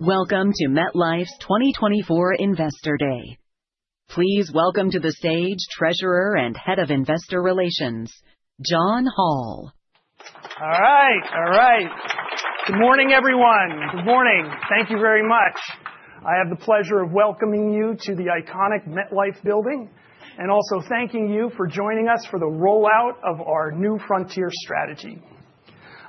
Welcome to MetLife's 2024 Investor Day. Please welcome to the stage Treasurer and Head of Investor Relations, John Hall. All right, all right. Good morning, everyone. Good morning. Thank you very much. I have the pleasure of welcoming you to the iconic MetLife building and also thanking you for joining us for the rollout of our New Frontier strategy.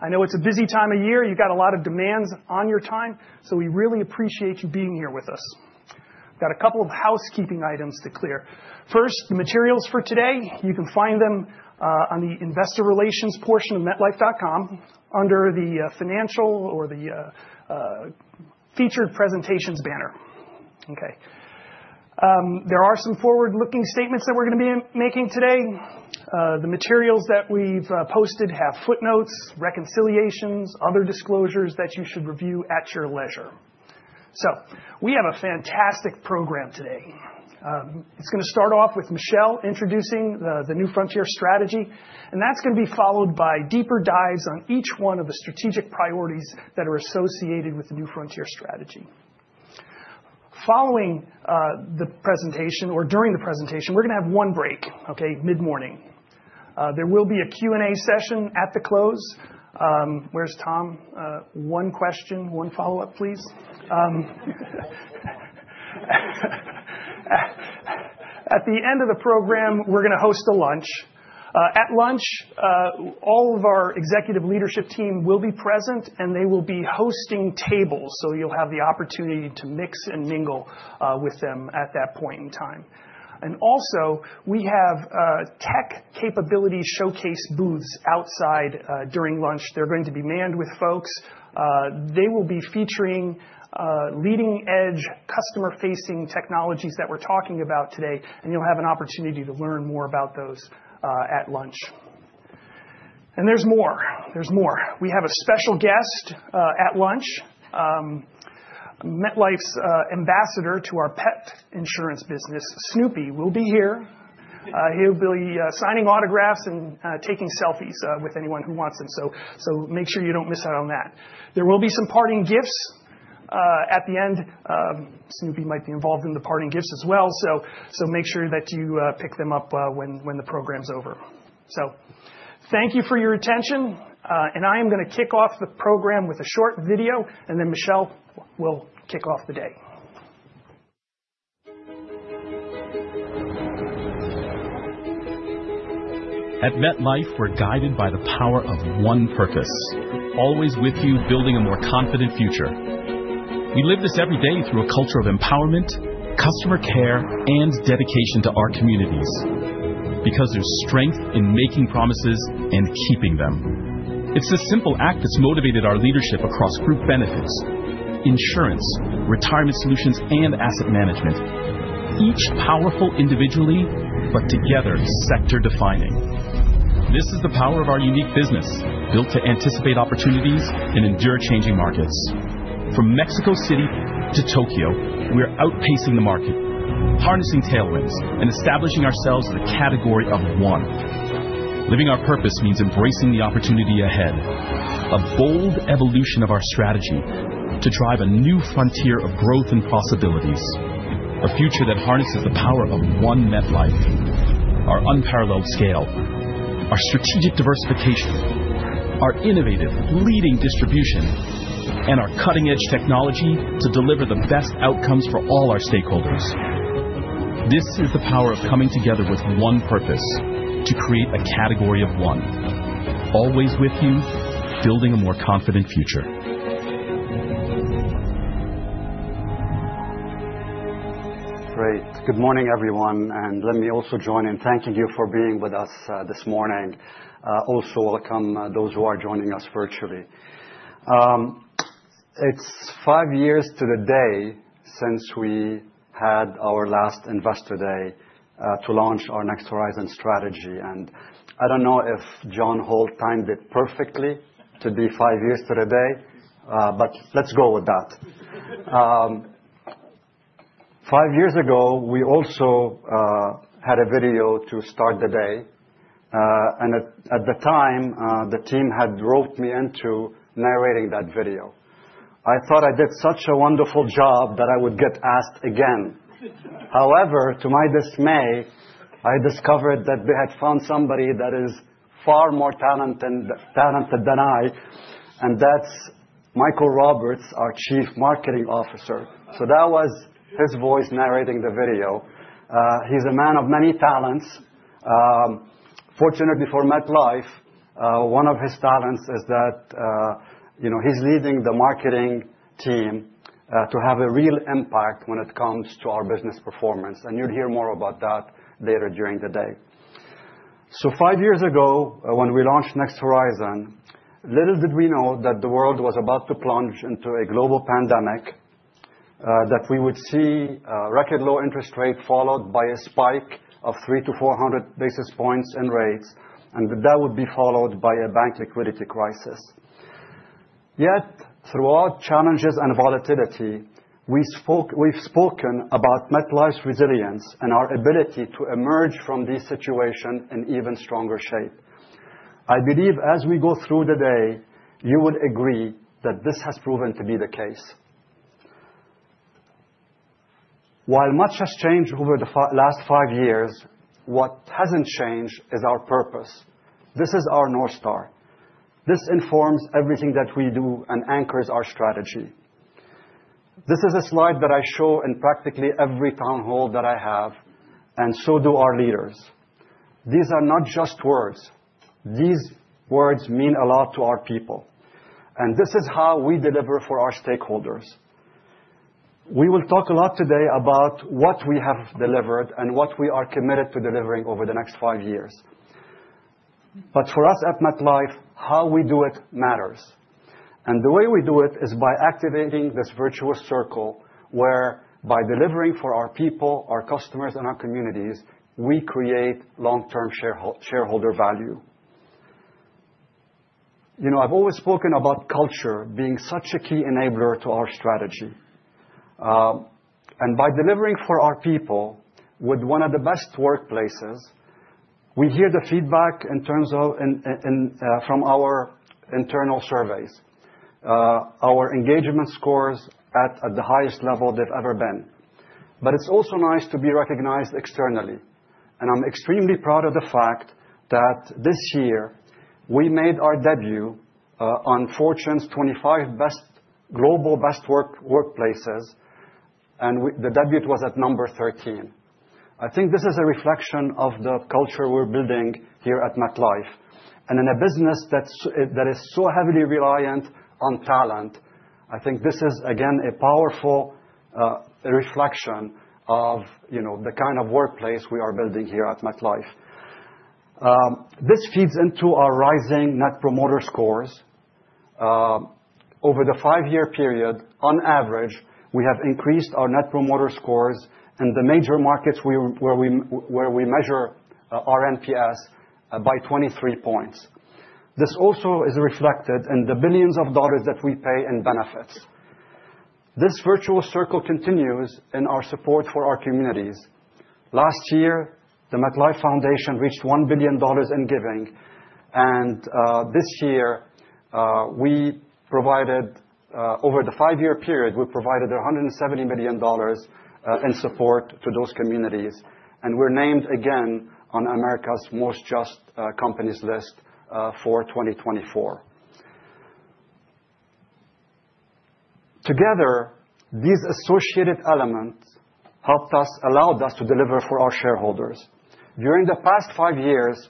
I know it's a busy time of year. You've got a lot of demands on your time, so we really appreciate you being here with us. We've got a couple of housekeeping items to clear. First, the materials for today. You can find them on the Investor Relations portion of MetLife.com under the financial or the featured presentations banner. Okay. There are some forward-looking statements that we're going to be making today. The materials that we've posted have footnotes, reconciliations, and other disclosures that you should review at your leisure. So we have a fantastic program today. It's going to start off with Michel introducing the New Frontier strategy, and that's going to be followed by deeper dives on each one of the strategic priorities that are associated with the New Frontier strategy. Following the presentation or during the presentation, we're going to have one break, okay, mid-morning. There will be a Q&A session at the close. Where's Tom? One question, one follow-up, please. At the end of the program, we're going to host a lunch. At lunch, all of our executive leadership team will be present, and they will be hosting tables, so you'll have the opportunity to mix and mingle with them at that point in time. We also have tech capability showcase booths outside during lunch. They're going to be manned with folks. They will be featuring leading-edge customer-facing technologies that we're talking about today, and you'll have an opportunity to learn more about those at lunch, and there's more. There's more. We have a special guest at lunch, MetLife's ambassador to our pet insurance business, Snoopy will be here. He'll be signing autographs and taking selfies with anyone who wants him, so make sure you don't miss out on that. There will be some parting gifts at the end. Snoopy might be involved in the parting gifts as well, so make sure that you pick them up when the program's over. Thank you for your attention, and I am going to kick off the program with a short video, and then Michel will kick off the day. At MetLife, we're guided by the power of one purpose, always with you building a more confident future. We live this every day through a culture of empowerment, customer care, and dedication to our communities because there's strength in making promises and keeping them. It's a simple act that's motivated our leadership across Group Benefits, insurance, Retirement Solutions, and asset management. Each powerful individually, but together sector-defining. This is the power of our unique business, built to anticipate opportunities and endure changing markets. From Mexico City to Tokyo, we're outpacing the market, harnessing tailwinds, and establishing ourselves in the category of one. Living our purpose means embracing the opportunity ahead, a bold evolution of our strategy to drive a new frontier of growth and possibilities, a future that harnesses the power of one MetLife, our unparalleled scale, our strategic diversification, our innovative leading distribution, and our cutting-edge technology to deliver the best outcomes for all our stakeholders. This is the power of coming together with one purpose to create a category of one, always with you building a more confident future. Great. Good morning, everyone, and let me also join in thanking you for being with us this morning. Also welcome those who are joining us virtually. It's five years to the day since we had our last Investor Day to launch our Next Horizon strategy, and I don't know if John Hall timed it perfectly to be five years to the day, but let's go with that. Five years ago, we also had a video to start the day, and at the time, the team had roped me into narrating that video. I thought I did such a wonderful job that I would get asked again. However, to my dismay, I discovered that they had found somebody that is far more talented than I, and that's Michael Roberts, our Chief Marketing Officer, so that was his voice narrating the video. He's a man of many talents. Fortunately, for MetLife, one of his talents is that he's leading the marketing team to have a real impact when it comes to our business performance, and you'll hear more about that later during the day, so five years ago, when we launched Next Horizon, little did we know that the world was about to plunge into a global pandemic, that we would see a record low interest rate followed by a spike of 300 bps to 400 bps in rates, and that would be followed by a bank liquidity crisis. Yet throughout challenges and volatility, we've spoken about MetLife's resilience and our ability to emerge from this situation in even stronger shape. I believe as we go through the day, you would agree that this has proven to be the case. While much has changed over the last five years, what hasn't changed is our purpose. This is our North Star. This informs everything that we do and anchors our strategy. This is a slide that I show in practically every town hall that I have, and so do our leaders. These are not just words. These words mean a lot to our people. And this is how we deliver for our stakeholders. We will talk a lot today about what we have delivered and what we are committed to delivering over the next five years. But for us at MetLife, how we do it matters. And the way we do it is by activating this virtuous circle where, by delivering for our people, our customers, and our communities, we create long-term shareholder value. You know, I've always spoken about culture being such a key enabler to our strategy. By delivering for our people with one of the best workplaces, we hear the feedback from our internal surveys. Our engagement scores are at the highest level they've ever been. But it's also nice to be recognized externally. And I'm extremely proud of the fact that this year we made our debut on Fortune's 25 Global Best Workplaces, and the debut was at number 13. I think this is a reflection of the culture we're building here at MetLife. And in a business that is so heavily reliant on talent, I think this is, again, a powerful reflection of the kind of workplace we are building here at MetLife. This feeds into our rising Net Promoter Scores. Over the five-year period, on average, we have increased our Net Promoter Scores in the major markets where we measure our NPS by 23 points. This also is reflected in the billions of dollars that we pay in benefits. This virtual circle continues in our support for our communities. Last year, the MetLife Foundation reached $1 billion in giving. This year, over the five-year period, we provided $170 million in support to those communities. We're named, again, on America's Most Just Companies list for 2024. Together, these associated elements helped us, allowed us to deliver for our shareholders. During the past five years,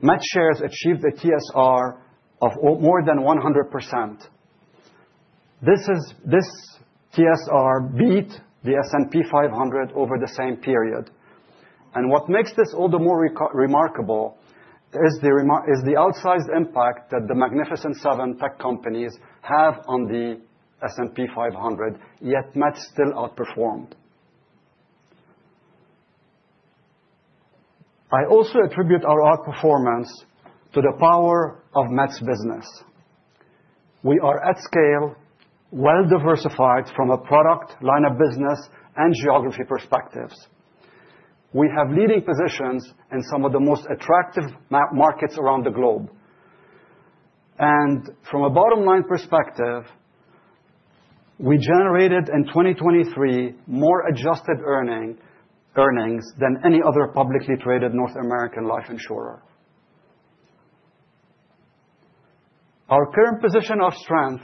Met shares achieved a TSR of more than 100%. This TSR beat the S&P 500 over the same period. What makes this all the more remarkable is the outsized impact that the Magnificent Seven tech companies have on the S&P 500, yet Met still outperformed. I also attribute our outperformance to the power of Met's business. We are at scale, well-diversified from a product line of business and geography perspectives. We have leading positions in some of the most attractive markets around the globe. And from a bottom-line perspective, we generated in 2023 more adjusted earnings than any other publicly traded North American life insurer. Our current position of strength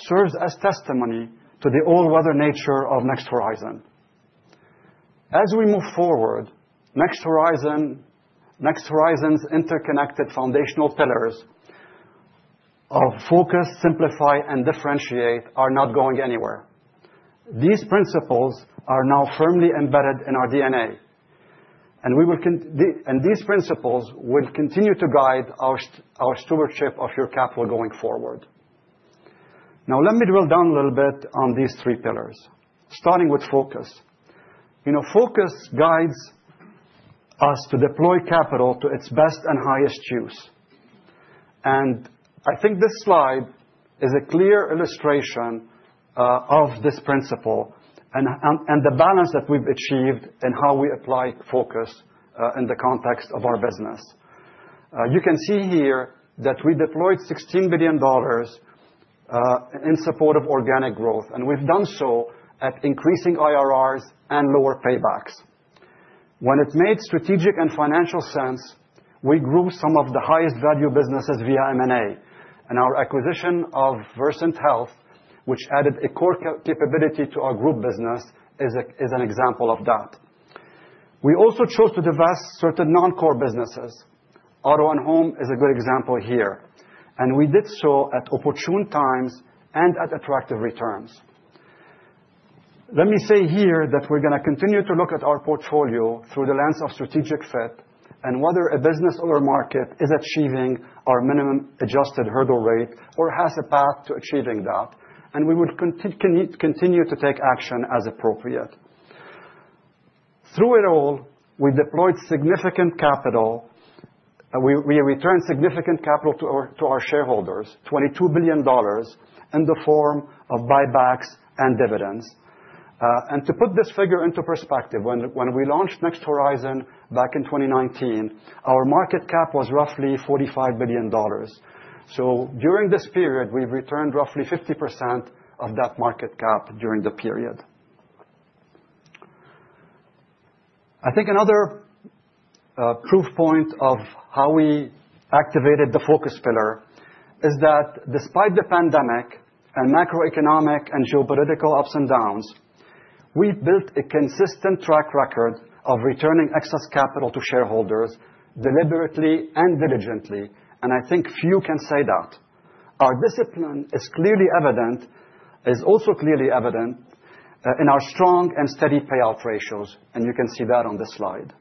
serves as testimony to the all-weather nature of Next Horizon. As we move forward, Next Horizon's interconnected foundational pillars of Focus, Simplify, and Differentiate are not going anywhere. These principles are now firmly embedded in our DNA. And these principles will continue to guide our stewardship of your capital going forward. Now, let me drill down a little bit on these three pillars, starting with focus. Focus guides us to deploy capital to its best and highest use. I think this slide is a clear illustration of this principle and the balance that we've achieved in how we apply focus in the context of our business. You can see here that we deployed $16 billion in support of organic growth, and we've done so at increasing IRRs and lower paybacks. When it made strategic and financial sense, we grew some of the highest-value businesses via M&A. And our acquisition of Versant Health, which added a core capability to our group business, is an example of that. We also chose to divest certain non-core businesses. Auto & Home is a good example here. And we did so at opportune times and at attractive returns. Let me say here that we're going to continue to look at our portfolio through the lens of strategic fit and whether a business or a market is achieving our minimum adjusted hurdle rate or has a path to achieving that, and we will continue to take action as appropriate. Through it all, we deployed significant capital. We returned significant capital to our shareholders, $22 billion, in the form of buybacks and dividends, and to put this figure into perspective, when we launched Next Horizon back in 2019, our market cap was roughly $45 billion, so during this period, we've returned roughly 50% of that market cap during the period. I think another proof point of how we activated the focus pillar is that despite the pandemic and macroeconomic and geopolitical ups and downs, we built a consistent track record of returning excess capital to shareholders deliberately and diligently. I think few can say that. Our discipline is clearly evident, is also clearly evident in our strong and steady payout ratios. You can see that on this slide.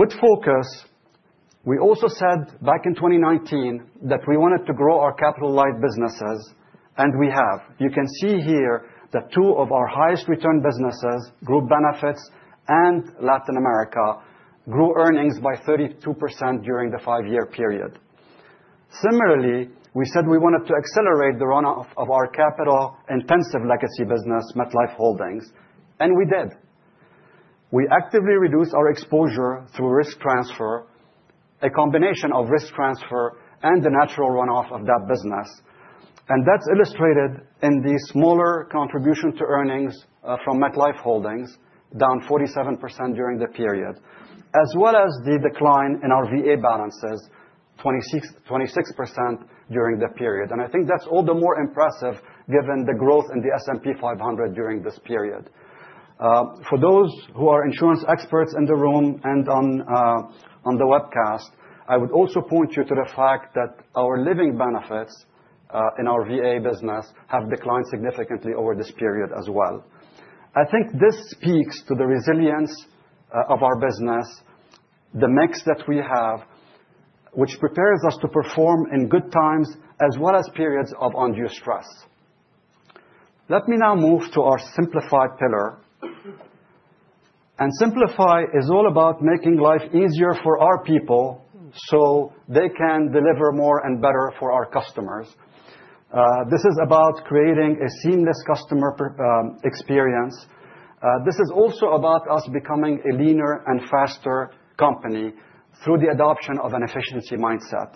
With focus, we also said back in 2019 that we wanted to grow our capital-light businesses, and we have. You can see here that two of our highest-return businesses, Group Benefits and Latin America, grew earnings by 32% during the five-year period. Similarly, we said we wanted to accelerate the runoff of our capital-intensive legacy business, MetLife Holdings, and we did. We actively reduced our exposure through risk transfer, a combination of risk transfer and the natural runoff of that business. That's illustrated in the smaller contribution to earnings from MetLife Holdings, down 47% during the period, as well as the decline in our VA balances, 26% during the period. I think that's all the more impressive given the growth in the S&P 500 during this period. For those who are insurance experts in the room and on the webcast, I would also point you to the fact that our living benefits in our VA business have declined significantly over this period as well. I think this speaks to the resilience of our business, the mix that we have, which prepares us to perform in good times as well as periods of undue stress. Let me now move to our Simplify pillar. Simplify is all about making life easier for our people so they can deliver more and better for our customers. This is about creating a seamless customer experience. This is also about us becoming a leaner and faster company through the adoption of an efficiency mindset.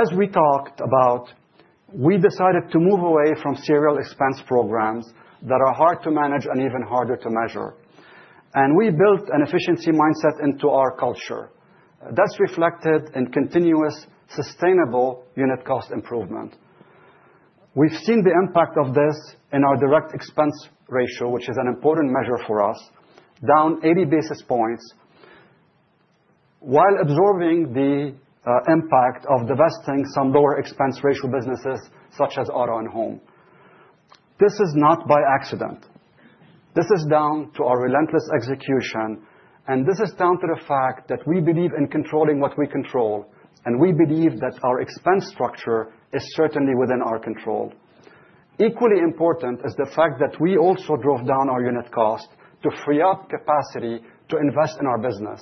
As we talked about, we decided to move away from several expense programs that are hard to manage and even harder to measure, and we built an efficiency mindset into our culture. That's reflected in continuous sustainable unit cost improvement. We've seen the impact of this in our direct expense ratio, which is an important measure for us, down 80 bps while absorbing the impact of divesting some lower expense ratio businesses such as Auto & Home. This is not by accident. This is down to our relentless execution, and this is down to the fact that we believe in controlling what we control, and we believe that our expense structure is certainly within our control. Equally important is the fact that we also drove down our unit cost to free up capacity to invest in our business.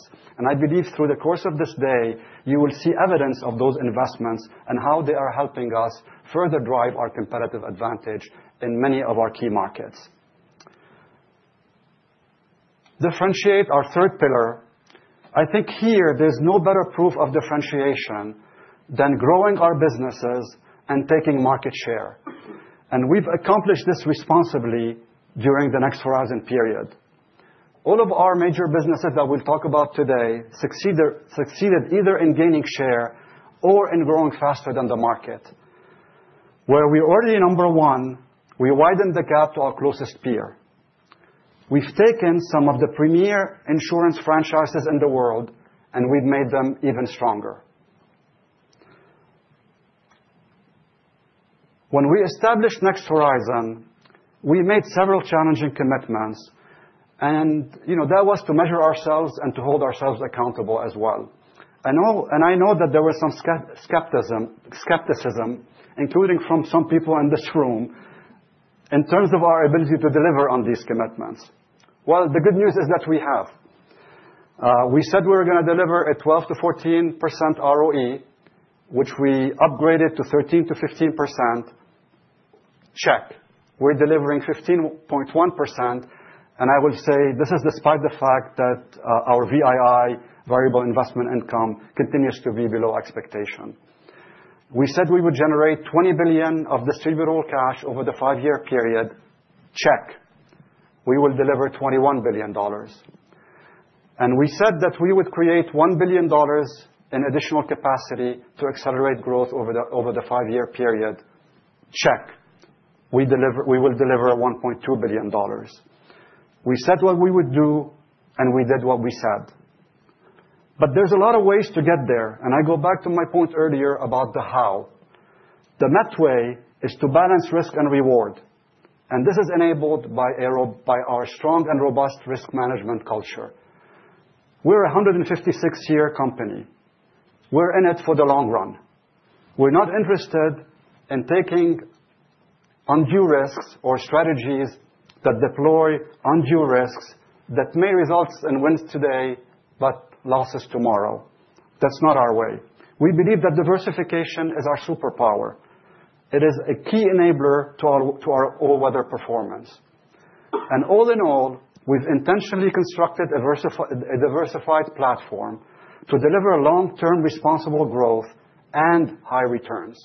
I believe through the course of this day, you will see evidence of those investments and how they are helping us further drive our competitive advantage in many of our key markets. Differentiate our third pillar. I think here there's no better proof of differentiation than growing our businesses and taking market share. We've accomplished this responsibly during the Next Horizon period. All of our major businesses that we'll talk about today succeeded either in gaining share or in growing faster than the market. Where we're already number one, we widened the gap to our closest peer. We've taken some of the premier insurance franchises in the world, and we've made them even stronger. When we established Next Horizon, we made several challenging commitments. That was to measure ourselves and to hold ourselves accountable as well. I know that there was some skepticism, including from some people in this room, in terms of our ability to deliver on these commitments. The good news is that we have. We said we were going to deliver a 12% to 14% ROE, which we upgraded to 13% to 15%. Check. We're delivering 15.1%. I will say this is despite the fact that our VII, variable investment income, continues to be below expectation. We said we would generate $20 billion of distributable cash over the five-year period. Check. We will deliver $21 billion. We said that we would create $1 billion in additional capacity to accelerate growth over the five-year period. Check. We will deliver $1.2 billion. We said what we would do, and we did what we said. There's a lot of ways to get there. I go back to my point earlier about the how. The Met way is to balance risk and reward. This is enabled by our strong and robust risk management culture. We're a 156-year company. We're in it for the long run. We're not interested in taking undue risks or strategies that deploy undue risks that may result in wins today but losses tomorrow. That's not our way. We believe that diversification is our superpower. It is a key enabler to our all-weather performance. All in all, we've intentionally constructed a diversified platform to deliver long-term responsible growth and high returns.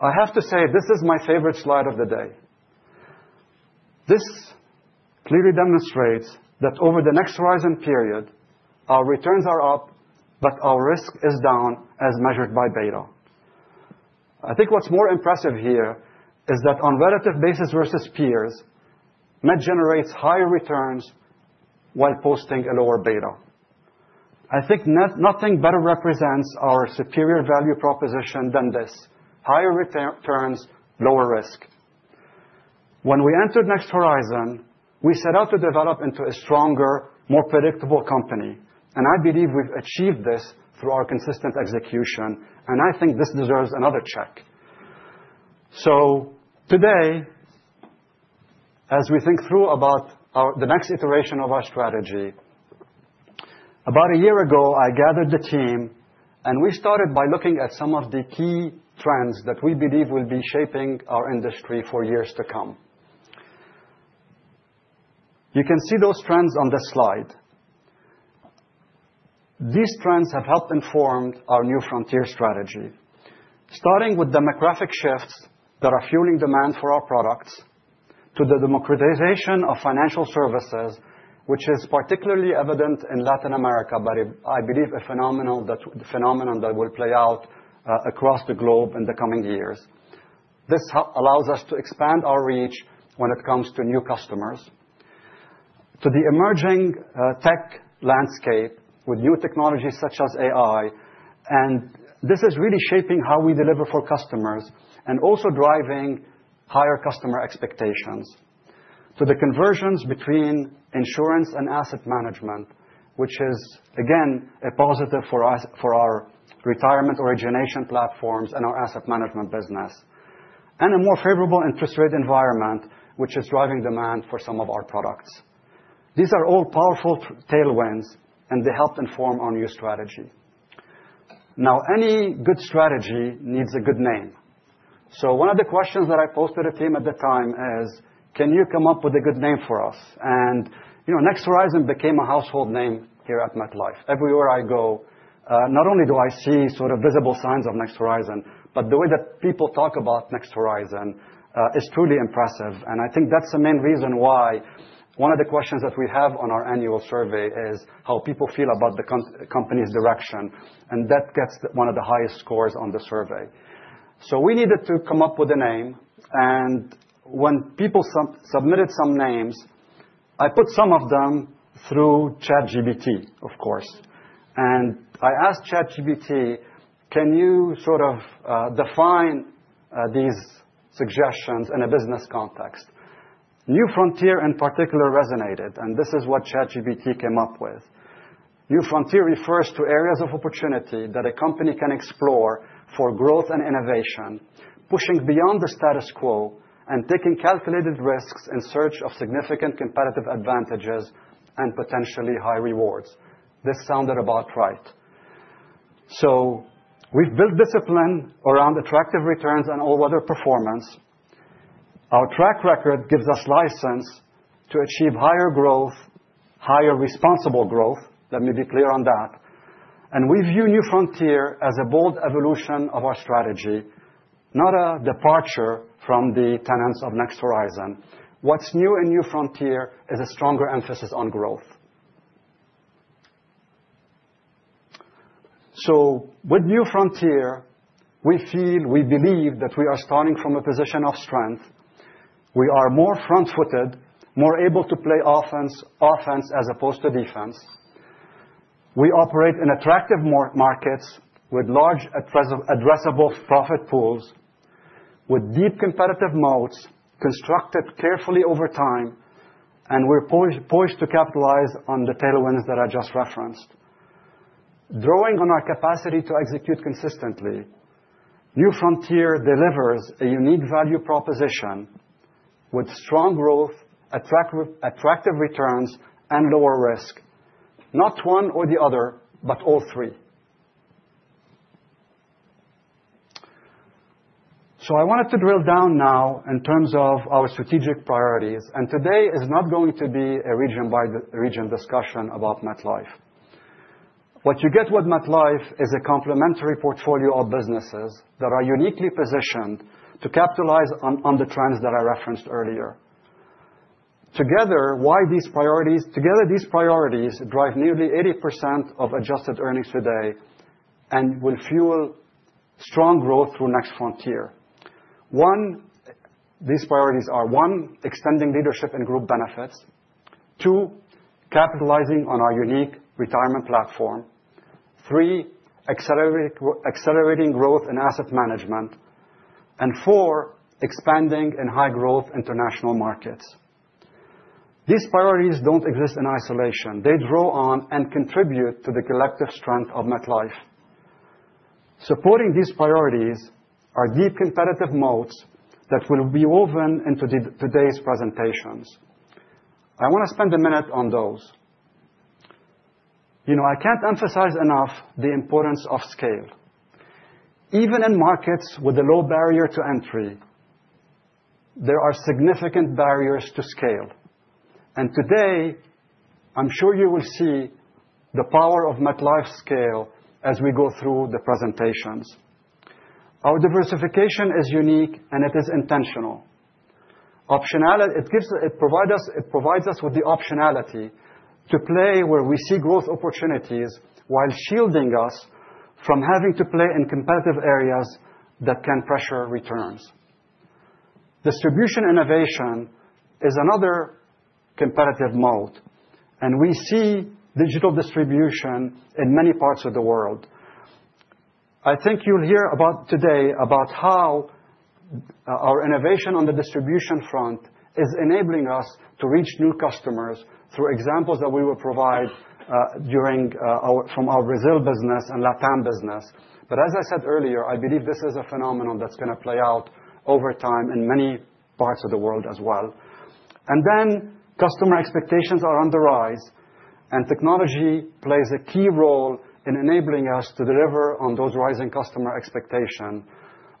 I have to say this is my favorite slide of the day. This clearly demonstrates that over the Next Horizon period, our returns are up, but our risk is down as measured by beta. I think what's more impressive here is that on relative basis versus peers, Met generates higher returns while posting a lower beta. I think nothing better represents our superior value proposition than this: higher returns, lower risk. When we entered Next Horizon, we set out to develop into a stronger, more predictable company, and I believe we've achieved this through our consistent execution, and I think this deserves another check, so today, as we think through about the next iteration of our strategy, about a year ago, I gathered the team, and we started by looking at some of the key trends that we believe will be shaping our industry for years to come. You can see those trends on this slide. These trends have helped inform our New Frontier strategy, starting with demographic shifts that are fueling demand for our products to the democratization of financial services, which is particularly evident in Latin America, but I believe a phenomenon that will play out across the globe in the coming years. This allows us to expand our reach when it comes to new customers, to the emerging tech landscape with new technologies such as AI. This is really shaping how we deliver for customers and also driving higher customer expectations to the convergence between insurance and asset management, which is, again, a positive for our retirement origination platforms and our asset management business, and a more favorable interest rate environment, which is driving demand for some of our products. These are all powerful tailwinds, and they helped inform our new strategy. Now, any good strategy needs a good name. So one of the questions that I posed to the team at the time is, can you come up with a good name for us? And Next Horizon became a household name here at MetLife. Everywhere I go, not only do I see sort of visible signs of Next Horizon, but the way that people talk about Next Horizon is truly impressive. And I think that's the main reason why one of the questions that we have on our annual survey is how people feel about the company's direction. And that gets one of the highest scores on the survey. So we needed to come up with a name. And when people submitted some names, I put some of them through ChatGPT, of course. And I asked ChatGPT, can you sort of define these suggestions in a business context? New Frontier, in particular, resonated. This is what ChatGPT came up with. New Frontier refers to areas of opportunity that a company can explore for growth and innovation, pushing beyond the status quo and taking calculated risks in search of significant competitive advantages and potentially high rewards. This sounded about right. We've built discipline around attractive returns and all-weather performance. Our track record gives us license to achieve higher growth, higher responsible growth. Let me be clear on that. We view New Frontier as a bold evolution of our strategy, not a departure from the tenets of Next Horizon. What's new in New Frontier is a stronger emphasis on growth. With New Frontier, we feel, we believe that we are starting from a position of strength. We are more front-footed, more able to play offense as opposed to defense. We operate in attractive markets with large addressable profit pools, with deep competitive moats constructed carefully over time, and we're poised to capitalize on the tailwinds that I just referenced, drawing on our capacity to execute consistently. New Frontier delivers a unique value proposition with strong growth, attractive returns, and lower risk, not one or the other, but all three, so I wanted to drill down now in terms of our strategic priorities, and today is not going to be a region-by-region discussion about MetLife. What you get with MetLife is a complementary portfolio of businesses that are uniquely positioned to capitalize on the trends that I referenced earlier. Together, these priorities drive nearly 80% of adjusted earnings today and will fuel strong growth through New Frontier. These priorities are: one, extending leadership in Group Benefits; two, capitalizing on our unique retirement platform; three, accelerating growth in asset management; and four, expanding in high-growth international markets. These priorities don't exist in isolation. They draw on and contribute to the collective strength of MetLife. Supporting these priorities are deep competitive moats that will be woven into today's presentations. I want to spend a minute on those. I can't emphasize enough the importance of scale. Even in markets with a low barrier to entry, there are significant barriers to scale. And today, I'm sure you will see the power of MetLife scale as we go through the presentations. Our diversification is unique, and it is intentional. It provides us with the optionality to play where we see growth opportunities while shielding us from having to play in competitive areas that can pressure returns. Distribution innovation is another competitive moat. We see digital distribution in many parts of the world. I think you'll hear today about how our innovation on the distribution front is enabling us to reach new customers through examples that we will provide from our Brazil business and LatAm business, but as I said earlier, I believe this is a phenomenon that's going to play out over time in many parts of the world as well, and then customer expectations are on the rise, and technology plays a key role in enabling us to deliver on those rising customer expectations.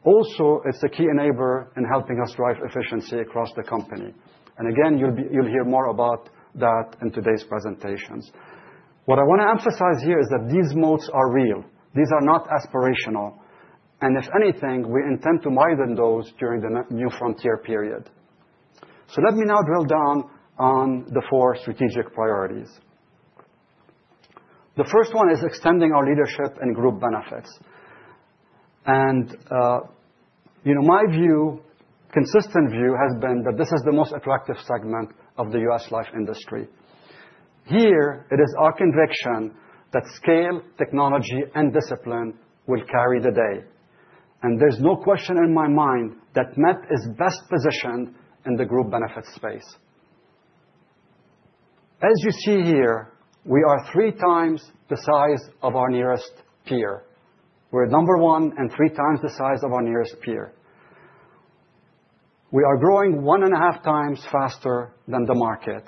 Also, it's a key enabler in helping us drive efficiency across the company, and again, you'll hear more about that in today's presentations. What I want to emphasize here is that these moats are real. These are not aspirational. And if anything, we intend to widen those during the New Frontier period. So let me now drill down on the four strategic priorities. The first one is extending our leadership and Group Benefits. And my consistent view has been that this is the most attractive segment of the U.S. life industry. Here, it is our conviction that scale, technology, and discipline will carry the day. And there's no question in my mind that Met is best positioned in the group benefit space. As you see here, we are three times the size of our nearest peer. We're number one and three times the size of our nearest peer. We are growing one and a half times faster than the market.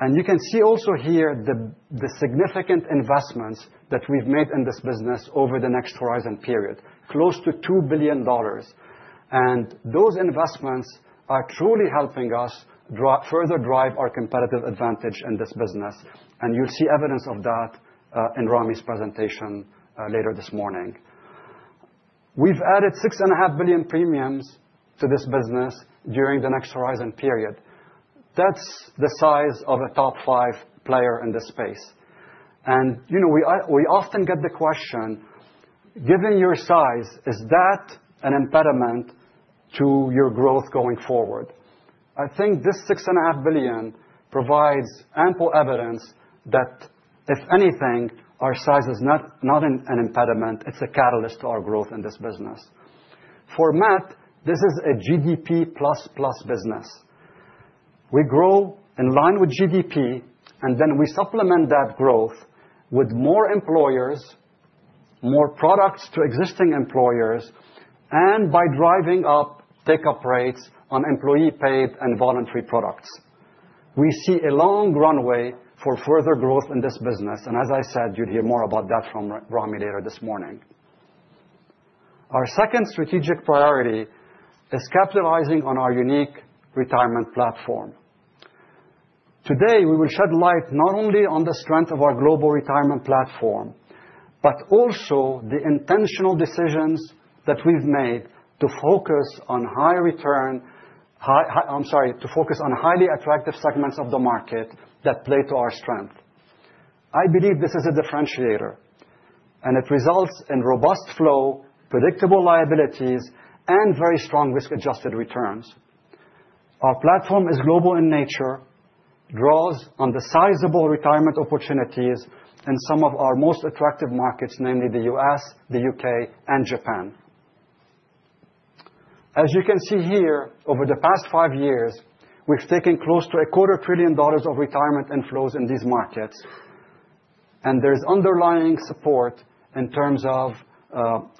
And you can see also here the significant investments that we've made in this business over the Next Horizon period, close to $2 billion. And those investments are truly helping us further drive our competitive advantage in this business. You'll see evidence of that in Ramy's presentation later this morning. We've added $6.5 billion premiums to this business during the Next Horizon period. That's the size of a top five player in this space. We often get the question, given your size, is that an impediment to your growth going forward? I think this $6.5 billion provides ample evidence that, if anything, our size is not an impediment. It's a catalyst to our growth in this business. For Met, this is a GDP plus-plus business. We grow in line with GDP, and then we supplement that growth with more employers, more products to existing employers, and by driving up take-up rates on employee-paid and voluntary products. We see a long runway for further growth in this business. As I said, you'll hear more about that from Ramy later this morning. Our second strategic priority is capitalizing on our unique retirement platform. Today, we will shed light not only on the strength of our global retirement platform, but also the intentional decisions that we've made to focus on high return, I'm sorry, highly attractive segments of the market that play to our strength. I believe this is a differentiator, and it results in robust flow, predictable liabilities, and very strong risk-adjusted returns. Our platform is global in nature, draws on the sizable retirement opportunities in some of our most attractive markets, namely the U.S., the U.K., and Japan. As you can see here, over the past five years, we've taken close to $250 billion of retirement inflows in these markets, and there is underlying support in terms of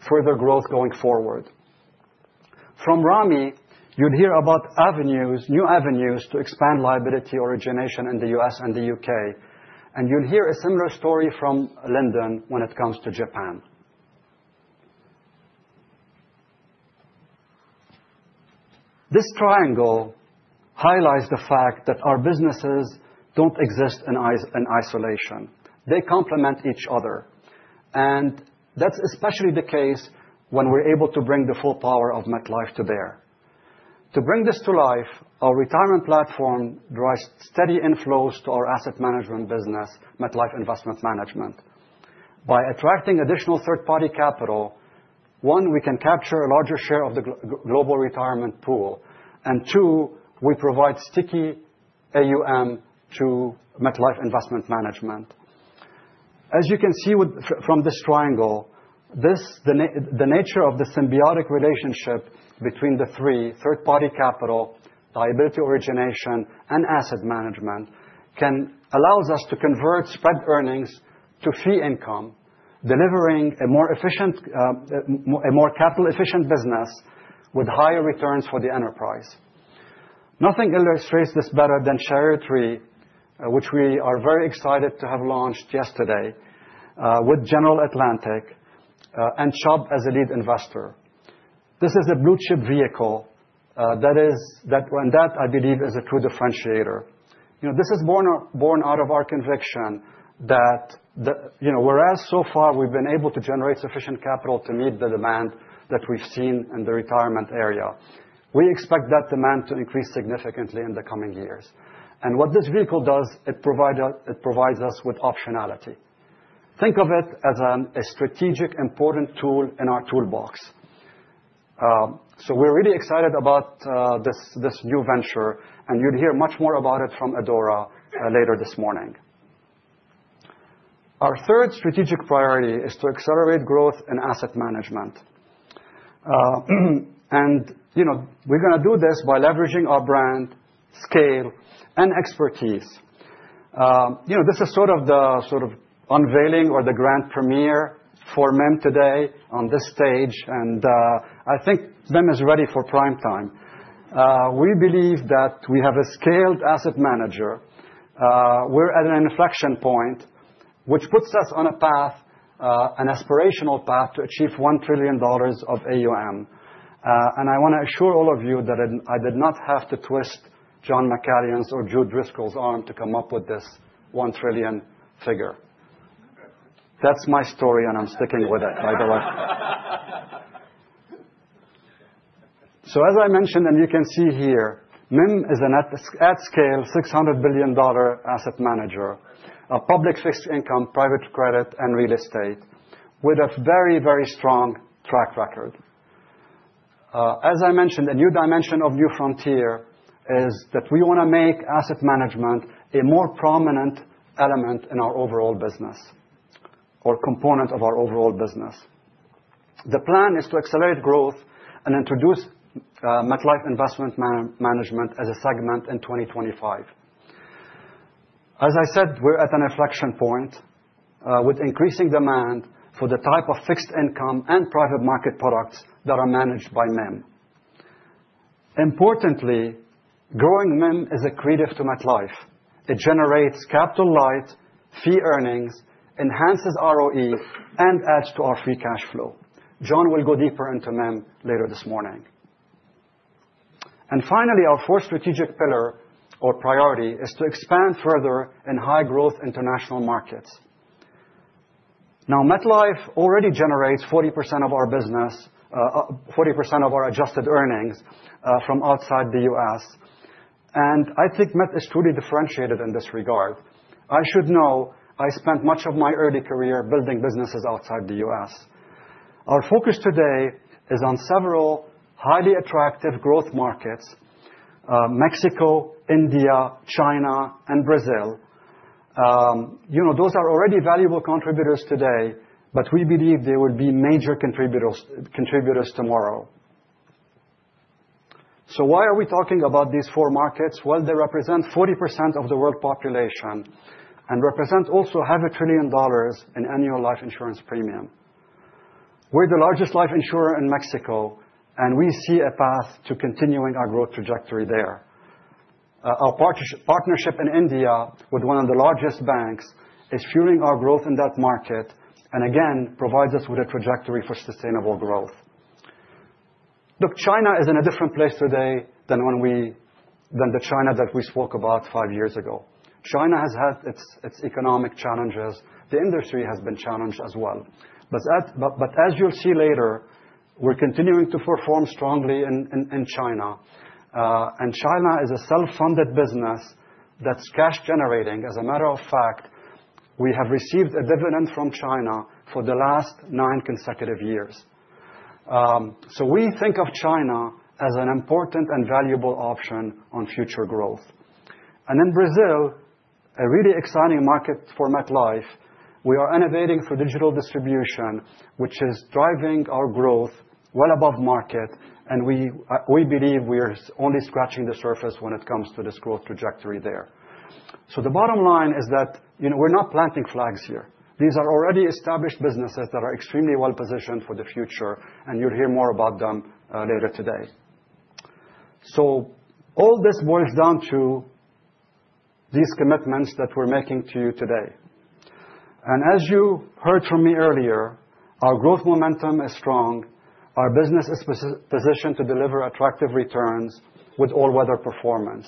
further growth going forward. From Ramy, you'd hear about new avenues to expand liability origination in the U.S. and the U.K. You'll hear a similar story from Lyndon when it comes to Japan. This triangle highlights the fact that our businesses don't exist in isolation. They complement each other. And that's especially the case when we're able to bring the full power of MetLife to bear. To bring this to life, our retirement platform drives steady inflows to our asset management business, MetLife Investment Management. By attracting additional third-party capital, one, we can capture a larger share of the global retirement pool. And two, we provide sticky AUM to MetLife Investment Management. As you can see from this triangle, the nature of the symbiotic relationship between the three, third-party capital, liability origination, and asset management, allows us to convert spread earnings to fee income, delivering a more capital-efficient business with higher returns for the enterprise. Nothing illustrates this better than Chariot Re, which we are very excited to have launched yesterday with General Atlantic and Chubb as a lead investor. This is a blue-chip vehicle that, I believe, is a true differentiator. This is born out of our conviction that, whereas so far we've been able to generate sufficient capital to meet the demand that we've seen in the retirement area, we expect that demand to increase significantly in the coming years. And what this vehicle does, it provides us with optionality. Think of it as a strategic, important tool in our toolbox. So we're really excited about this new venture. And you'll hear much more about it from Adora later this morning. Our third strategic priority is to accelerate growth in asset management. And we're going to do this by leveraging our brand, scale, and expertise. This is sort of the unveiling or the grand premiere for MIM today on this stage. And I think MIM is ready for prime time. We believe that we have a scaled asset manager. We're at an inflection point, which puts us on a path, an aspirational path, to achieve $1 trillion of AUM. And I want to assure all of you that I did not have to twist John McCallion's or Jude Driscoll's arm to come up with this $1 trillion figure. That's my story, and I'm sticking with it, by the way. So as I mentioned, and you can see here, MIM is an at-scale $600 billion asset manager of public fixed income, private credit, and real estate, with a very, very strong track record. As I mentioned, a new dimension of New Frontier is that we want to make asset management a more prominent element in our overall business or component of our overall business. The plan is to accelerate growth and introduce MetLife Investment Management as a segment in 2025. As I said, we're at an inflection point with increasing demand for the type of fixed income and private market products that are managed by MIM. Importantly, growing MIM is accretive to MetLife. It generates capital light, fee earnings, enhances ROE, and adds to our free cash flow. John will go deeper into MIM later this morning. And finally, our fourth strategic pillar or priority is to expand further in high-growth international markets. Now, MetLife already generates 40% of our adjusted earnings from outside the U.S. And I think Met is truly differentiated in this regard. I should know, I spent much of my early career building businesses outside the U.S. Our focus today is on several highly attractive growth markets: Mexico, India, China, and Brazil. Those are already valuable contributors today, but we believe they will be major contributors tomorrow. So why are we talking about these four markets? Well, they represent 40% of the world population and represent also $500 billion in annual life insurance premium. We're the largest life insurer in Mexico, and we see a path to continuing our growth trajectory there. Our partnership in India with one of the largest banks is fueling our growth in that market and, again, provides us with a trajectory for sustainable growth. Look, China is in a different place today than the China that we spoke about five years ago. China has had its economic challenges. The industry has been challenged as well. But as you'll see later, we're continuing to perform strongly in China. And China is a self-funded business that's cash-generating. As a matter of fact, we have received a dividend from China for the last nine consecutive years. So we think of China as an important and valuable option on future growth. And in Brazil, a really exciting market for MetLife, we are innovating through digital distribution, which is driving our growth well above market. And we believe we are only scratching the surface when it comes to this growth trajectory there. So the bottom line is that we're not planting flags here. These are already established businesses that are extremely well-positioned for the future. And you'll hear more about them later today. So all this boils down to these commitments that we're making to you today. And as you heard from me earlier, our growth momentum is strong. Our business is positioned to deliver attractive returns with all-weather performance.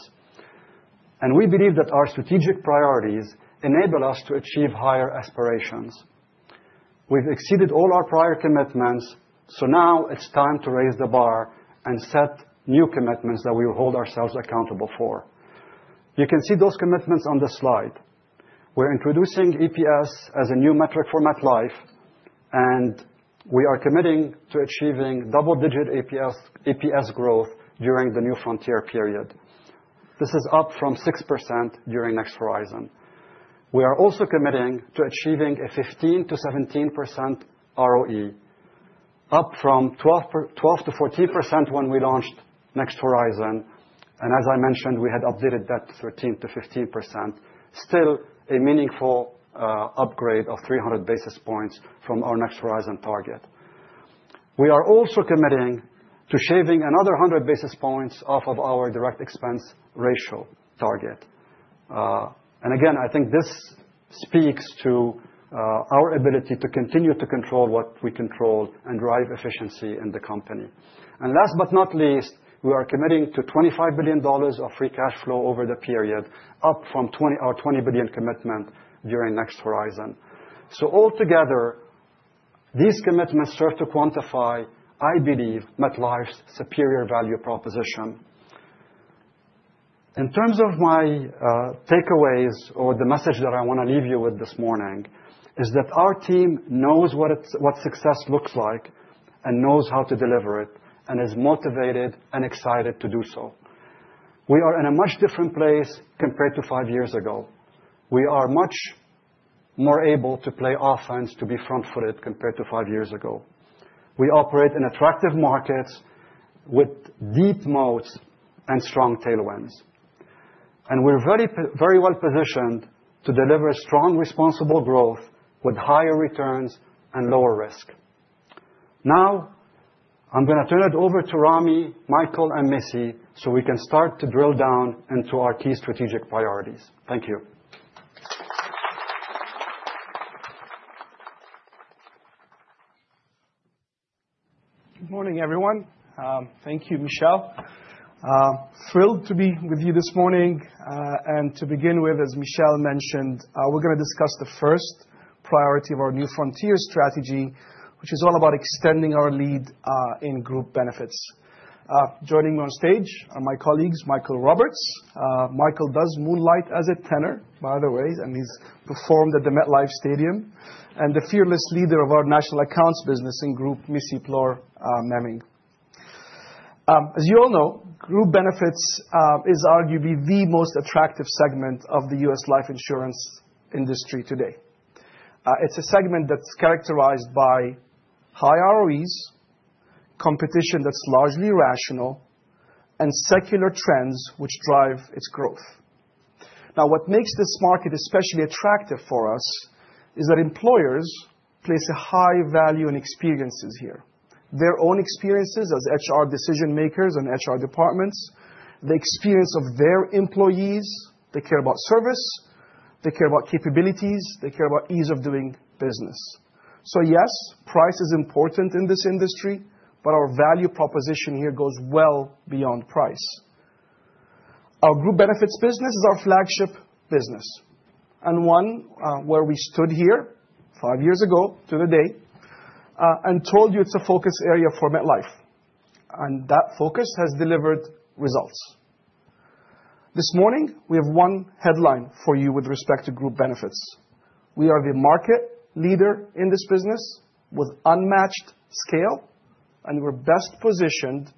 And we believe that our strategic priorities enable us to achieve higher aspirations. We've exceeded all our prior commitments. So now it's time to raise the bar and set new commitments that we will hold ourselves accountable for. You can see those commitments on the slide. We're introducing EPS as a new metric for MetLife. And we are committing to achieving double-digit EPS growth during the New Frontier period. This is up from 6% during Next Horizon. We are also committing to achieving a 15%-17% ROE, up from 12%-14% when we launched Next Horizon. And as I mentioned, we had updated that to 13%-15%, still a meaningful upgrade of 300 bps from our Next Horizon target. We are also committing to shaving another 100 bps off of our direct expense ratio target, and again, I think this speaks to our ability to continue to control what we control and drive efficiency in the company, and last but not least, we are committing to $25 billion of free cash flow over the period, up from our $20 billion commitment during Next Horizon, so altogether, these commitments serve to quantify, I believe, MetLife's superior value proposition. In terms of my takeaways or the message that I want to leave you with this morning is that our team knows what success looks like and knows how to deliver it and is motivated and excited to do so. We are in a much different place compared to five years ago. We are much more able to play offense, to be front-footed compared to five years ago. We operate in attractive markets with deep moats and strong tailwinds, and we're very well-positioned to deliver strong, responsible growth with higher returns and lower risk. Now, I'm going to turn it over to Ramy, Michael, and Missy so we can start to drill down into our key strategic priorities. Thank you. Good morning, everyone. Thank you, Michel. Thrilled to be with you this morning. To begin with, as Michel mentioned, we're going to discuss the first priority of our New Frontier strategy, which is all about extending our lead in Group Benefits. Joining me on stage are my colleagues, Michael Roberts. Michael moonlights as a tenor, by the way, and he's performed at the MetLife Stadium. And the fearless leader of our National Accounts business in group, Missy Plohr-Memming. As you all know, Group Benefits is arguably the most attractive segment of the U.S. life insurance industry today. It's a segment that's characterized by high ROEs, competition that's largely rational, and secular trends which drive its growth. Now, what makes this market especially attractive for us is that employers place a high value in experiences here, their own experiences as HR decision-makers and HR departments, the experience of their employees. They care about service. They care about capabilities. They care about ease of doing business. So yes, price is important in this industry, but our value proposition here goes well beyond price. Our Group Benefits business is our flagship business and one where we stood here five years ago to the day and told you it's a focus area for MetLife, and that focus has delivered results. This morning, we have one headline for you with respect to Group Benefits. We are the market leader in this business with unmatched scale, and we're best positioned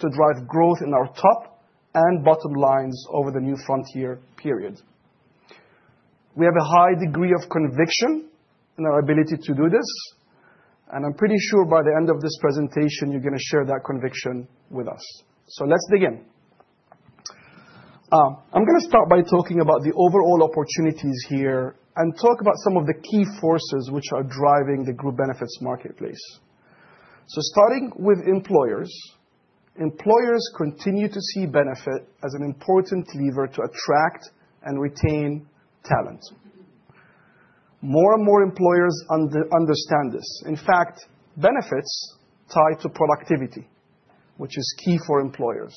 to drive growth in our top and bottom lines over the New Frontier period. We have a high degree of conviction in our ability to do this, and I'm pretty sure by the end of this presentation, you're going to share that conviction with us, so let's dig in. I'm going to start by talking about the overall opportunities here and talk about some of the key forces which are driving the Group Benefits marketplace. Starting with employers, employers continue to see benefit as an important lever to attract and retain talent. More and more employers understand this. In fact, benefits tie to productivity, which is key for employers.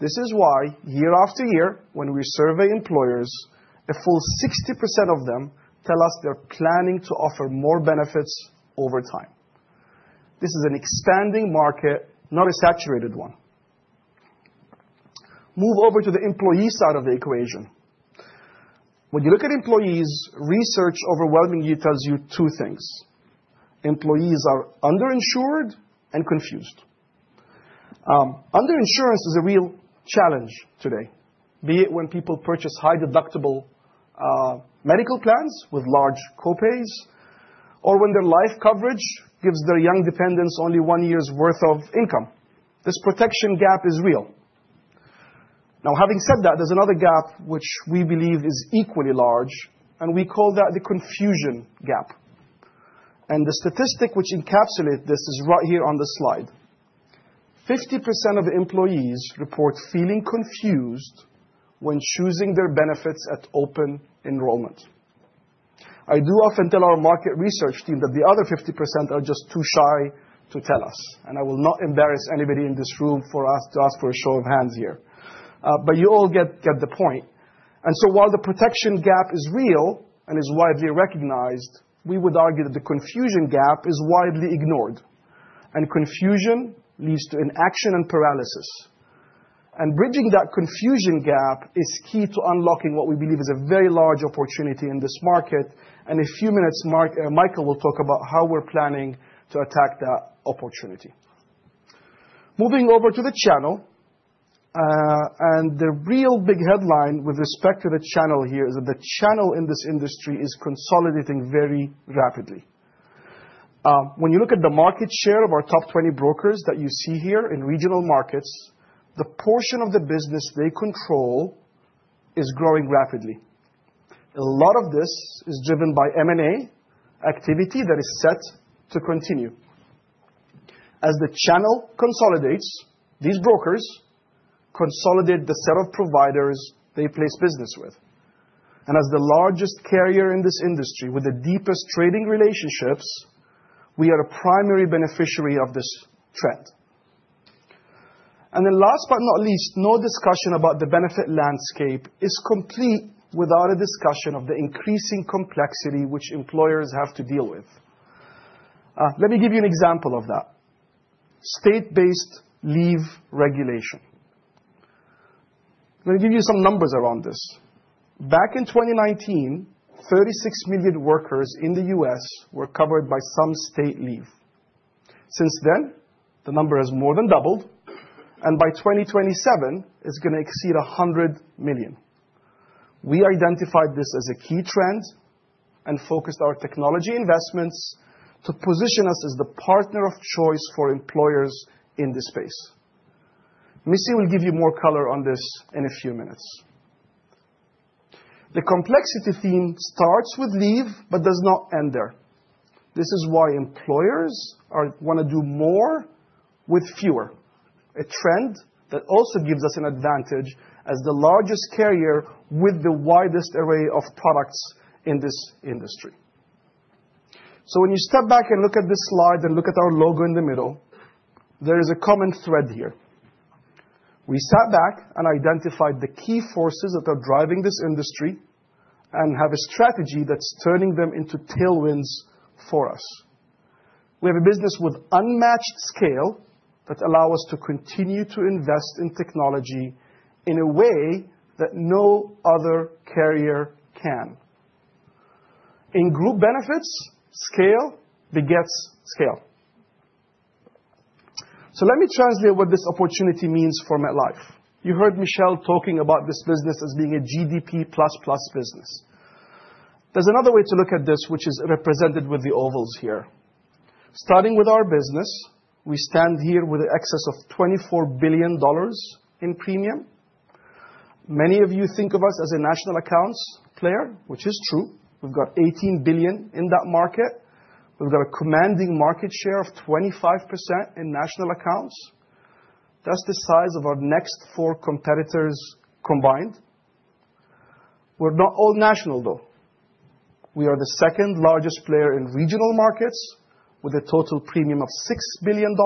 This is why year after year, when we survey employers, a full 60% of them tell us they're planning to offer more benefits over time. This is an expanding market, not a saturated one. Move over to the employee side of the equation. When you look at employees, research overwhelmingly tells you two things. Employees are underinsured and confused. Underinsurance is a real challenge today, be it when people purchase high-deductible medical plans with large copays or when their life coverage gives their young dependents only one year's worth of income. This protection gap is real. Now, having said that, there's another gap which we believe is equally large, and we call that the confusion gap. And the statistic which encapsulates this is right here on the slide. 50% of employees report feeling confused when choosing their benefits at open enrollment. I do often tell our market research team that the other 50% are just too shy to tell us, and I will not embarrass anybody in this room for us to ask for a show of hands here, but you all get the point. And so while the protection gap is real and is widely recognized, we would argue that the confusion gap is widely ignored, and confusion leads to inaction and paralysis, and bridging that confusion gap is key to unlocking what we believe is a very large opportunity in this market, and in a few minutes, Michael will talk about how we're planning to attack that opportunity. Moving over to the channel, and the real big headline with respect to the channel here is that the channel in this industry is consolidating very rapidly. When you look at the market share of our top 20 brokers that you see here in regional markets, the portion of the business they control is growing rapidly. A lot of this is driven by M&A activity that is set to continue. As the channel consolidates, these brokers consolidate the set of providers they place business with. And as the largest carrier in this industry with the deepest trading relationships, we are a primary beneficiary of this trend. And then last but not least, no discussion about the benefit landscape is complete without a discussion of the increasing complexity which employers have to deal with. Let me give you an example of that: state-based leave regulation. Let me give you some numbers around this. Back in 2019, 36 million workers in the U.S. were covered by some state leave. Since then, the number has more than doubled. By 2027, it's going to exceed 100 million. We identified this as a key trend and focused our technology investments to position us as the partner of choice for employers in this space. Missy will give you more color on this in a few minutes. The complexity theme starts with leave but does not end there. This is why employers want to do more with fewer, a trend that also gives us an advantage as the largest carrier with the widest array of products in this industry. When you step back and look at this slide and look at our logo in the middle, there is a common thread here. We sat back and identified the key forces that are driving this industry and have a strategy that's turning them into tailwinds for us. We have a business with unmatched scale that allows us to continue to invest in technology in a way that no other carrier can. In Group Benefits, scale begets scale. So let me translate what this opportunity means for MetLife. You heard Michel talking about this business as being a GDP++ business. There's another way to look at this, which is represented with the ovals here. Starting with our business, we stand here with an excess of $24 billion in premium. Many of you think of us as a National Accounts player, which is true. We've got $18 billion in that market. We've got a commanding market share of 25% in National Accounts. That's the size of our next four competitors combined. We're not all national, though. We are the second largest player in regional markets with a total premium of $6 billion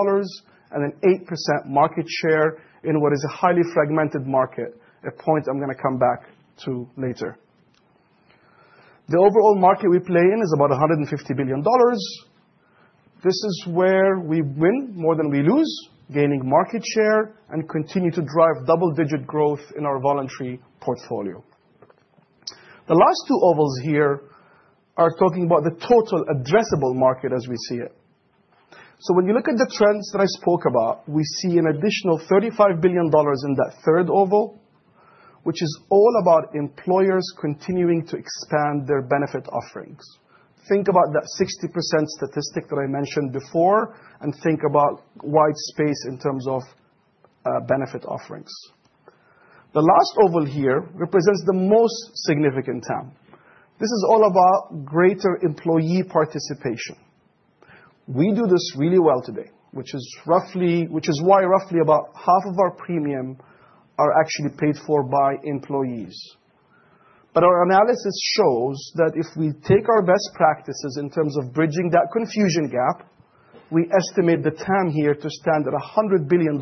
and an 8% market share in what is a highly fragmented market, a point I'm going to come back to later. The overall market we play in is about $150 billion. This is where we win more than we lose, gaining market share and continue to drive double-digit growth in our voluntary portfolio. The last two ovals here are talking about the total addressable market as we see it. So when you look at the trends that I spoke about, we see an additional $35 billion in that third oval, which is all about employers continuing to expand their benefit offerings. Think about that 60% statistic that I mentioned before and think about white space in terms of benefit offerings. The last oval here represents the most significant term. This is all about greater employee participation. We do this really well today, which is why roughly about half of our premiums are actually paid for by employees. But our analysis shows that if we take our best practices in terms of bridging that confusion gap, we estimate the term here to stand at $100 billion,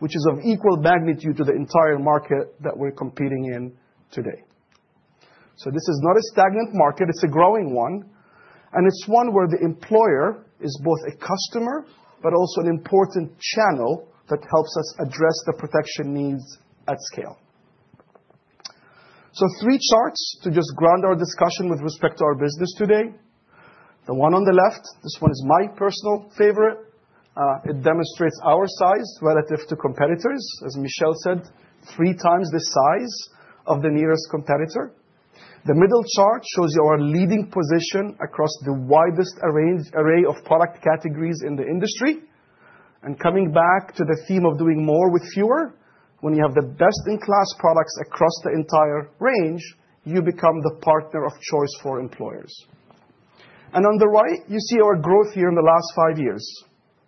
which is of equal magnitude to the entire market that we're competing in today, so this is not a stagnant market. It's a growing one, and it's one where the employer is both a customer but also an important channel that helps us address the protection needs at scale, so three charts to just ground our discussion with respect to our business today. The one on the left, this one is my personal favorite. It demonstrates our size relative to competitors. As Michel said, three times the size of the nearest competitor. The middle chart shows you our leading position across the widest array of product categories in the industry. And coming back to the theme of doing more with fewer, when you have the best-in-class products across the entire range, you become the partner of choice for employers. And on the right, you see our growth here in the last five years.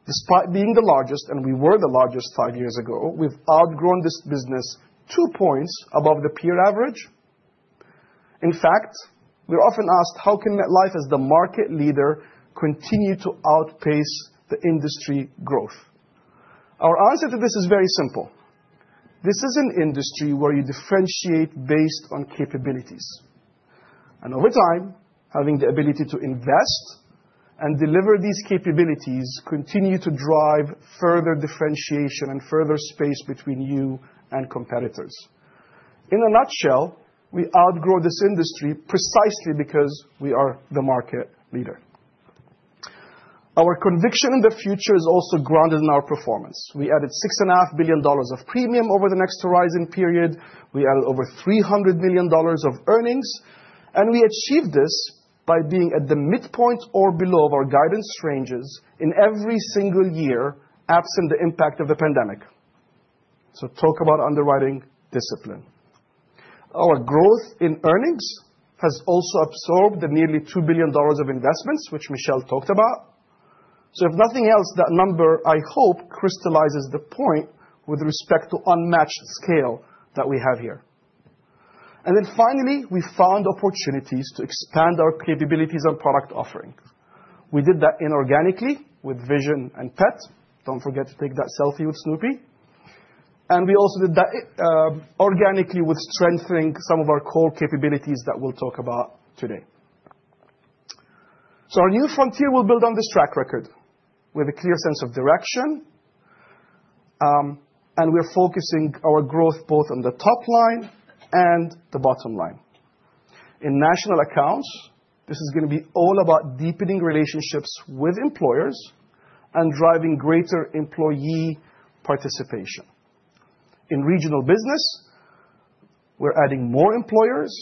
Despite being the largest, and we were the largest five years ago, we've outgrown this business two points above the peer average. In fact, we're often asked, how can MetLife, as the market leader, continue to outpace the industry growth? Our answer to this is very simple. This is an industry where you differentiate based on capabilities. And over time, having the ability to invest and deliver these capabilities continues to drive further differentiation and further space between you and competitors. In a nutshell, we outgrow this industry precisely because we are the market leader. Our conviction in the future is also grounded in our performance. We added $6.5 billion of premium over the Next Horizon period. We added over $300 million of earnings, and we achieved this by being at the midpoint or below of our guidance ranges in every single year, absent the impact of the pandemic, so talk about underwriting discipline. Our growth in earnings has also absorbed the nearly $2 billion of investments, which Michel talked about, so if nothing else, that number, I hope, crystallizes the point with respect to unmatched scale that we have here, and then finally, we found opportunities to expand our capabilities and product offerings. We did that inorganically with Vision and Pet. Don't forget to take that selfie with Snoopy. We also did that organically with strengthening some of our core capabilities that we'll talk about today. Our New Frontier will build on this track record with a clear sense of direction. We're focusing our growth both on the top line and the bottom line. In National Accounts, this is going to be all about deepening relationships with employers and driving greater employee participation. In regional business, we're adding more employers.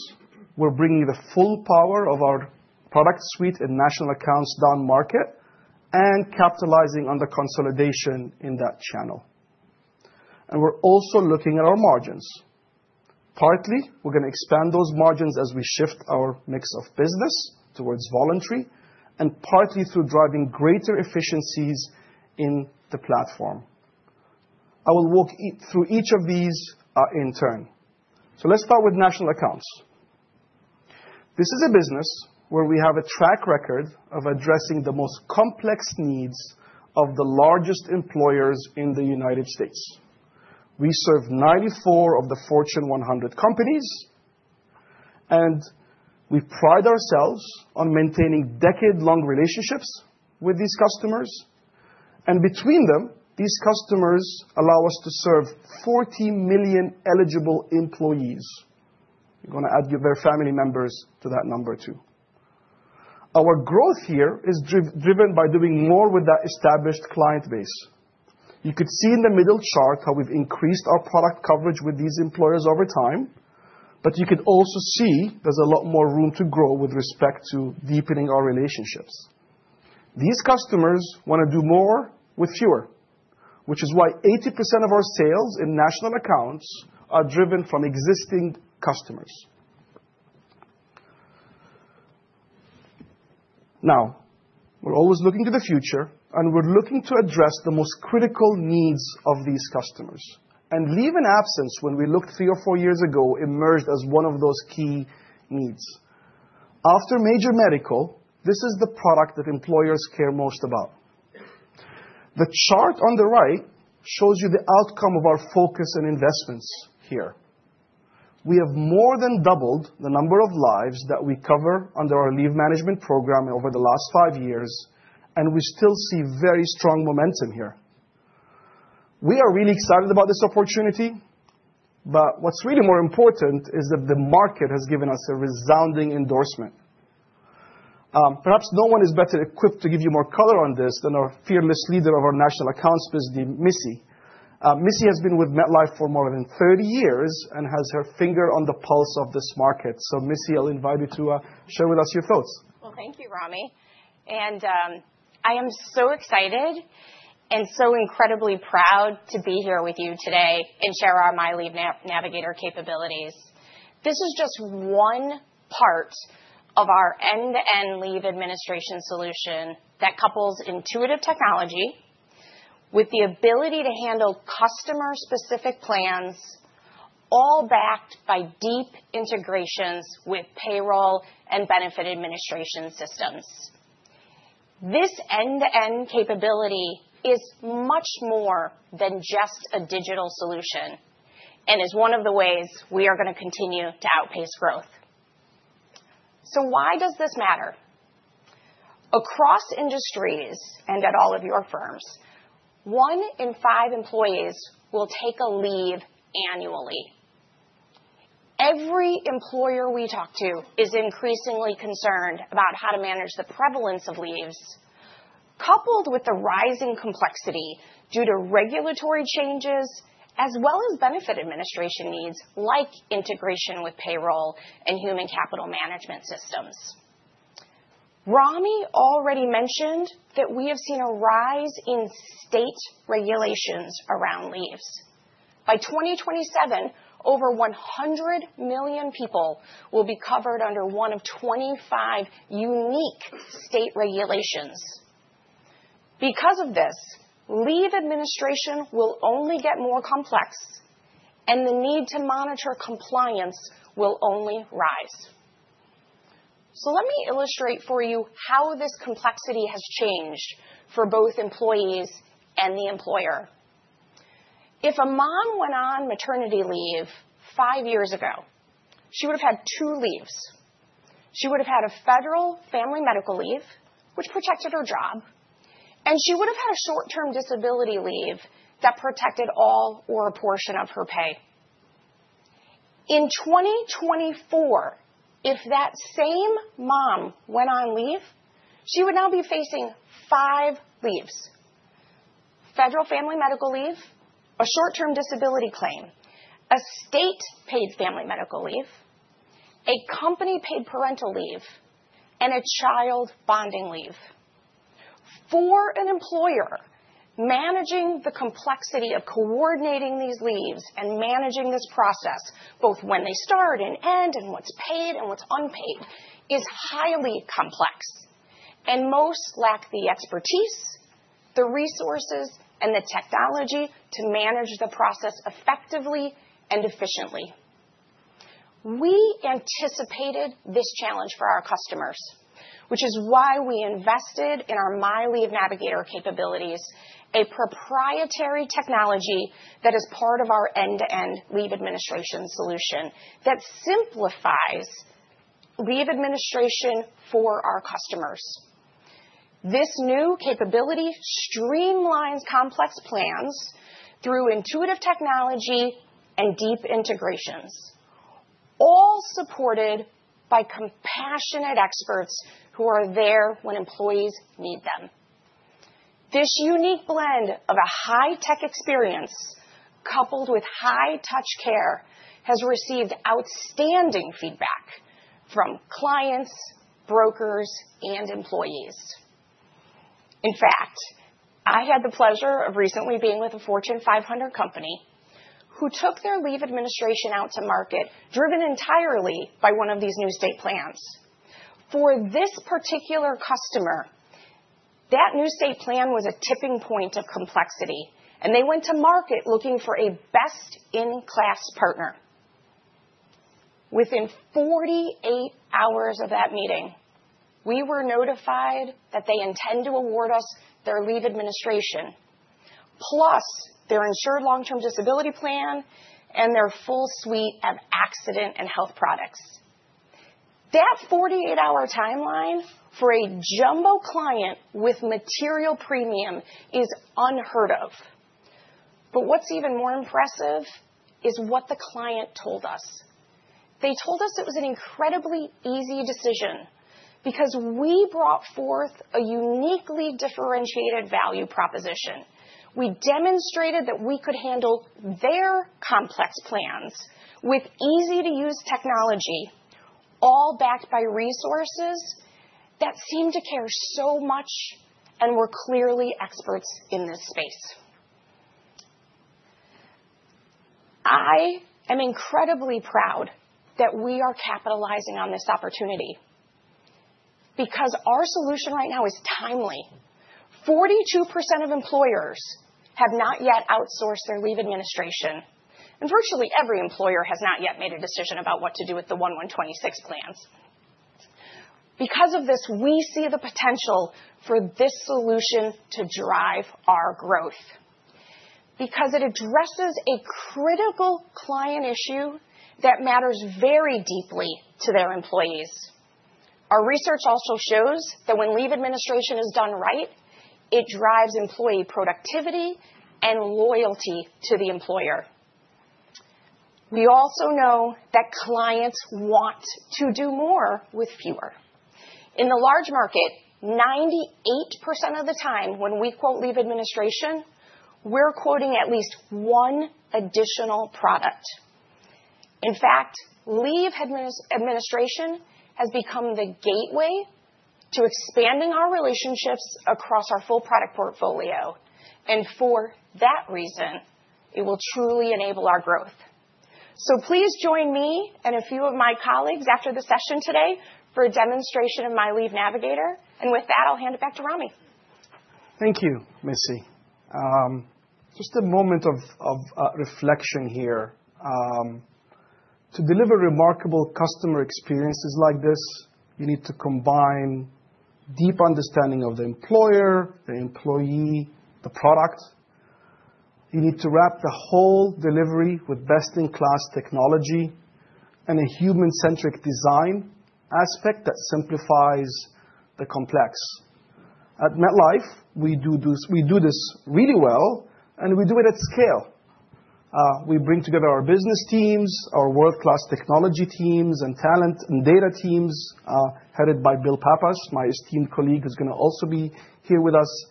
We're bringing the full power of our product suite and National Accounts down market and capitalizing on the consolidation in that channel. We're also looking at our margins. Partly, we're going to expand those margins as we shift our mix of business towards voluntary and partly through driving greater efficiencies in the platform. I will walk through each of these in turn. Let's start with National Accounts. This is a business where we have a track record of addressing the most complex needs of the largest employers in the United States. We serve 94 of the Fortune 100 companies. We pride ourselves on maintaining decade-long relationships with these customers. And between them, these customers allow us to serve 40 million eligible employees. You're going to add their family members to that number, too. Our growth here is driven by doing more with that established client base. You could see in the middle chart how we've increased our product coverage with these employers over time. You could also see there's a lot more room to grow with respect to deepening our relationships. These customers want to do more with fewer, which is why 80% of our sales in National Accounts are driven from existing customers. Now, we're always looking to the future, and we're looking to address the most critical needs of these customers. And leave and absence, when we looked three or four years ago, emerged as one of those key needs. After major medical, this is the product that employers care most about. The chart on the right shows you the outcome of our focus and investments here. We have more than doubled the number of lives that we cover under our leave management program over the last five years, and we still see very strong momentum here. We are really excited about this opportunity. But what's really more important is that the market has given us a resounding endorsement. Perhaps no one is better equipped to give you more color on this than our fearless leader of our National Accounts, Missy Plohr-Memming. Missy has been with MetLife for more than 30 years and has her finger on the pulse of this market. So Missy, I'll invite you to share with us your thoughts. Thank you, Ramy. I am so excited and so incredibly proud to be here with you today and share our My Leave Navigator capabilities. This is just one part of our end-to-end leave administration solution that couples intuitive technology with the ability to handle customer-specific plans, all backed by deep integrations with payroll and benefit administration systems. This end-to-end capability is much more than just a digital solution and is one of the ways we are going to continue to outpace growth. Why does this matter? Across industries and at all of your firms, one in five employees will take a leave annually. Every employer we talk to is increasingly concerned about how to manage the prevalence of leaves, coupled with the rising complexity due to regulatory changes, as well as benefit administration needs like integration with payroll and human capital management systems. Ramy already mentioned that we have seen a rise in state regulations around leaves. By 2027, over 100 million people will be covered under one of 25 unique state regulations. Because of this, leave administration will only get more complex, and the need to monitor compliance will only rise. So let me illustrate for you how this complexity has changed for both employees and the employer. If a mom went on maternity leave five years ago, she would have had two leaves. She would have had a federal family medical leave, which protected her job. And she would have had a short-term disability leave that protected all or a portion of her pay. In 2024, if that same mom went on leave, she would now be facing five leaves: federal family medical leave, a short-term disability claim, a state-paid family medical leave, a company-paid parental leave, and a child bonding leave. For an employer, managing the complexity of coordinating these leaves and managing this process, both when they start and end and what's paid and what's unpaid, is highly complex, and most lack the expertise, the resources, and the technology to manage the process effectively and efficiently. We anticipated this challenge for our customers, which is why we invested in our My Leave Navigator capabilities, a proprietary technology that is part of our end-to-end leave administration solution that simplifies leave administration for our customers. This new capability streamlines complex plans through intuitive technology and deep integrations, all supported by compassionate experts who are there when employees need them. This unique blend of a high-tech experience coupled with high-touch care has received outstanding feedback from clients, brokers, and employees. In fact, I had the pleasure of recently being with a Fortune 500 company who took their leave administration out to market, driven entirely by one of these new state plans. For this particular customer, that new state plan was a tipping point of complexity, and they went to market looking for a best-in-class partner. Within 48 hours of that meeting, we were notified that they intend to award us their leave administration, plus their insured long-term disability plan and their full suite of accident and health products. That 48-hour timeline for a jumbo client with material premium is unheard of. But what's even more impressive is what the client told us. They told us it was an incredibly easy decision because we brought forth a uniquely differentiated value proposition. We demonstrated that we could handle their complex plans with easy-to-use technology, all backed by resources that seem to care so much and were clearly experts in this space. I am incredibly proud that we are capitalizing on this opportunity because our solution right now is timely. 42% of employers have not yet outsourced their leave administration, and virtually every employer has not yet made a decision about what to do with the the 26 plans. Because of this, we see the potential for this solution to drive our growth because it addresses a critical client issue that matters very deeply to their employees. Our research also shows that when leave administration is done right, it drives employee productivity and loyalty to the employer. We also know that clients want to do more with fewer. In the large market, 98% of the time when we quote leave administration, we're quoting at least one additional product. In fact, leave administration has become the gateway to expanding our relationships across our full product portfolio. And for that reason, it will truly enable our growth. So please join me and a few of my colleagues after the session today for a demonstration of My Leave Navigator. And with that, I'll hand it back to Ramy. Thank you, Missy. Just a moment of reflection here. To deliver remarkable customer experiences like this, you need to combine deep understanding of the employer, the employee, the product. You need to wrap the whole delivery with best-in-class technology and a human-centric design aspect that simplifies the complex. At MetLife, we do this really well, and we do it at scale. We bring together our business teams, our world-class technology teams, and talent and data teams headed by Bill Pappas, my esteemed colleague who's going to also be here with us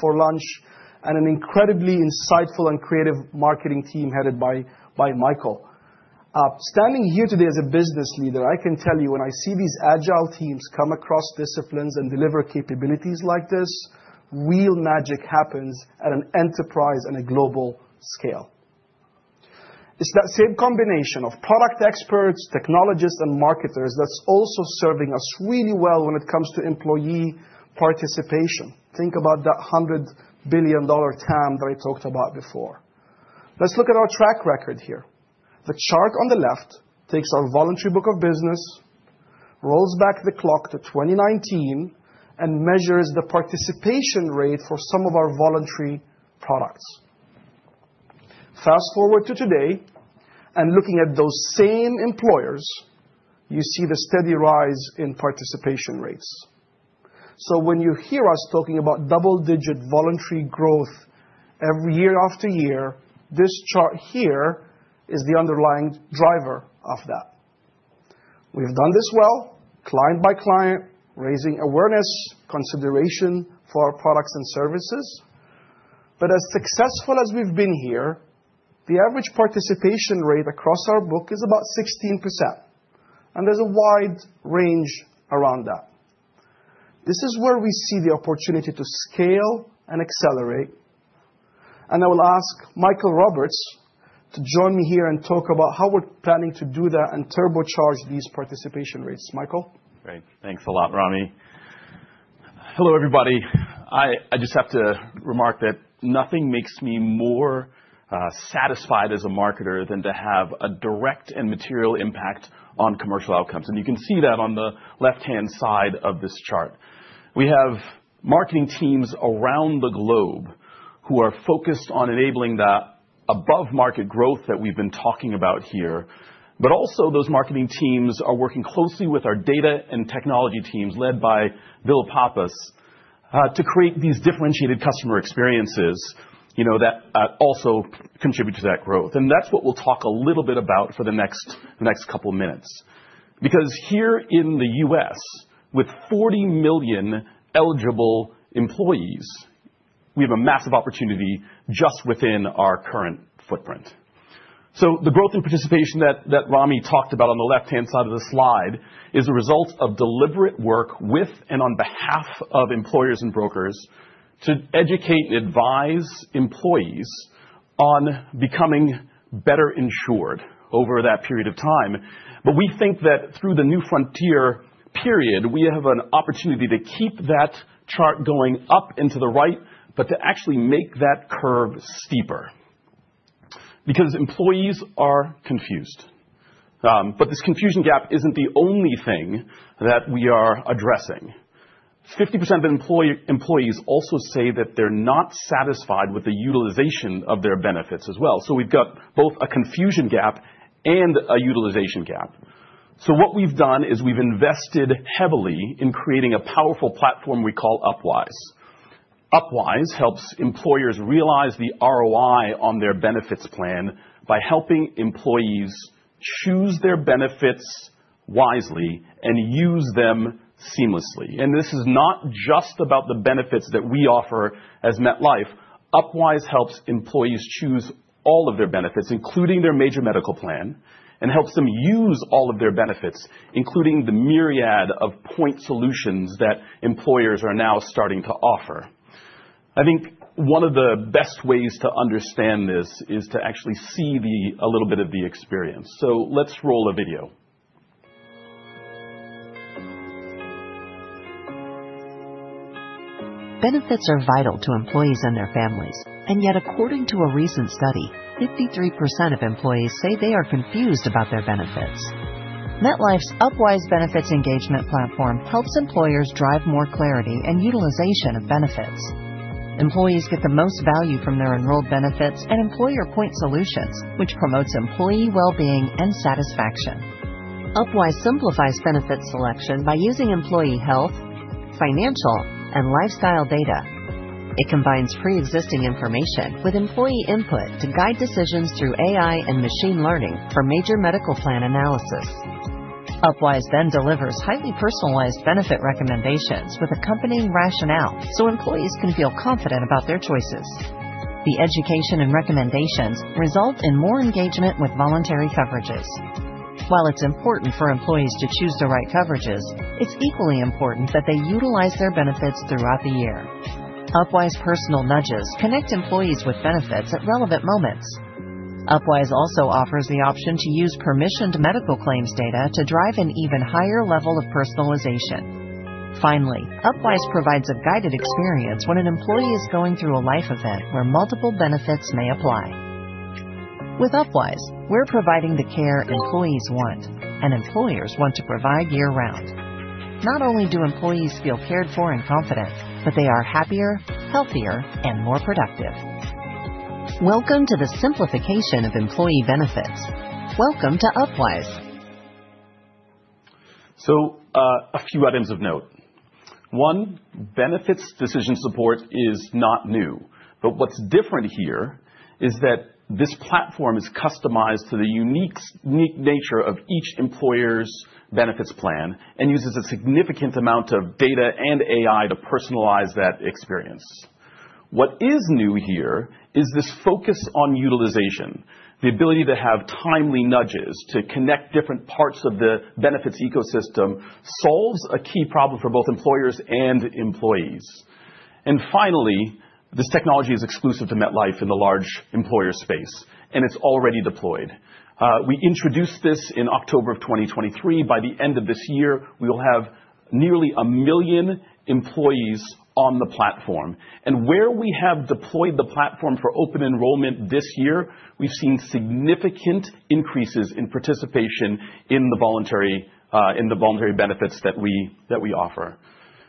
for lunch, and an incredibly insightful and creative marketing team headed by Michael. Standing here today as a business leader, I can tell you when I see these agile teams come across disciplines and deliver capabilities like this, real magic happens at an enterprise and a global scale. It's that same combination of product experts, technologists, and marketers that's also serving us really well when it comes to employee participation. Think about that $100 billion TAM that I talked about before. Let's look at our track record here. The chart on the left takes our voluntary book of business, rolls back the clock to 2019, and measures the participation rate for some of our voluntary products. Fast forward to today, and looking at those same employers, you see the steady rise in participation rates, so when you hear us talking about double-digit voluntary growth every year after year, this chart here is the underlying driver of that. We've done this well, client by client, raising awareness, consideration for our products and services, but as successful as we've been here, the average participation rate across our book is about 16%, and there's a wide range around that. This is where we see the opportunity to scale and accelerate, and I will ask Michael Roberts to join me here and talk about how we're planning to do that and turbocharge these participation rates. Michael. Great. Thanks a lot, Ramy. Hello, everybody. I just have to remark that nothing makes me more satisfied as a marketer than to have a direct and material impact on commercial outcomes. And you can see that on the left-hand side of this chart. We have marketing teams around the globe who are focused on enabling that above-market growth that we've been talking about here. But also, those marketing teams are working closely with our data and technology teams led by Bill Pappas to create these differentiated customer experiences that also contribute to that growth. And that's what we'll talk a little bit about for the next couple of minutes. Because here in the U.S., with 40 million eligible employees, we have a massive opportunity just within our current footprint. So the growth and participation that Ramy talked about on the left-hand side of the slide is a result of deliberate work with and on behalf of employers and brokers to educate and advise employees on becoming better insured over that period of time. But we think that through the New Frontier period, we have an opportunity to keep that chart going up and to the right, but to actually make that curve steeper. Because employees are confused. But this confusion gap isn't the only thing that we are addressing. 50% of employees also say that they're not satisfied with the utilization of their benefits as well. So we've got both a confusion gap and a utilization gap. So what we've done is we've invested heavily in creating a powerful platform we call Upwise. Upwise helps employers realize the ROI on their benefits plan by helping employees choose their benefits wisely and use them seamlessly. And this is not just about the benefits that we offer as MetLife. Upwise helps employees choose all of their benefits, including their major medical plan, and helps them use all of their benefits, including the myriad of point solutions that employers are now starting to offer. I think one of the best ways to understand this is to actually see a little bit of the experience. So let's roll a video. Benefits are vital to employees and their families. And yet, according to a recent study, 53% of employees say they are confused about their benefits. MetLife's Upwise benefits engagement platform helps employers drive more clarity and utilization of benefits. Employees get the most value from their enrolled benefits and employer point solutions, which promotes employee well-being and satisfaction. Upwise simplifies benefit selection by using employee health, financial, and lifestyle data. It combines pre-existing information with employee input to guide decisions through AI and machine learning for major medical plan analysis. Upwise then delivers highly personalized benefit recommendations with accompanying rationale so employees can feel confident about their choices. The education and recommendations result in more engagement with voluntary coverages. While it's important for employees to choose the right coverages, it's equally important that they utilize their benefits throughout the year. Upwise personal nudges connect employees with benefits at relevant moments. Upwise also offers the option to use permissioned medical claims data to drive an even higher level of personalization. Finally, Upwise provides a guided experience when an employee is going through a life event where multiple benefits may apply. With Upwise, we're providing the care employees want, and employers want to provide year-round. Not only do employees feel cared for and confident, but they are happier, healthier, and more productive. Welcome to the simplification of employee benefits. Welcome to Upwise. So a few items of note. One, benefits decision support is not new. But what's different here is that this platform is customized to the unique nature of each employer's benefits plan and uses a significant amount of data and AI to personalize that experience. What is new here is this focus on utilization. The ability to have timely nudges to connect different parts of the benefits ecosystem solves a key problem for both employers and employees. And finally, this technology is exclusive to MetLife in the large employer space, and it's already deployed. We introduced this in October of 2023. By the end of this year, we will have nearly a million employees on the platform. And where we have deployed the platform for open enrollment this year, we've seen significant increases in participation in the voluntary benefits that we offer.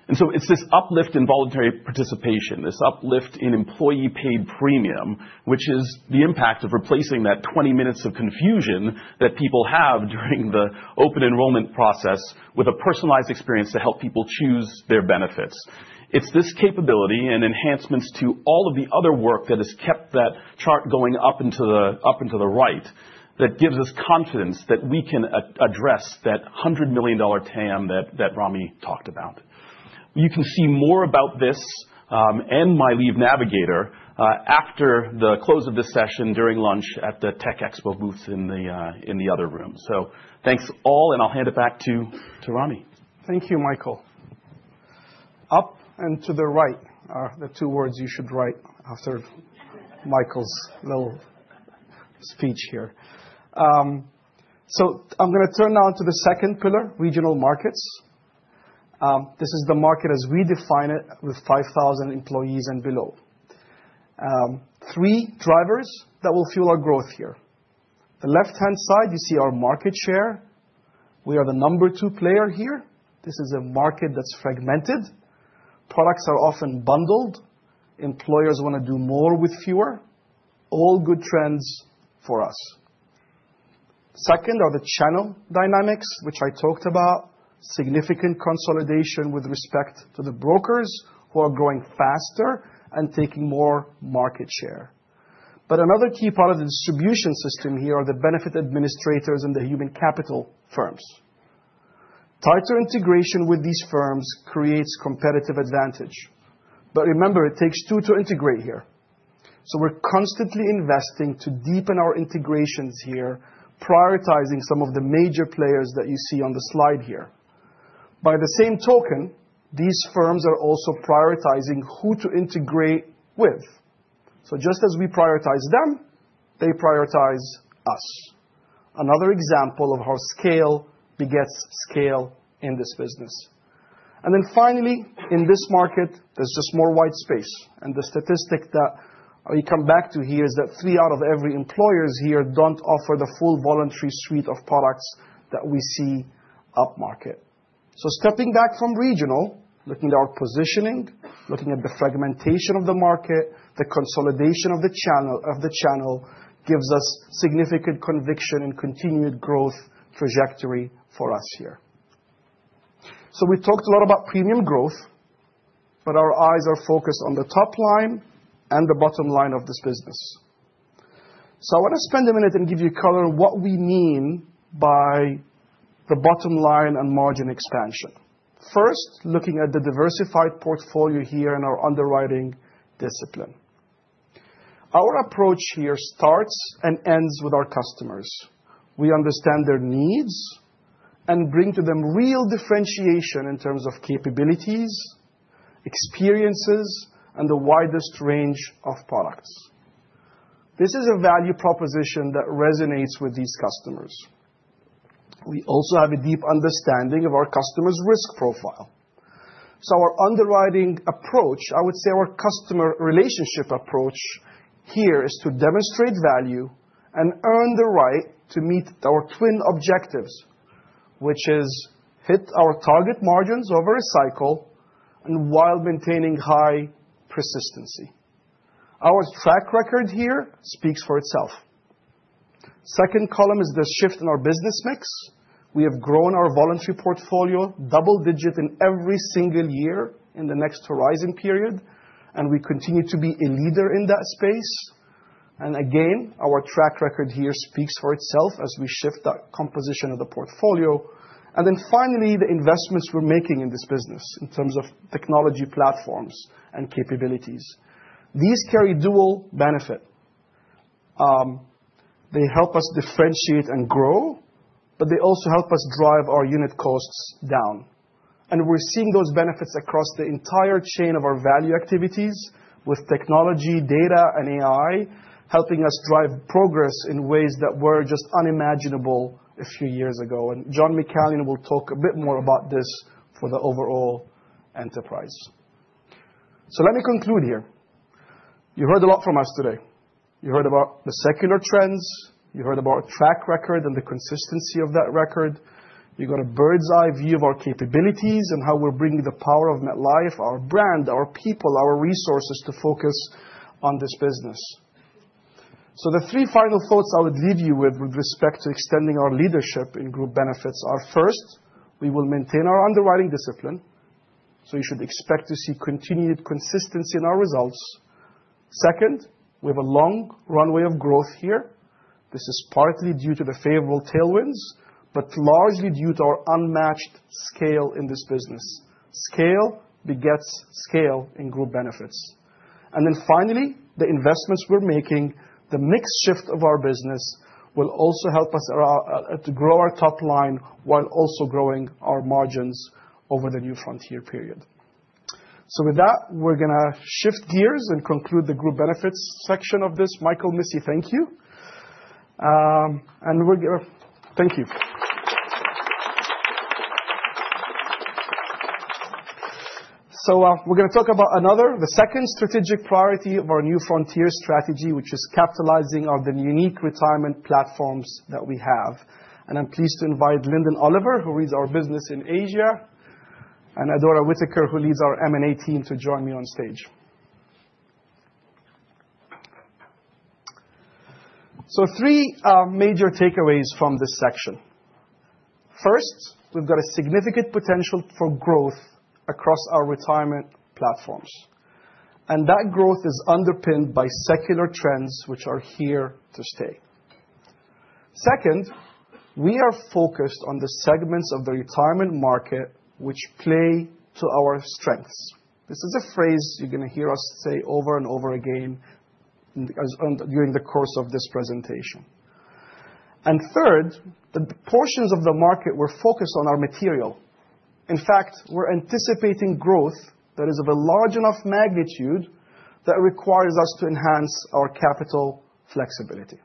And so it's this uplift in voluntary participation, this uplift in employee-paid premium, which is the impact of replacing that 20 minutes of confusion that people have during the open enrollment process with a personalized experience to help people choose their benefits. It's this capability and enhancements to all of the other work that has kept that chart going up and to the right that gives us confidence that we can address that $100 million TAM that Ramy talked about. You can see more about this and My Leave Navigator after the close of this session during lunch at the Tech Expo booths in the other room. So thanks all, and I'll hand it back to Ramy. Thank you, Michael. Up and to the right are the two words you should write after Michael's little speech here. So I'm going to turn now to the second pillar, regional markets. This is the market as we define it with 5,000 employees and below. Three drivers that will fuel our growth here. The left-hand side, you see our market share. We are the number two player here. This is a market that's fragmented. Products are often bundled. Employers want to do more with fewer. All good trends for us. Second are the channel dynamics, which I talked about. Significant consolidation with respect to the brokers who are growing faster and taking more market share. But another key part of the distribution system here are the benefit administrators and the human capital firms. Tighter integration with these firms creates competitive advantage. But remember, it takes two to integrate here. So we're constantly investing to deepen our integrations here, prioritizing some of the major players that you see on the slide here. By the same token, these firms are also prioritizing who to integrate with. So just as we prioritize them, they prioritize us. Another example of how scale begets scale in this business. And then finally, in this market, there's just more white space. And the statistic that we come back to here is that three out of every employer here don't offer the full voluntary suite of products that we see upmarket. So stepping back from regional, looking at our positioning, looking at the fragmentation of the market, the consolidation of the channel gives us significant conviction and continued growth trajectory for us here. So we talked a lot about premium growth, but our eyes are focused on the top line and the bottom line of this business. So I want to spend a minute and give you a color on what we mean by the bottom line and margin expansion. First, looking at the diversified portfolio here in our underwriting discipline. Our approach here starts and ends with our customers. We understand their needs and bring to them real differentiation in terms of capabilities, experiences, and the widest range of products. This is a value proposition that resonates with these customers. We also have a deep understanding of our customer's risk profile. So our underwriting approach, I would say our customer relationship approach here is to demonstrate value and earn the right to meet our twin objectives, which is hit our target margins over a cycle and while maintaining high persistency. Our track record here speaks for itself. Second column is the shift in our business mix. We have grown our voluntary portfolio double-digit in every single year in the next horizon period, and we continue to be a leader in that space. And again, our track record here speaks for itself as we shift that composition of the portfolio. And then finally, the investments we're making in this business in terms of technology platforms and capabilities. These carry dual benefit. They help us differentiate and grow, but they also help us drive our unit costs down. And we're seeing those benefits across the entire chain of our value activities with technology, data, and AI helping us drive progress in ways that were just unimaginable a few years ago. And John McCallion will talk a bit more about this for the overall enterprise. So let me conclude here. You heard a lot from us today. You heard about the secular trends. You heard about a track record and the consistency of that record. You got a bird's-eye view of our capabilities and how we're bringing the power of MetLife, our brand, our people, our resources to focus on this business, so the three final thoughts I would leave you with respect to extending our leadership in Group Benefits are first, we will maintain our underwriting discipline, so you should expect to see continued consistency in our results. Second, we have a long runway of growth here. This is partly due to the favorable tailwinds, but largely due to our unmatched scale in this business. Scale begets scale in Group Benefits, and then finally, the investments we're making, the mixed shift of our business will also help us to grow our top line while also growing our margins over the New Frontier period. So with that, we're going to shift gears and conclude the Group Benefits section of this. Michel, Missy, thank you. And thank you. So we're going to talk about another, the second strategic priority of our New Frontier strategy, which is capitalizing on the unique retirement platforms that we have. And I'm pleased to invite Lyndon Oliver, who leads our business in Asia, and Adora Whitaker, who leads our M&A team, to join me on stage. So three major takeaways from this section. First, we've got a significant potential for growth across our retirement platforms. And that growth is underpinned by secular trends, which are here to stay. Second, we are focused on the segments of the retirement market, which play to our strengths. This is a phrase you're going to hear us say over and over again during the course of this presentation. And third, the portions of the market we're focused on are material. In fact, we're anticipating growth that is of a large enough magnitude that requires us to enhance our capital flexibility.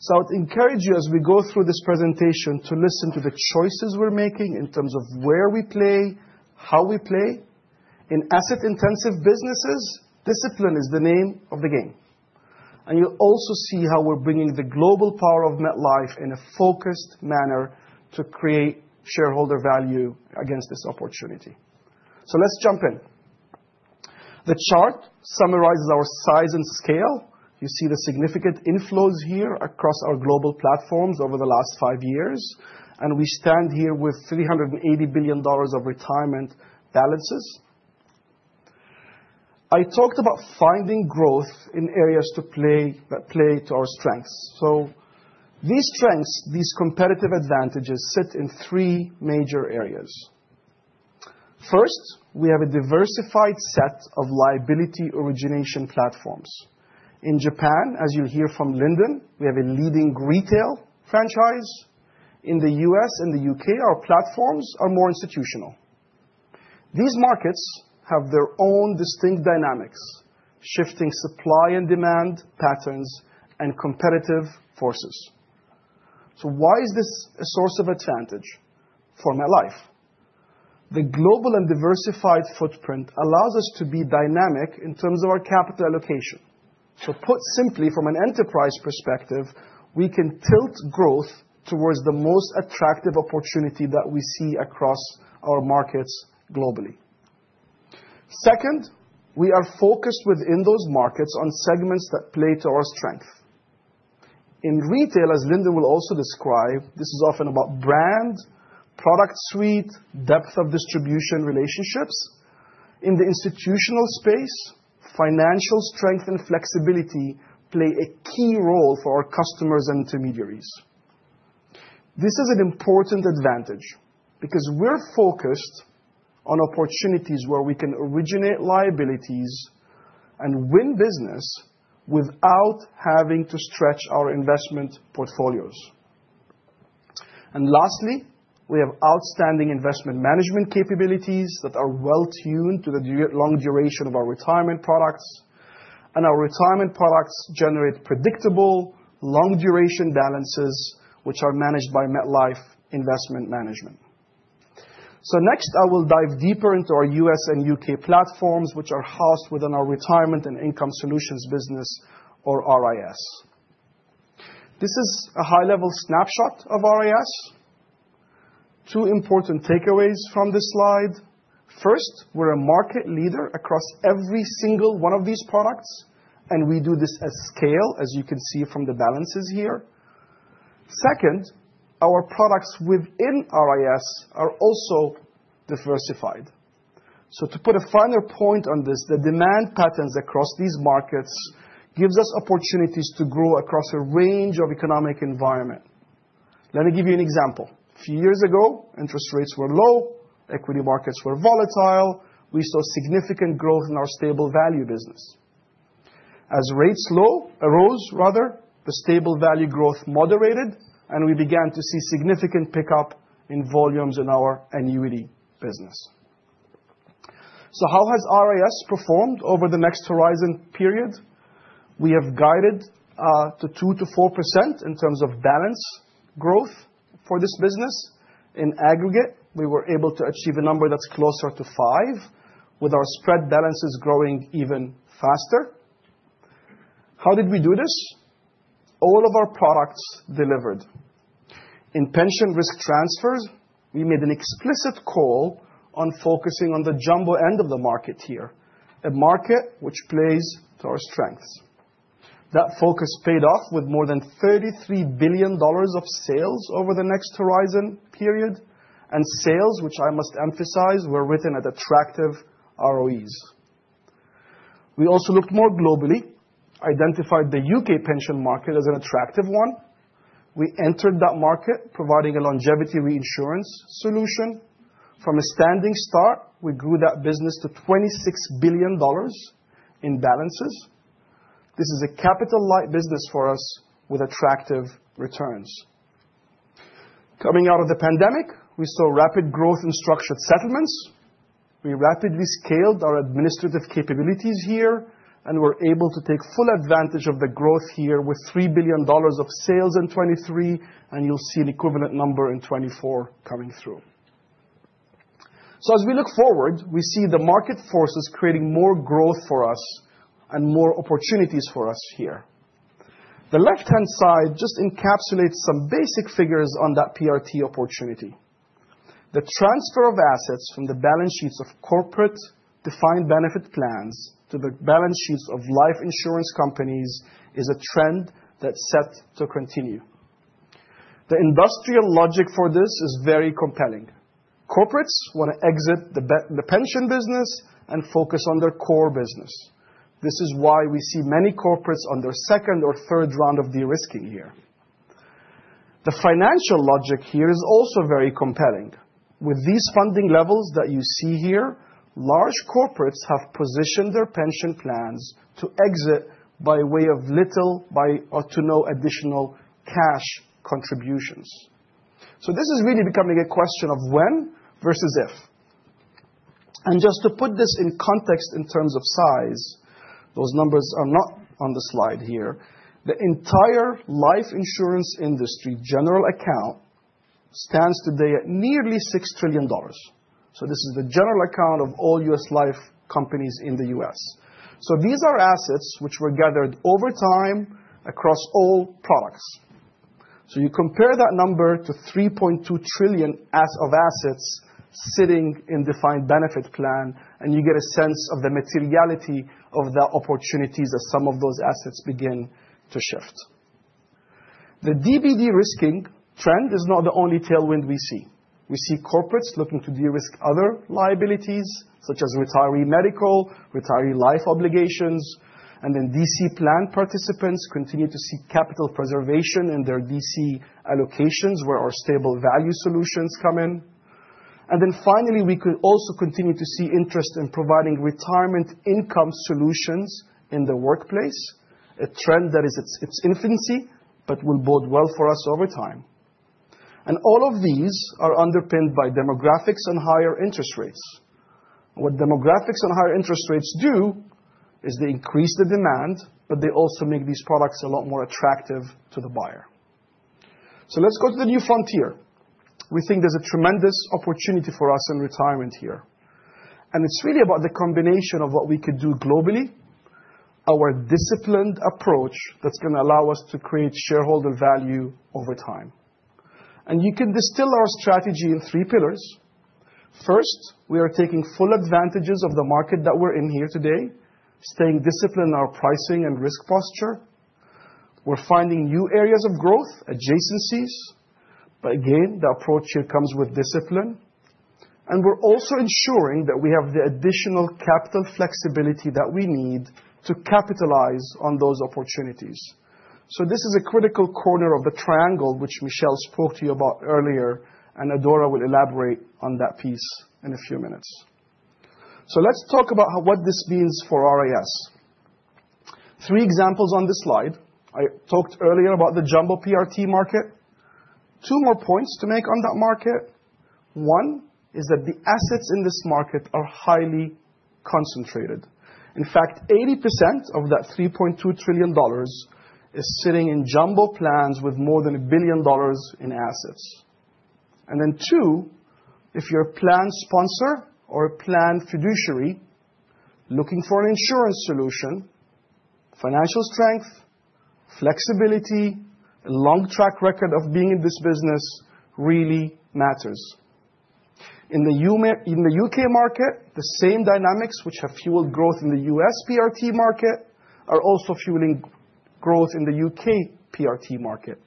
So I would encourage you, as we go through this presentation, to listen to the choices we're making in terms of where we play, how we play. In asset-intensive businesses, discipline is the name of the game. And you'll also see how we're bringing the global power of MetLife in a focused manner to create shareholder value against this opportunity. So let's jump in. The chart summarizes our size and scale. You see the significant inflows here across our global platforms over the last five years. And we stand here with $380 billion of retirement balances. I talked about finding growth in areas that play to our strengths. So these strengths, these competitive advantages sit in three major areas. First, we have a diversified set of liability origination platforms. In Japan, as you'll hear from Lyndon, we have a leading retail franchise. In the U.S. and the U.K., our platforms are more institutional. These markets have their own distinct dynamics, shifting supply and demand patterns and competitive forces. So why is this a source of advantage for MetLife? The global and diversified footprint allows us to be dynamic in terms of our capital allocation. So put simply, from an enterprise perspective, we can tilt growth towards the most attractive opportunity that we see across our markets globally. Second, we are focused within those markets on segments that play to our strength. In retail, as Lyndon will also describe, this is often about brand, product suite, depth of distribution relationships. In the institutional space, financial strength and flexibility play a key role for our customers and intermediaries. This is an important advantage because we're focused on opportunities where we can originate liabilities and win business without having to stretch our investment portfolios. And lastly, we have outstanding investment management capabilities that are well-tuned to the long duration of our retirement products. And our retirement products generate predictable long-duration balances, which are managed by MetLife Investment Management. So next, I will dive deeper into our U.S. and U.K. platforms, which are housed within our retirement and income solutions business, or RIS. This is a high-level snapshot of RIS. Two important takeaways from this slide. First, we're a market leader across every single one of these products, and we do this at scale, as you can see from the balances here. Second, our products within RIS are also diversified. So to put a finer point on this, the demand patterns across these markets give us opportunities to grow across a range of economic environments. Let me give you an example. A few years ago, interest rates were low, equity markets were volatile. We saw significant growth in our stable value business. As rates rose, rather, the stable value growth moderated, and we began to see significant pickup in volumes in our annuity business. So how has RIS performed over the Next Horizon period? We have guided to 2% to 4% in terms of balance growth for this business. In aggregate, we were able to achieve a number that's closer to 5%, with our spread balances growing even faster. How did we do this? All of our products delivered. In pension risk transfers, we made an explicit call on focusing on the jumbo end of the market here, a market which plays to our strengths. That focus paid off with more than $33 billion of sales over the Next Horizon period, and sales, which I must emphasize, were written at attractive ROEs. We also looked more globally, identified the U.K. pension market as an attractive one. We entered that market providing a longevity reinsurance solution. From a standing start, we grew that business to $26 billion in balances. This is a capital-light business for us with attractive returns. Coming out of the pandemic, we saw rapid growth in structured settlements. We rapidly scaled our administrative capabilities here and were able to take full advantage of the growth here with $3 billion of sales in 2023, and you'll see an equivalent number in 2024 coming through. So as we look forward, we see the market forces creating more growth for us and more opportunities for us here. The left-hand side just encapsulates some basic figures on that PRT opportunity. The transfer of assets from the balance sheets of corporate defined benefit plans to the balance sheets of life insurance companies is a trend that's set to continue. The industrial logic for this is very compelling. Corporates want to exit the pension business and focus on their core business. This is why we see many corporates on their second or third round of de-risking here. The financial logic here is also very compelling. With these funding levels that you see here, large corporates have positioned their pension plans to exit by way of little or no additional cash contributions. So this is really becoming a question of when versus if. Just to put this in context in terms of size, those numbers are not on the slide here. The entire life insurance industry general account stands today at nearly $6 trillion. So this is the general account of all U.S. life companies in the U.S. So these are assets which were gathered over time across all products. So you compare that number to $3.2 trillion of assets sitting in defined benefit plan, and you get a sense of the materiality of the opportunities as some of those assets begin to shift. The DB de-risking trend is not the only tailwind we see. We see corporates looking to de-risk other liabilities, such as retiree medical, retiree life obligations, and then DC plan participants continue to see capital preservation in their DC allocations where our stable value solutions come in. And then finally, we could also continue to see interest in providing retirement income solutions in the workplace, a trend that is in its infancy, but will bode well for us over time. All of these are underpinned by demographics and higher interest rates. What demographics and higher interest rates do is they increase the demand, but they also make these products a lot more attractive to the buyer. Let's go to the New Frontier. We think there's a tremendous opportunity for us in retirement here. It's really about the combination of what we could do globally, our disciplined approach that's going to allow us to create shareholder value over time. You can distill our strategy in three pillars. First, we are taking full advantage of the market that we're in here today, staying disciplined in our pricing and risk posture. We're finding new areas of growth, adjacencies. But again, the approach here comes with discipline. And we're also ensuring that we have the additional capital flexibility that we need to capitalize on those opportunities. So this is a critical corner of the triangle which Michel spoke to you about earlier, and Adora will elaborate on that piece in a few minutes. So let's talk about what this means for RIS. Three examples on this slide. I talked earlier about the jumbo PRT market. Two more points to make on that market. One is that the assets in this market are highly concentrated. In fact, 80% of that $3.2 trillion is sitting in jumbo plans with more than a billion dollars in assets. And then two, if you're a plan sponsor or a plan fiduciary looking for an insurance solution, financial strength, flexibility, a long track record of being in this business really matters. In the U.K. market, the same dynamics which have fueled growth in the U.S. PRT market are also fueling growth in the U.K. PRT market.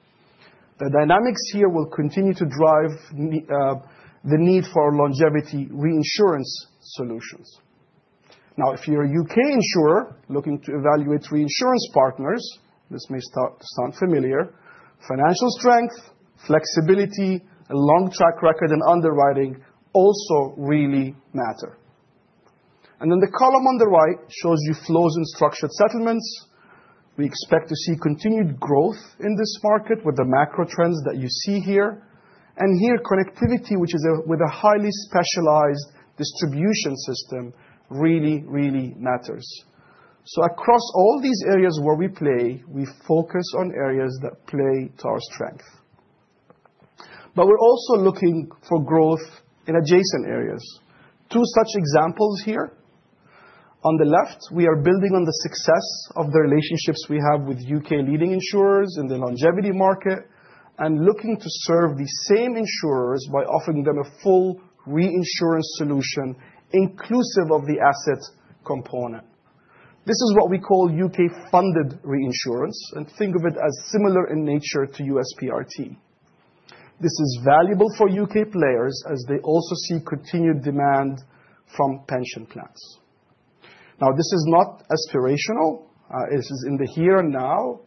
The dynamics here will continue to drive the need for longevity reinsurance solutions. Now, if you're a U.K. insurer looking to evaluate reinsurance partners, this may sound familiar. Financial strength, flexibility, a long track record, and underwriting also really matter. And then the column on the right shows you flows and structured settlements. We expect to see continued growth in this market with the macro trends that you see here. And here, connectivity, which is with a highly specialized distribution system, really, really matters. Across all these areas where we play, we focus on areas that play to our strength. But we're also looking for growth in adjacent areas. Two such examples here. On the left, we are building on the success of the relationships we have with U.K. leading insurers in the longevity market and looking to serve the same insurers by offering them a full reinsurance solution inclusive of the asset component. This is what we call U.K.-funded reinsurance, and think of it as similar in nature to U.S. PRT. This is valuable for U.K. players as they also see continued demand from pension plans. Now, this is not aspirational. This is in the here and now.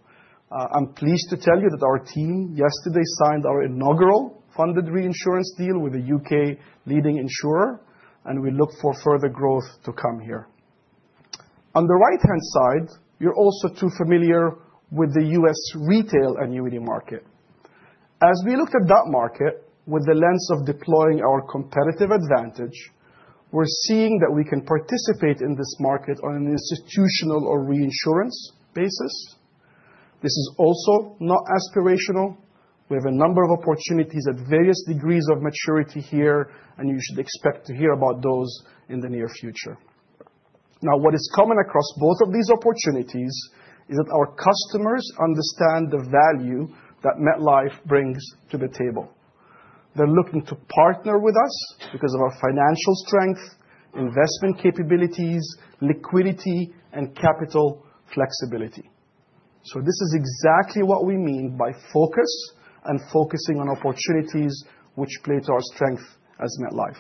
I'm pleased to tell you that our team yesterday signed our inaugural funded reinsurance deal with a U.K. leading insurer, and we look for further growth to come here. On the right-hand side, you're also too familiar with the U.S. retail annuity market. As we looked at that market with the lens of deploying our competitive advantage, we're seeing that we can participate in this market on an institutional or reinsurance basis. This is also not aspirational. We have a number of opportunities at various degrees of maturity here, and you should expect to hear about those in the near future. Now, what is common across both of these opportunities is that our customers understand the value that MetLife brings to the table. They're looking to partner with us because of our financial strength, investment capabilities, liquidity, and capital flexibility. So this is exactly what we mean by focus and focusing on opportunities which play to our strength as MetLife.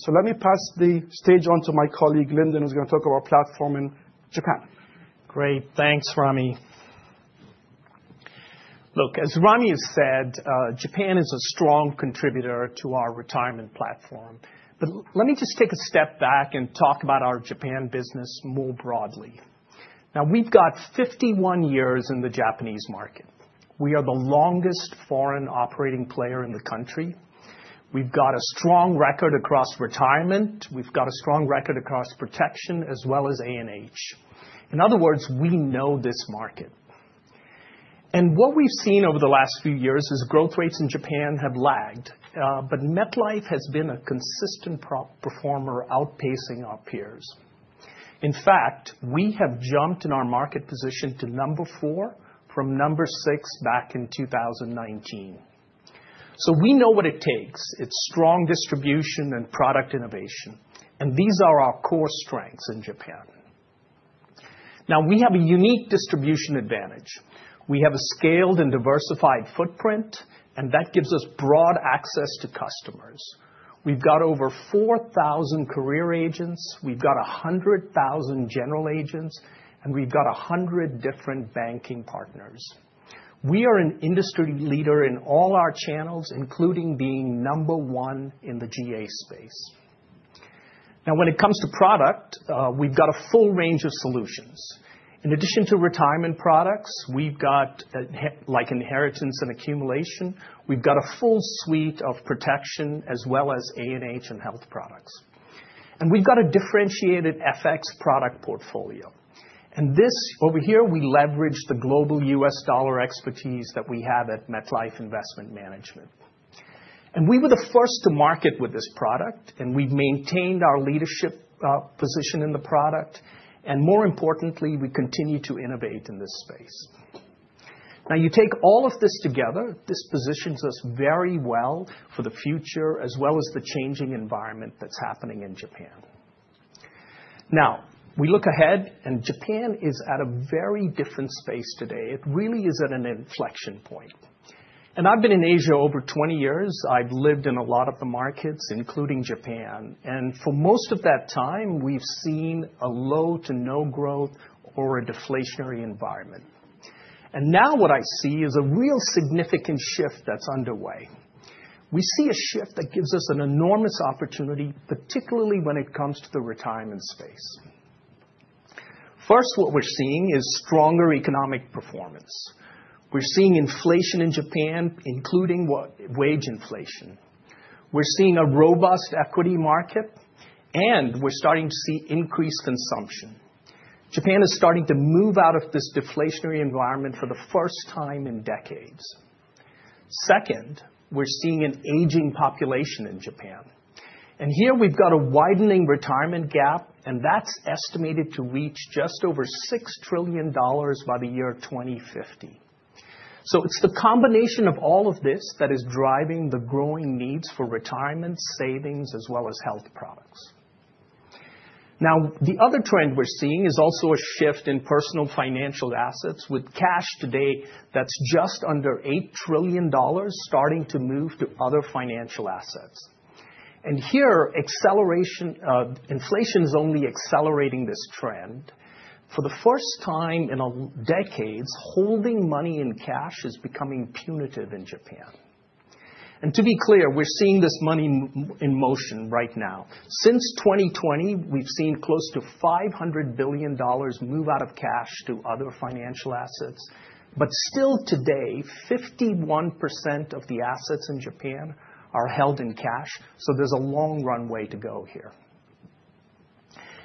So let me pass the stage on to my colleague Lyndon, who's going to talk about platform in Japan. Great. Thanks, Ramy. Look, as Ramy has said, Japan is a strong contributor to our retirement platform. But let me just take a step back and talk about our Japan business more broadly. Now, we've got 51 years in the Japanese market. We are the longest foreign operating player in the country. We've got a strong record across retirement. We've got a strong record across protection as well as A&H. In other words, we know this market. And what we've seen over the last few years is growth rates in Japan have lagged, but MetLife has been a consistent performer outpacing our peers. In fact, we have jumped in our market position to number four from number six back in 2019. So we know what it takes. It's strong distribution and product innovation. And these are our core strengths in Japan. Now, we have a unique distribution advantage. We have a scaled and diversified footprint, and that gives us broad access to customers. We've got over 4,000 career agents. We've got 100,000 general agents, and we've got 100 different banking partners. We are an industry leader in all our channels, including being number one in the GA space. Now, when it comes to product, we've got a full range of solutions. In addition to retirement products, we've got like inheritance and accumulation. We've got a full suite of protection as well as A&H and health products. And we've got a differentiated FX product portfolio. And this over here, we leverage the global U.S. dollar expertise that we have at MetLife Investment Management. And we were the first to market with this product, and we've maintained our leadership position in the product. And more importantly, we continue to innovate in this space. Now, you take all of this together, this positions us very well for the future as well as the changing environment that's happening in Japan. Now, we look ahead, and Japan is at a very different space today. It really is at an inflection point. And I've been in Asia over 20 years. I've lived in a lot of the markets, including Japan. And for most of that time, we've seen a low to no growth or a deflationary environment. And now what I see is a real significant shift that's underway. We see a shift that gives us an enormous opportunity, particularly when it comes to the retirement space. First, what we're seeing is stronger economic performance. We're seeing inflation in Japan, including wage inflation. We're seeing a robust equity market, and we're starting to see increased consumption. Japan is starting to move out of this deflationary environment for the first time in decades. Second, we're seeing an aging population in Japan, and here we've got a widening retirement gap, and that's estimated to reach just over $6 trillion by the year 2050, so it's the combination of all of this that is driving the growing needs for retirement, savings, as well as health products. Now, the other trend we're seeing is also a shift in personal financial assets with cash today that's just under $8 trillion starting to move to other financial assets, and here, inflation is only accelerating this trend. For the first time in decades, holding money in cash is becoming punitive in Japan, and to be clear, we're seeing this money in motion right now. Since 2020, we've seen close to $500 billion move out of cash to other financial assets. But still today, 51% of the assets in Japan are held in cash. So there's a long runway to go here.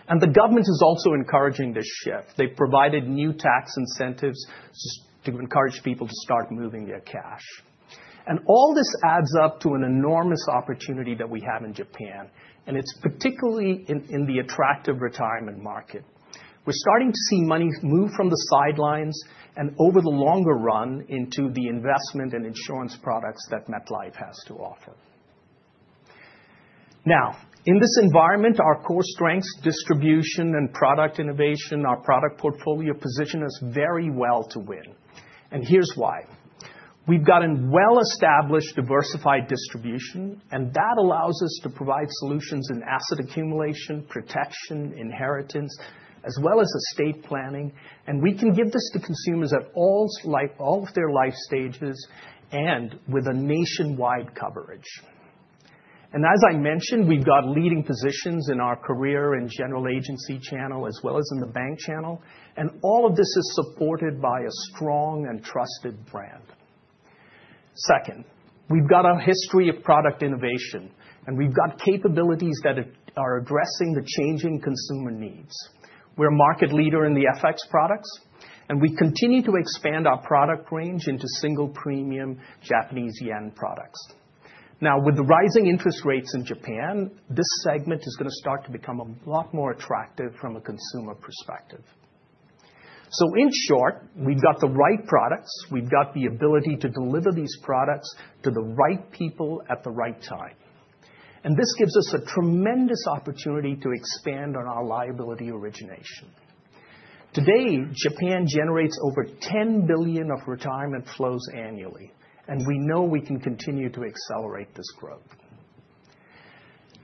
And the government is also encouraging this shift. They've provided new tax incentives to encourage people to start moving their cash. And all this adds up to an enormous opportunity that we have in Japan, and it's particularly in the attractive retirement market. We're starting to see money move from the sidelines and over the longer run into the investment and insurance products that MetLife has to offer. Now, in this environment, our core strengths, distribution and product innovation, our product portfolio position us very well to win. And here's why. We've got a well-established diversified distribution, and that allows us to provide solutions in asset accumulation, protection, inheritance, as well as estate planning. And we can give this to consumers at all of their life stages and with a nationwide coverage. And as I mentioned, we've got leading positions in our career and general agency channel as well as in the bank channel. And all of this is supported by a strong and trusted brand. Second, we've got a history of product innovation, and we've got capabilities that are addressing the changing consumer needs. We're a market leader in the FX products, and we continue to expand our product range into single premium Japanese yen products. Now, with the rising interest rates in Japan, this segment is going to start to become a lot more attractive from a consumer perspective. So in short, we've got the right products. We've got the ability to deliver these products to the right people at the right time. And this gives us a tremendous opportunity to expand on our liability origination. Today, Japan generates over $10 billion of retirement flows annually, and we know we can continue to accelerate this growth.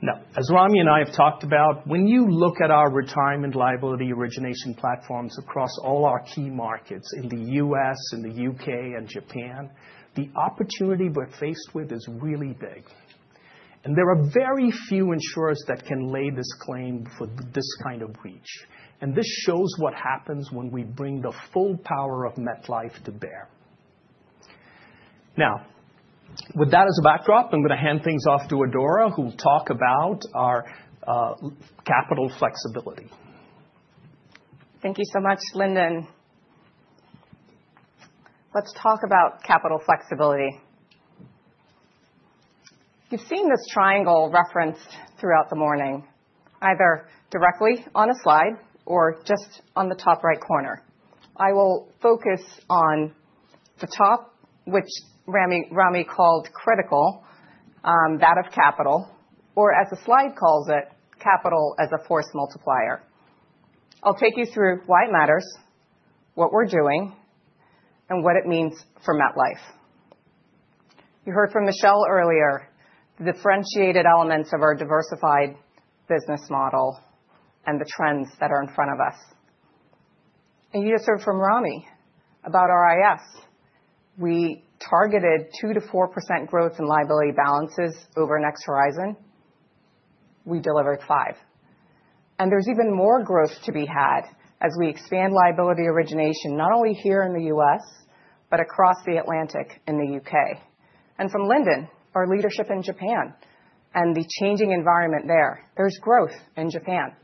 Now, as Ramy and I have talked about, when you look at our retirement liability origination platforms across all our key markets in the U.S., in the U.K., and Japan, the opportunity we're faced with is really big. And there are very few insurers that can lay this claim for this kind of reach. And this shows what happens when we bring the full power of MetLife to bear. Now, with that as a backdrop, I'm going to hand things off to Adora, who will talk about our capital flexibility. Thank you so much, Lyndon. Let's talk about capital flexibility. You've seen this triangle referenced throughout the morning, either directly on a slide or just on the top right corner. I will focus on the top, which Ramy called critical, that of capital, or as the slide calls it, capital as a force multiplier. I'll take you through why it matters, what we're doing, and what it means for MetLife. You heard from Michel earlier the differentiated elements of our diversified business model and the trends that are in front of us. You just heard from Ramy about RIS. We targeted 2%-4% growth in liability balances over Next Horizon. We delivered 5%. There's even more growth to be had as we expand liability origination not only here in the U.S., but across the Atlantic in the U.K. From Lyndon, our leadership in Japan and the changing environment there, there's growth in Japan.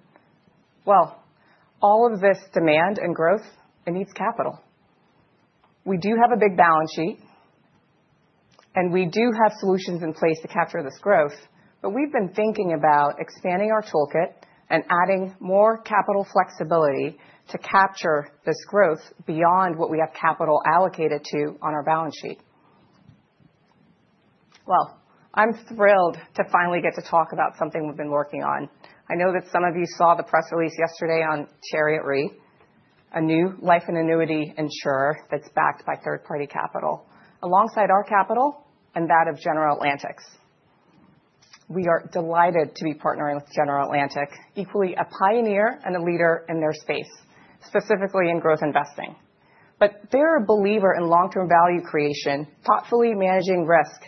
All of this demand and growth, it needs capital. We do have a big balance sheet, and we do have solutions in place to capture this growth, but we've been thinking about expanding our toolkit and adding more capital flexibility to capture this growth beyond what we have capital allocated to on our balance sheet. I'm thrilled to finally get to talk about something we've been working on. I know that some of you saw the press release yesterday on Chariot Re, a new life and annuity insurer that's backed by third-party capital alongside our capital and that of General Atlantic. We are delighted to be partnering with General Atlantic, equally a pioneer and a leader in their space, specifically in growth investing. but they're a believer in long-term value creation, thoughtfully managing risk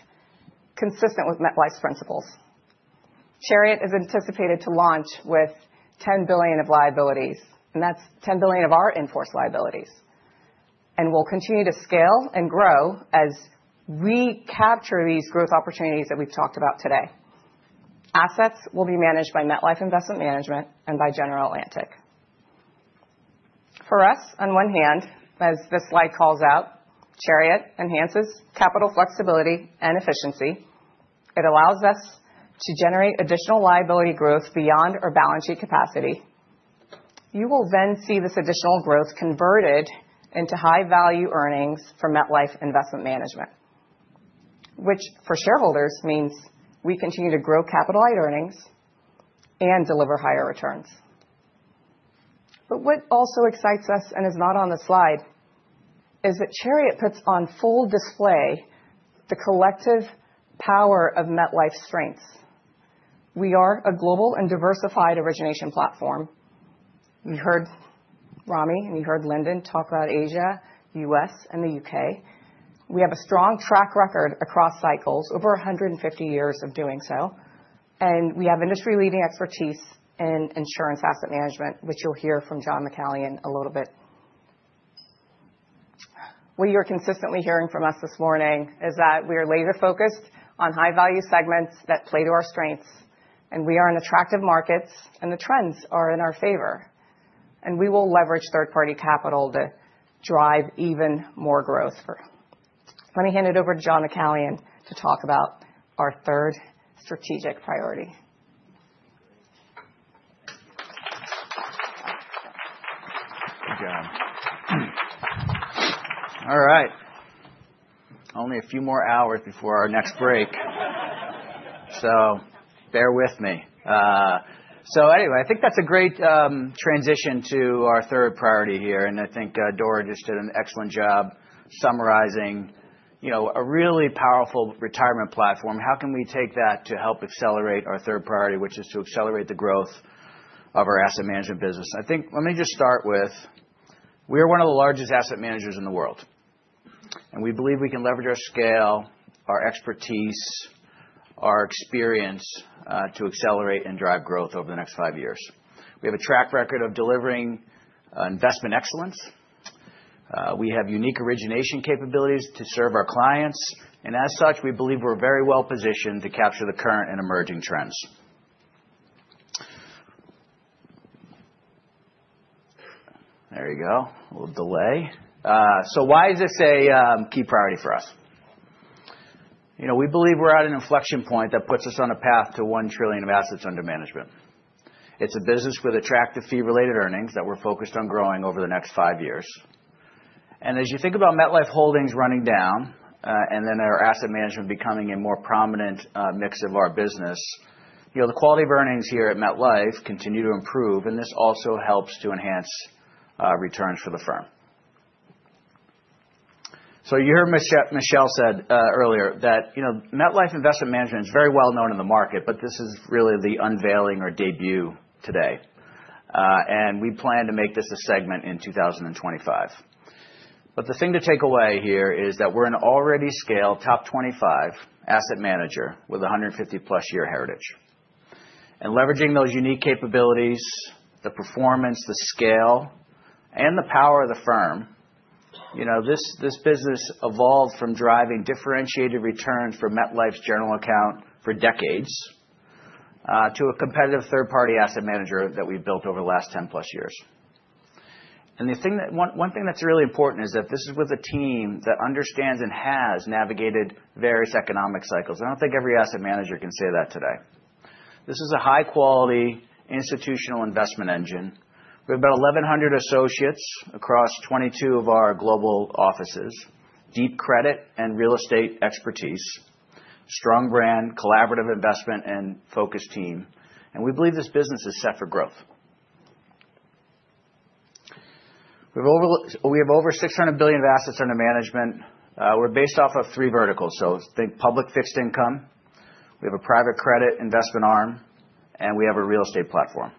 consistent with MetLife's principles. Chariot is anticipated to launch with $10 billion of liabilities, and that's $10 billion of our in-force liabilities. And we'll continue to scale and grow as we capture these growth opportunities that we've talked about today. Assets will be managed by MetLife Investment Management and by General Atlantic. For us, on one hand, as this slide calls out, Chariot enhances capital flexibility and efficiency. It allows us to generate additional liability growth beyond our balance sheet capacity. You will then see this additional growth converted into high-value earnings from MetLife Investment Management, which for shareholders means we continue to grow capital-light earnings and deliver higher returns. but what also excites us and is not on the slide is that Chariot puts on full display the collective power of MetLife's strengths. We are a global and diversified origination platform. You heard Ramy and you heard Lyndon talk about Asia, the U.S., and the U.K. We have a strong track record across cycles, over 150 years of doing so. We have industry-leading expertise in insurance asset management, which you'll hear from John McCallion a little bit. What you're consistently hearing from us this morning is that we are laser-focused on high-value segments that play to our strengths, and we are in attractive markets, and the trends are in our favor. We will leverage third-party capital to drive even more growth. Let me hand it over to John McCallion to talk about our third strategic priority. Thank you, Adora. All right. Only a few more hours before our next break. So bear with me. So anyway, I think that's a great transition to our third priority here. And I think Adora just did an excellent job summarizing a really powerful retirement platform. How can we take that to help accelerate our third priority, which is to accelerate the growth of our asset management business? I think let me just start with we are one of the largest asset managers in the world. And we believe we can leverage our scale, our expertise, our experience to accelerate and drive growth over the next five years. We have a track record of delivering investment excellence. We have unique origination capabilities to serve our clients. And as such, we believe we're very well positioned to capture the current and emerging trends. There you go. A little delay. So why is this a key priority for us? We believe we're at an inflection point that puts us on a path to one trillion of assets under management. It's a business with attractive fee-related earnings that we're focused on growing over the next five years. And as you think about MetLife Holdings running down and then our asset management becoming a more prominent mix of our business, the quality of earnings here at MetLife continue to improve. And this also helps to enhance returns for the firm. So you heard Michel said earlier that MetLife Investment Management is very well known in the market, but this is really the unveiling or debut today. And we plan to make this a segment in 2025. But the thing to take away here is that we're an already scaled top 25 asset manager with a 150+ year heritage. And leveraging those unique capabilities, the performance, the scale, and the power of the firm, this business evolved from driving differentiated returns for MetLife's General Account for decades to a competitive third-party asset manager that we've built over the last 10+ years. And one thing that's really important is that this is with a team that understands and has navigated various economic cycles. I don't think every asset manager can say that today. This is a high-quality institutional investment engine. We have about 1,100 associates across 22 of our global offices, deep credit and real estate expertise, strong brand, collaborative investment, and focused team. And we believe this business is set for growth. We have over $600 billion of assets under management. We're based off of three verticals. So think public fixed income. We have a private credit investment arm, and we have a real estate platform.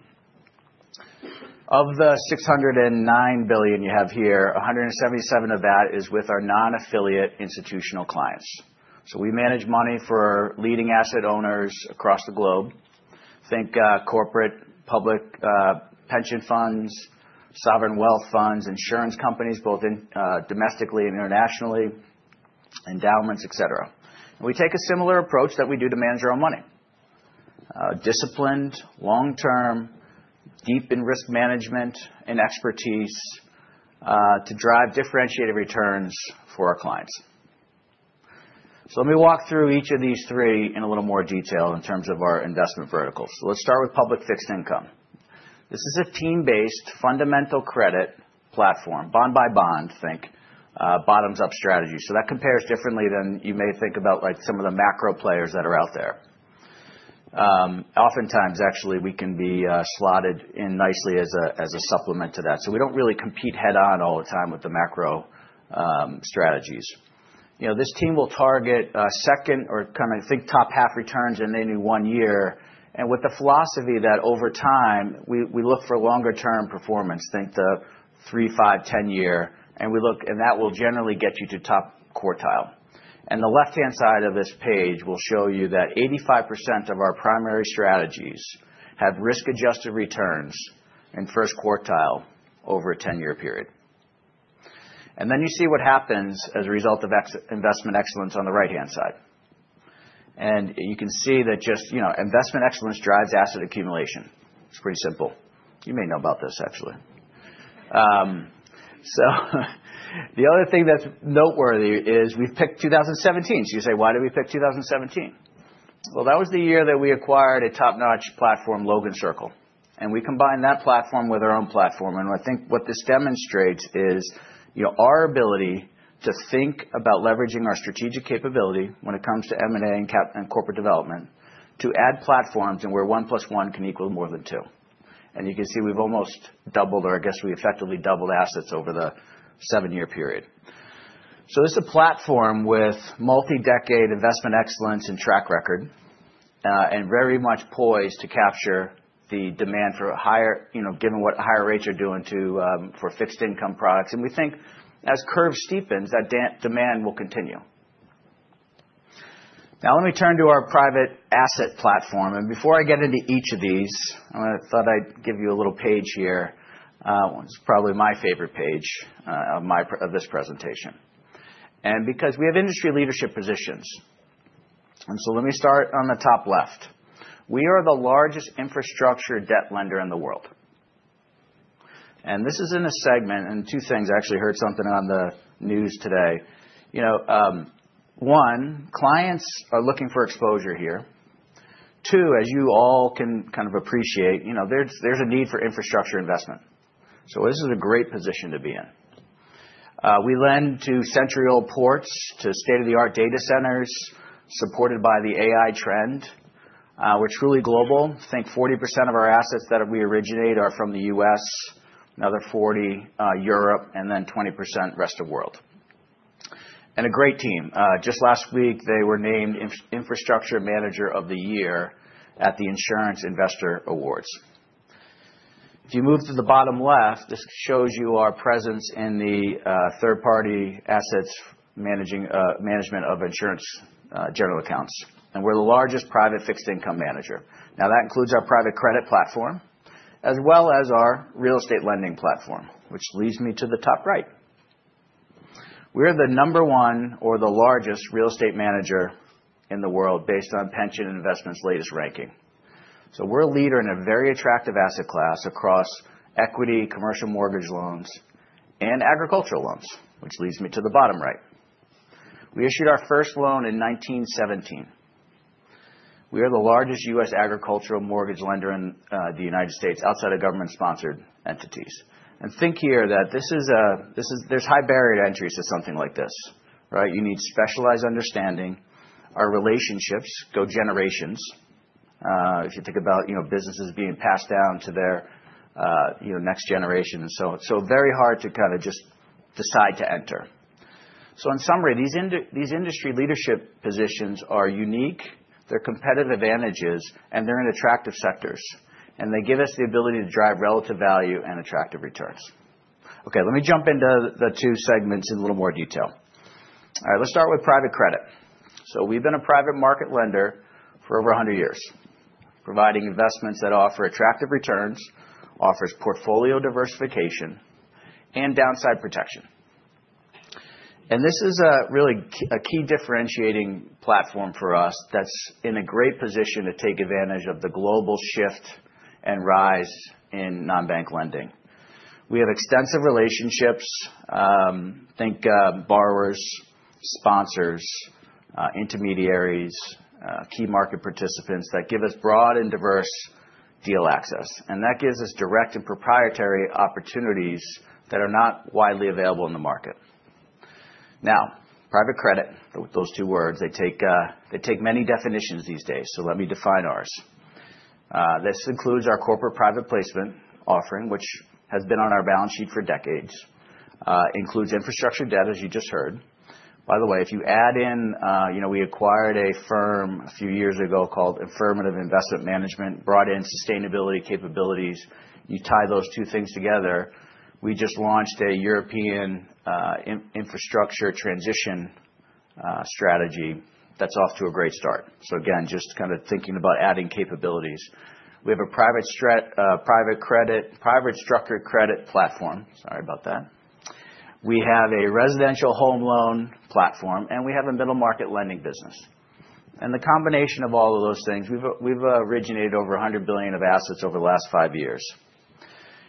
Of the $609 billion you have here, $177 of that is with our non-affiliate institutional clients. So we manage money for leading asset owners across the globe. Think corporate, public pension funds, sovereign wealth funds, insurance companies both domestically and internationally, endowments, etc. And we take a similar approach that we do to manage our own money. Disciplined, long-term, deep in risk management and expertise to drive differentiated returns for our clients. So let me walk through each of these three in a little more detail in terms of our investment verticals. So let's start with public fixed income. This is a team-based fundamental credit platform, bond by bond, think bottoms-up strategy. So that compares differently than you may think about some of the macro players that are out there. Oftentimes, actually, we can be slotted in nicely as a supplement to that. We don't really compete head-on all the time with the macro strategies. This team will target second or kind of think top half returns in any one year with the philosophy that over time, we look for longer-term performance, think the three, five, 10-year, and that will generally get you to top quartile. The left-hand side of this page will show you that 85% of our primary strategies have risk-adjusted returns in first quartile over a 10-year period. Then you see what happens as a result of investment excellence on the right-hand side. You can see that just investment excellence drives asset accumulation. It's pretty simple. You may know about this, actually. The other thing that's noteworthy is we've picked 2017. You say, "Why did we pick 2017?" That was the year that we acquired a top-notch platform, Logan Circle. And we combined that platform with our own platform. And I think what this demonstrates is our ability to think about leveraging our strategic capability when it comes to M&A and corporate development to add platforms and where 1 + 1 can equal more than two. And you can see we've almost doubled, or I guess we effectively doubled assets over the seven-year period. So this is a platform with multi-decade investment excellence and track record and very much poised to capture the demand for given what higher rates are doing for fixed income products. And we think as curve steepens, that demand will continue. Now, let me turn to our private asset platform. And before I get into each of these, I thought I'd give you a little page here. It's probably my favorite page of this presentation. And because we have industry leadership positions. Let me start on the top left. We are the largest infrastructure debt lender in the world. This is in a segment and two things. I actually heard something on the news today. One, clients are looking for exposure here. Two, as you all can kind of appreciate, there's a need for infrastructure investment. This is a great position to be in. We lend to century-old ports, to state-of-the-art data centers supported by the AI trend. We're truly global. Think 40% of our assets that we originate are from the U.S., another 40% Europe, and then 20% rest of world. A great team. Just last week, they were named Infrastructure Manager of the Year at the Insurance Investor Awards. If you move to the bottom left, this shows you our presence in the third-party asset management of insurance general accounts. We're the largest private fixed income manager. Now, that includes our private credit platform as well as our real estate lending platform, which leads me to the top right. We are the number one or the largest real estate manager in the world based on Pensions & Investments' latest ranking. We're a leader in a very attractive asset class across equity, commercial mortgage loans, and agricultural loans, which leads me to the bottom right. We issued our first loan in 1917. We are the largest U.S. agricultural mortgage lender in the United States outside of government-sponsored entities. Think here that there's high barrier to entry to something like this. You need specialized understanding. Our relationships go generations. If you think about businesses being passed down to their next generation. Very hard to kind of just decide to enter. In summary, these industry leadership positions are unique. They're competitive advantages, and they're in attractive sectors. And they give us the ability to drive relative value and attractive returns. Okay. Let me jump into the two segments in a little more detail. All right. Let's start with private credit. So we've been a private market lender for over 100 years, providing investments that offer attractive returns, offers portfolio diversification, and downside protection. And this is really a key differentiating platform for us that's in a great position to take advantage of the global shift and rise in non-bank lending. We have extensive relationships. Think borrowers, sponsors, intermediaries, key market participants that give us broad and diverse deal access. And that gives us direct and proprietary opportunities that are not widely available in the market. Now, private credit, those two words, they take many definitions these days. So let me define ours. This includes our corporate private placement offering, which has been on our balance sheet for decades, includes infrastructure debt, as you just heard. By the way, if you add in, we acquired a firm a few years ago called Affirmative Investment Management, brought in sustainability capabilities. You tie those two things together. We just launched a European infrastructure transition strategy that's off to a great start, so again, just kind of thinking about adding capabilities. We have a private structured credit platform. Sorry about that. We have a residential home loan platform, and we have a middle market lending business, and the combination of all of those things, we've originated over $100 billion of assets over the last five years,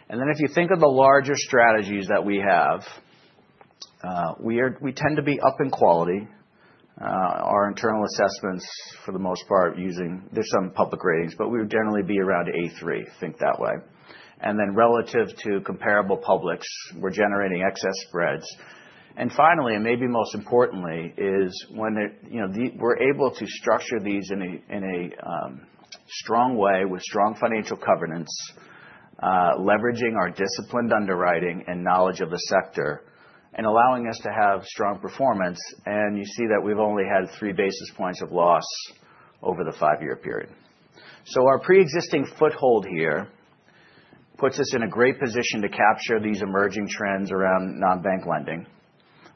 and then if you think of the larger strategies that we have, we tend to be up in quality. Our internal assessments, for the most part, there's some public ratings, but we would generally be around A3. Think that way, and then relative to comparable publics, we're generating excess spreads, and finally, and maybe most importantly, is when we're able to structure these in a strong way with strong financial covenants, leveraging our disciplined underwriting and knowledge of the sector, and allowing us to have strong performance, and you see that we've only had 3 bps of loss over the five-year period, so our pre-existing foothold here puts us in a great position to capture these emerging trends around non-bank lending.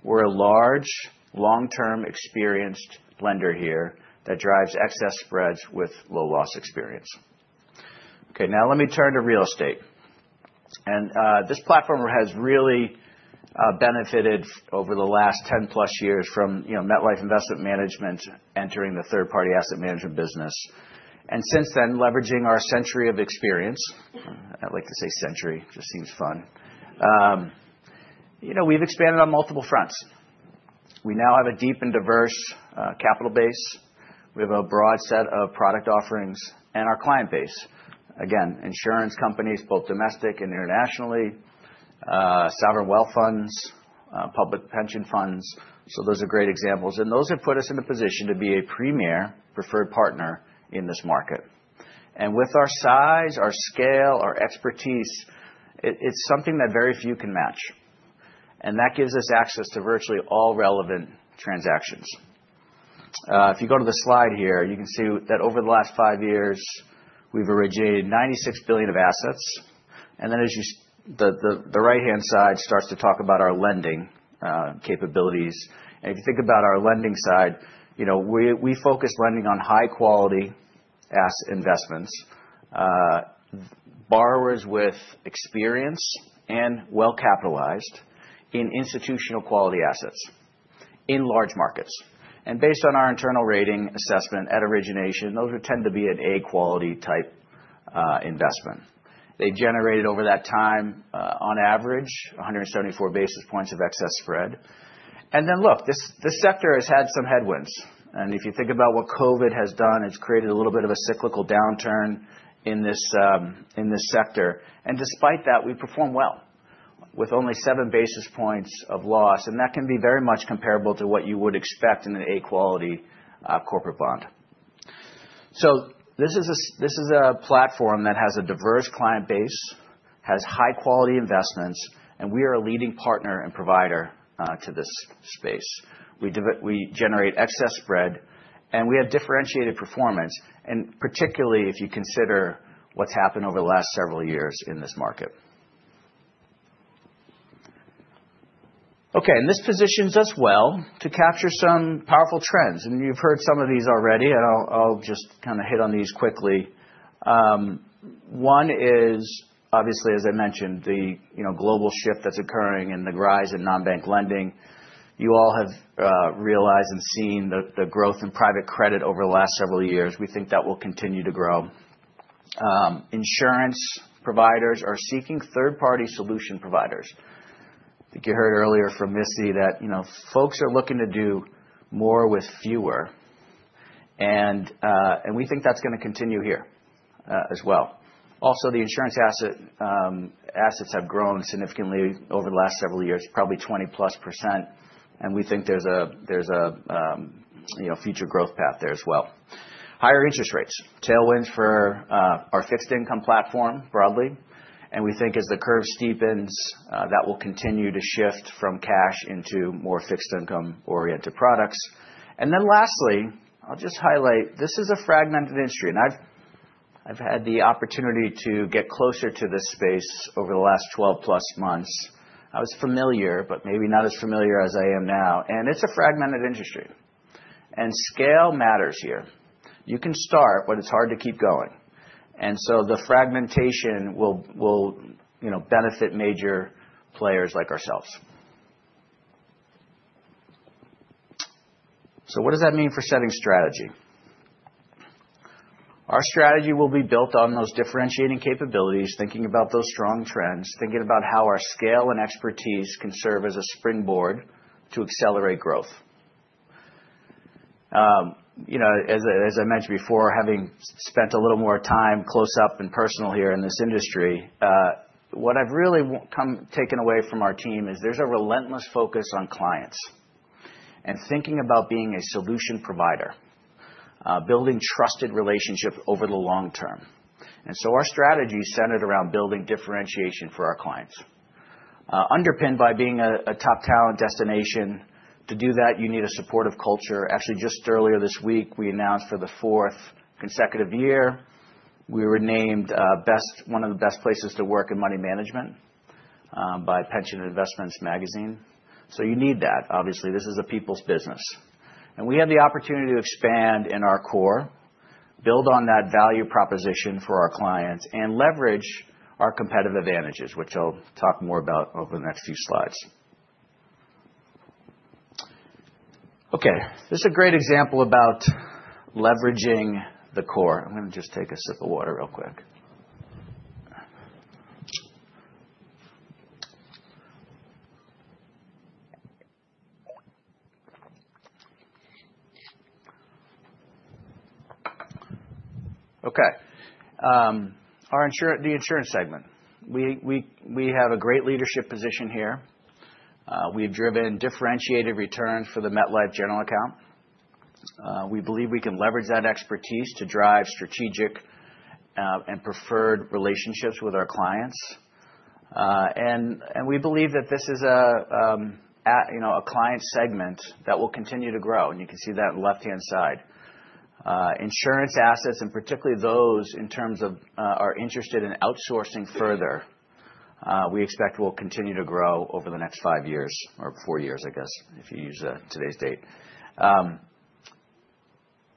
We're a large, long-term experienced lender here that drives excess spreads with low loss experience. Okay. Now, let me turn to real estate, and this platform has really benefited over the last 10+ years from MetLife Investment Management entering the third-party asset management business. Since then, leveraging our century of experience, I like to say century, just seems fun. We've expanded on multiple fronts. We now have a deep and diverse capital base. We have a broad set of product offerings and our client base. Again, insurance companies, both domestic and internationally, sovereign wealth funds, public pension funds. So those are great examples. Those have put us in a position to be a premier preferred partner in this market. With our size, our scale, our expertise, it's something that very few can match. That gives us access to virtually all relevant transactions. If you go to the slide here, you can see that over the last five years, we've originated $96 billion of assets. Then the right-hand side starts to talk about our lending capabilities. And if you think about our lending side, we focus lending on high-quality investments, borrowers with experience, and well-capitalized in institutional quality assets in large markets. Based on our internal rating assessment at origination, those would tend to be an A-quality type investment. They've generated over that time, on average, 174 bps of excess spread. Then look, this sector has had some headwinds. If you think about what COVID has done, it's created a little bit of a cyclical downturn in this sector. Despite that, we perform well with only 7 bps loss. That can be very much comparable to what you would expect in an A-quality corporate bond. This is a platform that has a diverse client base, has high-quality investments, and we are a leading partner and provider to this space. We generate excess spread, and we have differentiated performance, and particularly if you consider what's happened over the last several years in this market. Okay, and this positions us well to capture some powerful trends. And you've heard some of these already, and I'll just kind of hit on these quickly. One is, obviously, as I mentioned, the global shift that's occurring in the rise in non-bank lending. You all have realized and seen the growth in private credit over the last several years. We think that will continue to grow. Insurance providers are seeking third-party solution providers. I think you heard earlier from Missy that folks are looking to do more with fewer, and we think that's going to continue here as well. Also, the insurance assets have grown significantly over the last several years, probably 20+%. And we think there's a future growth path there as well. Higher interest rates, tailwinds for our fixed income platform broadly, and we think as the curve steepens, that will continue to shift from cash into more fixed income-oriented products, and then lastly, I'll just highlight this is a fragmented industry, and I've had the opportunity to get closer to this space over the last 12+ months. I was familiar, but maybe not as familiar as I am now, and it's a fragmented industry, and scale matters here. You can start, but it's hard to keep going, and so the fragmentation will benefit major players like ourselves, so what does that mean for setting strategy? Our strategy will be built on those differentiating capabilities, thinking about those strong trends, thinking about how our scale and expertise can serve as a springboard to accelerate growth. As I mentioned before, having spent a little more time close up and personal here in this industry, what I've really taken away from our team is there's a relentless focus on clients and thinking about being a solution provider, building trusted relationships over the long term. And so our strategy is centered around building differentiation for our clients, underpinned by being a top talent destination. To do that, you need a supportive culture. Actually, just earlier this week, we announced for the fourth consecutive year, we were named one of the best places to work in money management by Pensions & Investments magazine. So you need that. Obviously, this is a people's business. And we have the opportunity to expand in our core, build on that value proposition for our clients, and leverage our competitive advantages, which I'll talk more about over the next few slides. Okay. This is a great example about leveraging the core. I'm going to just take a sip of water real quick. Okay. The insurance segment. We have a great leadership position here. We've driven differentiated returns for the MetLife General Account. We believe we can leverage that expertise to drive strategic and preferred relationships with our clients, and we believe that this is a client segment that will continue to grow, and you can see that on the left-hand side. Insurance assets, and particularly those insurers are interested in outsourcing further, we expect will continue to grow over the next five years or four years, I guess, if you use today's date.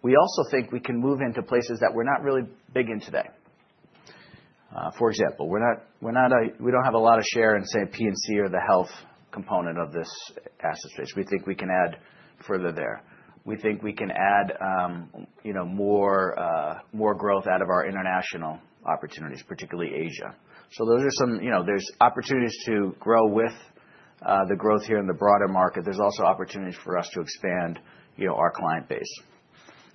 We also think we can move into places that we're not really big in today. For example, we don't have a lot of share in, say, P&C or the health component of this asset space. We think we can add further there. We think we can add more growth out of our international opportunities, particularly Asia. So those are some. There's opportunities to grow with the growth here in the broader market. There's also opportunities for us to expand our client base,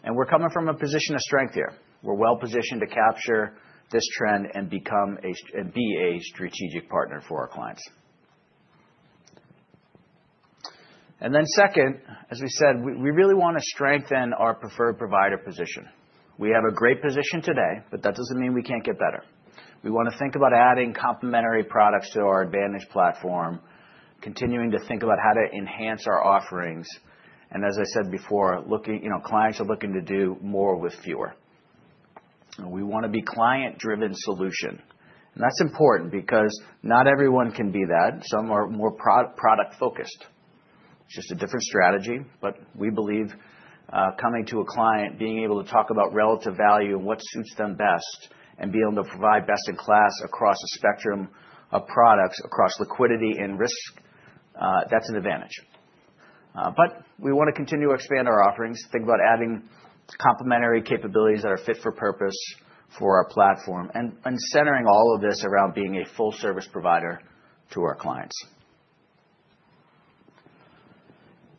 and we're coming from a position of strength here. We're well-positioned to capture this trend and be a strategic partner for our clients, and then second, as we said, we really want to strengthen our preferred provider position. We have a great position today, but that doesn't mean we can't get better. We want to think about adding complementary products to our advantage platform, continuing to think about how to enhance our offerings, and as I said before, clients are looking to do more with fewer. We want to be a client-driven solution, and that's important because not everyone can be that. Some are more product-focused. It's just a different strategy. But we believe coming to a client, being able to talk about relative value and what suits them best, and being able to provide best-in-class across a spectrum of products across liquidity and risk, that's an advantage. But we want to continue to expand our offerings, think about adding complementary capabilities that are fit for purpose for our platform, and centering all of this around being a full-service provider to our clients.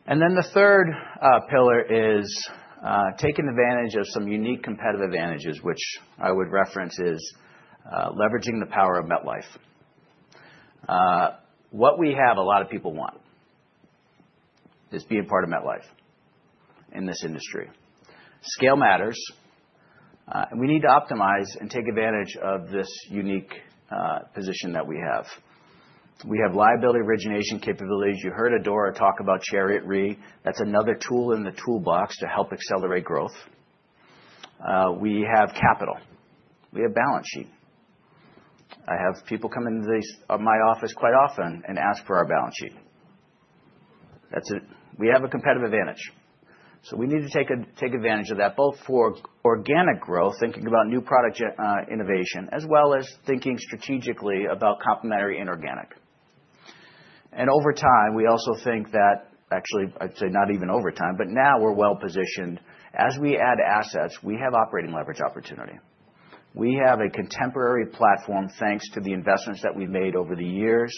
And then the third pillar is taking advantage of some unique competitive advantages, which I would reference as leveraging the power of MetLife. What we have, a lot of people want, is being part of MetLife in this industry. Scale matters. And we need to optimize and take advantage of this unique position that we have. We have liability origination capabilities. You heard Adora talk about Chariot Re. That's another tool in the toolbox to help accelerate growth. We have capital. We have balance sheet. I have people come into my office quite often and ask for our balance sheet. We have a competitive advantage. So we need to take advantage of that, both for organic growth, thinking about new product innovation, as well as thinking strategically about complementary inorganic. And over time, we also think that actually, I'd say not even over time, but now we're well-positioned. As we add assets, we have operating leverage opportunity. We have a contemporary platform thanks to the investments that we've made over the years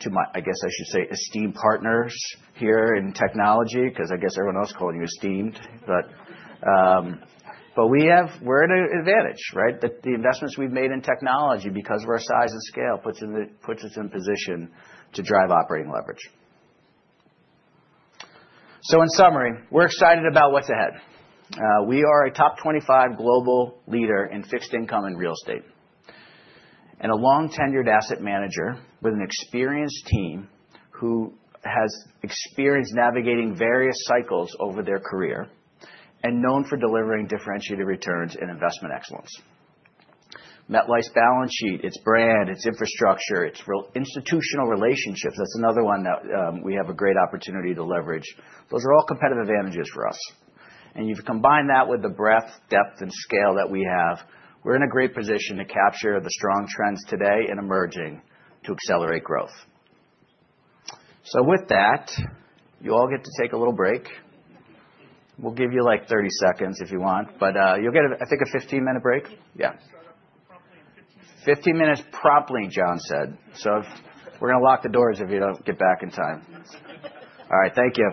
to, I guess I should say, esteemed partners here in technology, because I guess everyone else called you esteemed. But we're at an advantage, right? The investments we've made in technology, because of our size and scale, puts us in position to drive operating leverage. So in summary, we're excited about what's ahead. We are a top 25 global leader in fixed income and real estate, and a long-tenured asset manager with an experienced team who has experience navigating various cycles over their career and known for delivering differentiated returns and investment excellence. MetLife's balance sheet, its brand, its infrastructure, its institutional relationships, that's another one that we have a great opportunity to leverage. Those are all competitive advantages for us. And you've combined that with the breadth, depth, and scale that we have, we're in a great position to capture the strong trends today and emerging to accelerate growth. So with that, you all get to take a little break. We'll give you like 30 seconds if you want, but you'll get, I think, a 15-minute break. Yeah. 15 minutes promptly, John said. So we're going to lock the doors if you don't get back in time. All right. Thank you.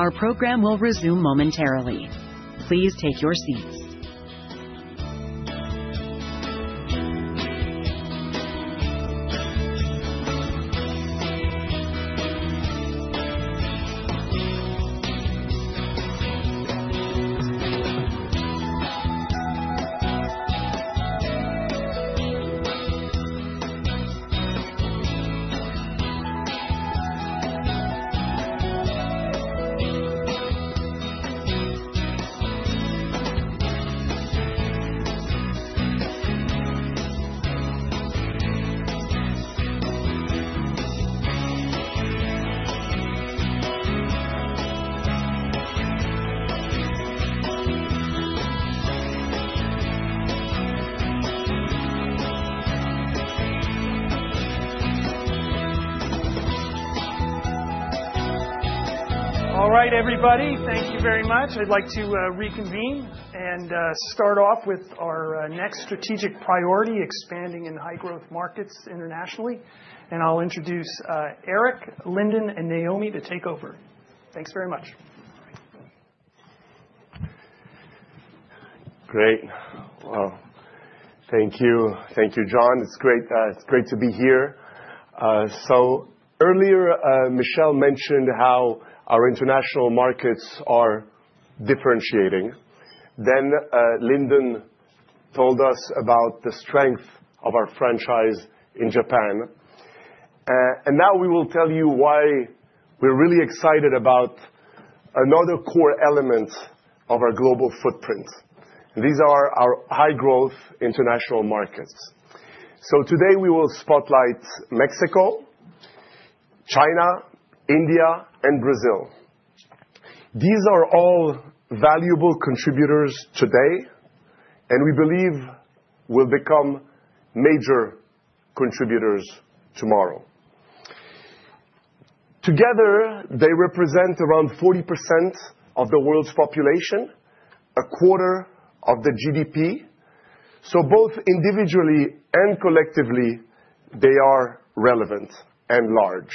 Our program will resume momentarily. Please take your seats. All right, everybody. Thank you very much. I'd like to reconvene and start off with our next strategic priority: expanding in high-growth markets internationally. And I'll introduce Eric, Lyndon, and Naomi to take over. Thanks very much. Great. Wow. Thank you. Thank you, John. It's great to be here. So earlier, Michel mentioned how our international markets are differentiating. Then Lyndon told us about the strength of our franchise in Japan. And now we will tell you why we're really excited about another core element of our global footprint. These are our high-growth international markets. So today we will spotlight Mexico, China, India, and Brazil. These are all valuable contributors today, and we believe will become major contributors tomorrow. Together, they represent around 40% of the world's population, a quarter of the GDP. So both individually and collectively, they are relevant and large.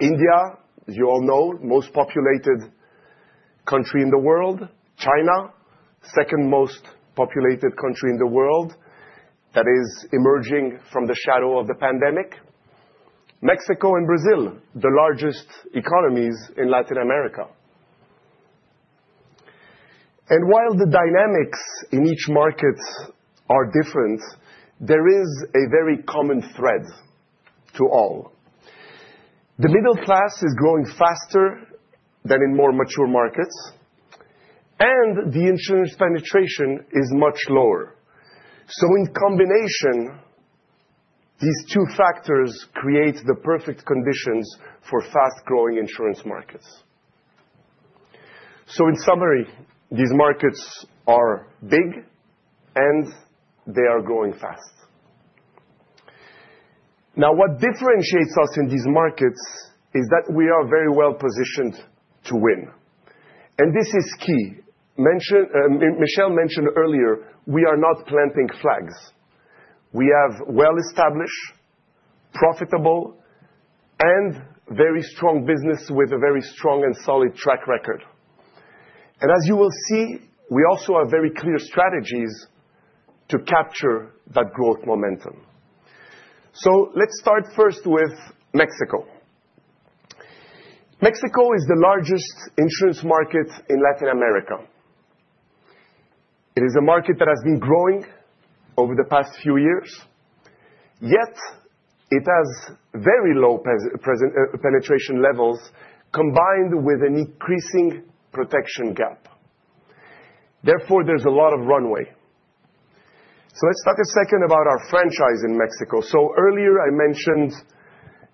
India, as you all know, is the most populated country in the world. China, the second most populated country in the world that is emerging from the shadow of the pandemic. Mexico and Brazil, the largest economies in Latin America. And while the dynamics in each market are different, there is a very common thread to all. The middle class is growing faster than in more mature markets, and the insurance penetration is much lower. So in combination, these two factors create the perfect conditions for fast-growing insurance markets. So in summary, these markets are big, and they are growing fast. Now, what differentiates us in these markets is that we are very well positioned to win. And this is key. Michel mentioned earlier, we are not planting flags. We have well-established, profitable, and very strong business with a very strong and solid track record. And as you will see, we also have very clear strategies to capture that growth momentum. So let's start first with Mexico. Mexico is the largest insurance market in Latin America. It is a market that has been growing over the past few years. Yet it has very low penetration levels combined with an increasing protection gap. Therefore, there's a lot of runway. So let's talk a second about our franchise in Mexico. So earlier, I mentioned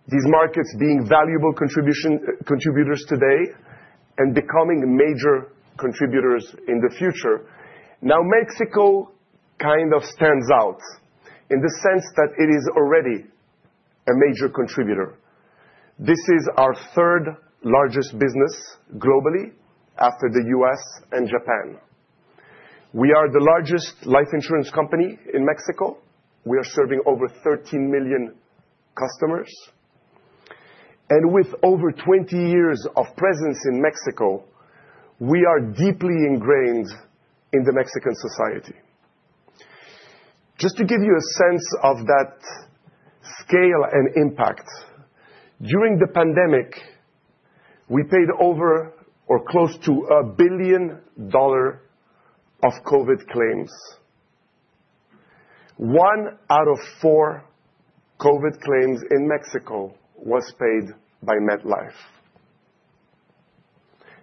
these markets being valuable contributors today and becoming major contributors in the future. Now, Mexico kind of stands out in the sense that it is already a major contributor. This is our third-largest business globally after the U.S. and Japan. We are the largest life insurance company in Mexico. We are serving over 13 million customers, and with over 20 years of presence in Mexico, we are deeply ingrained in the Mexican society. Just to give you a sense of that scale and impact, during the pandemic, we paid over or close to $1 billion of COVID claims. One out of four COVID claims in Mexico was paid by MetLife.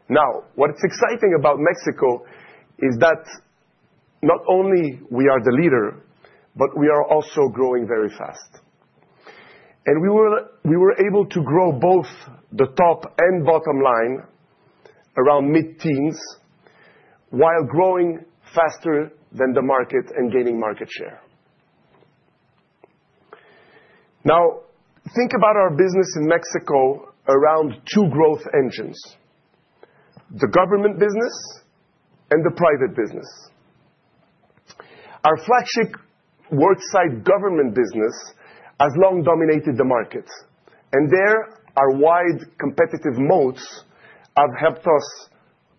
Now, what's exciting about Mexico is that not only are we the leader, but we are also growing very fast, and we were able to grow both the top and bottom line around mid-teens while growing faster than the market and gaining market share. Now, think about our business in Mexico around two growth engines: the government business and the private business. Our flagship worksite government business has long dominated the market, and there, our wide competitive moats have helped us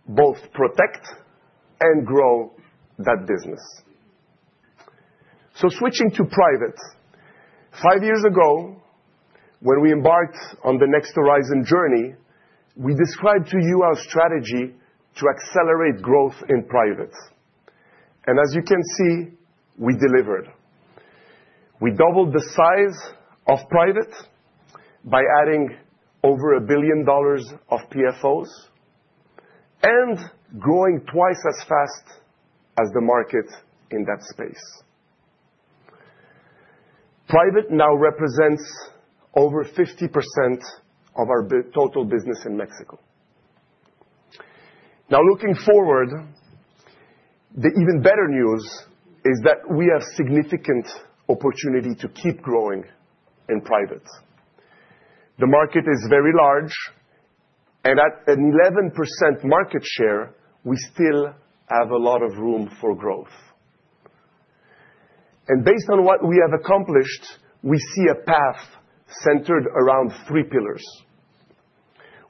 both protect and grow that business, so switching to private, five years ago, when we embarked on the Next Horizon journey, we described to you our strategy to accelerate growth in private, and as you can see, we delivered. We doubled the size of private by adding over $1 billion of PFOs and growing twice as fast as the market in that space. Private now represents over 50% of our total business in Mexico. Now, looking forward, the even better news is that we have significant opportunity to keep growing in private. The market is very large, and at an 11% market share, we still have a lot of room for growth, and based on what we have accomplished, we see a path centered around three pillars.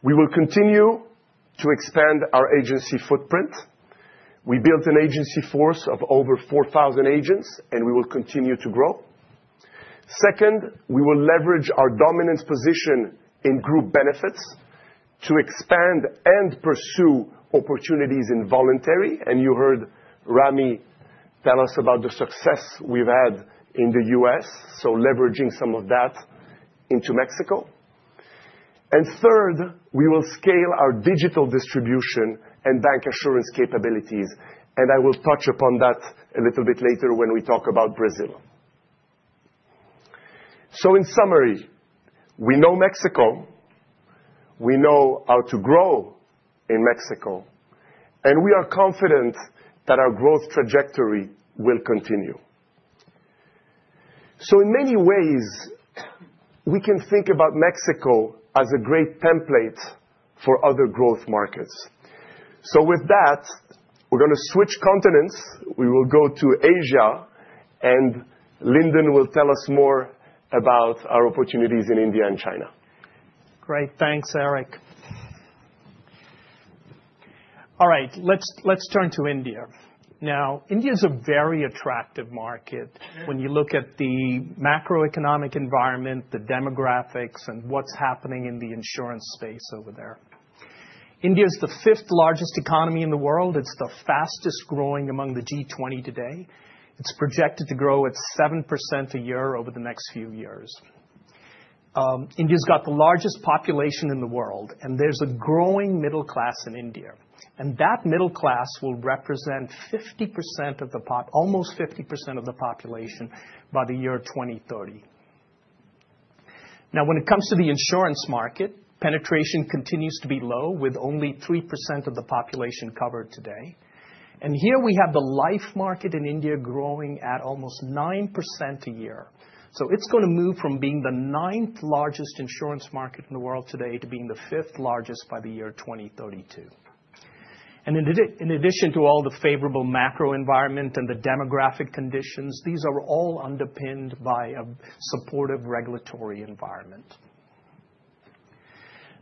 We will continue to expand our agency footprint. We built an agency force of over 4,000 agents, and we will continue to grow. Second, we will leverage our dominant position in Group Benefits to expand and pursue opportunities in voluntary, and you heard Ramy tell us about the success we've had in the U.S., so leveraging some of that into Mexico, and third, we will scale our digital distribution and bancassurance capabilities. And I will touch upon that a little bit later when we talk about Brazil, so in summary, we know Mexico. We know how to grow in Mexico, and we are confident that our growth trajectory will continue, so in many ways, we can think about Mexico as a great template for other growth markets, so with that, we're going to switch continents. We will go to Asia, and Lyndon will tell us more about our opportunities in India and China. Great. Thanks, Eric. All right. Let's turn to India. Now, India is a very attractive market when you look at the macroeconomic environment, the demographics, and what's happening in the insurance space over there. India is the fifth-largest economy in the world. It's the fastest growing among the G20 today. It's projected to grow at 7% a year over the next few years. India's got the largest population in the world, and there's a growing middle class in India. And that middle class will represent almost 50% of the population by the year 2030. Now, when it comes to the insurance market, penetration continues to be low, with only 3% of the population covered today. And here we have the life market in India growing at almost 9% a year. It's going to move from being the ninth-largest insurance market in the world today to being the fifth-largest by the year 2032. And in addition to all the favorable macro environment and the demographic conditions, these are all underpinned by a supportive regulatory environment.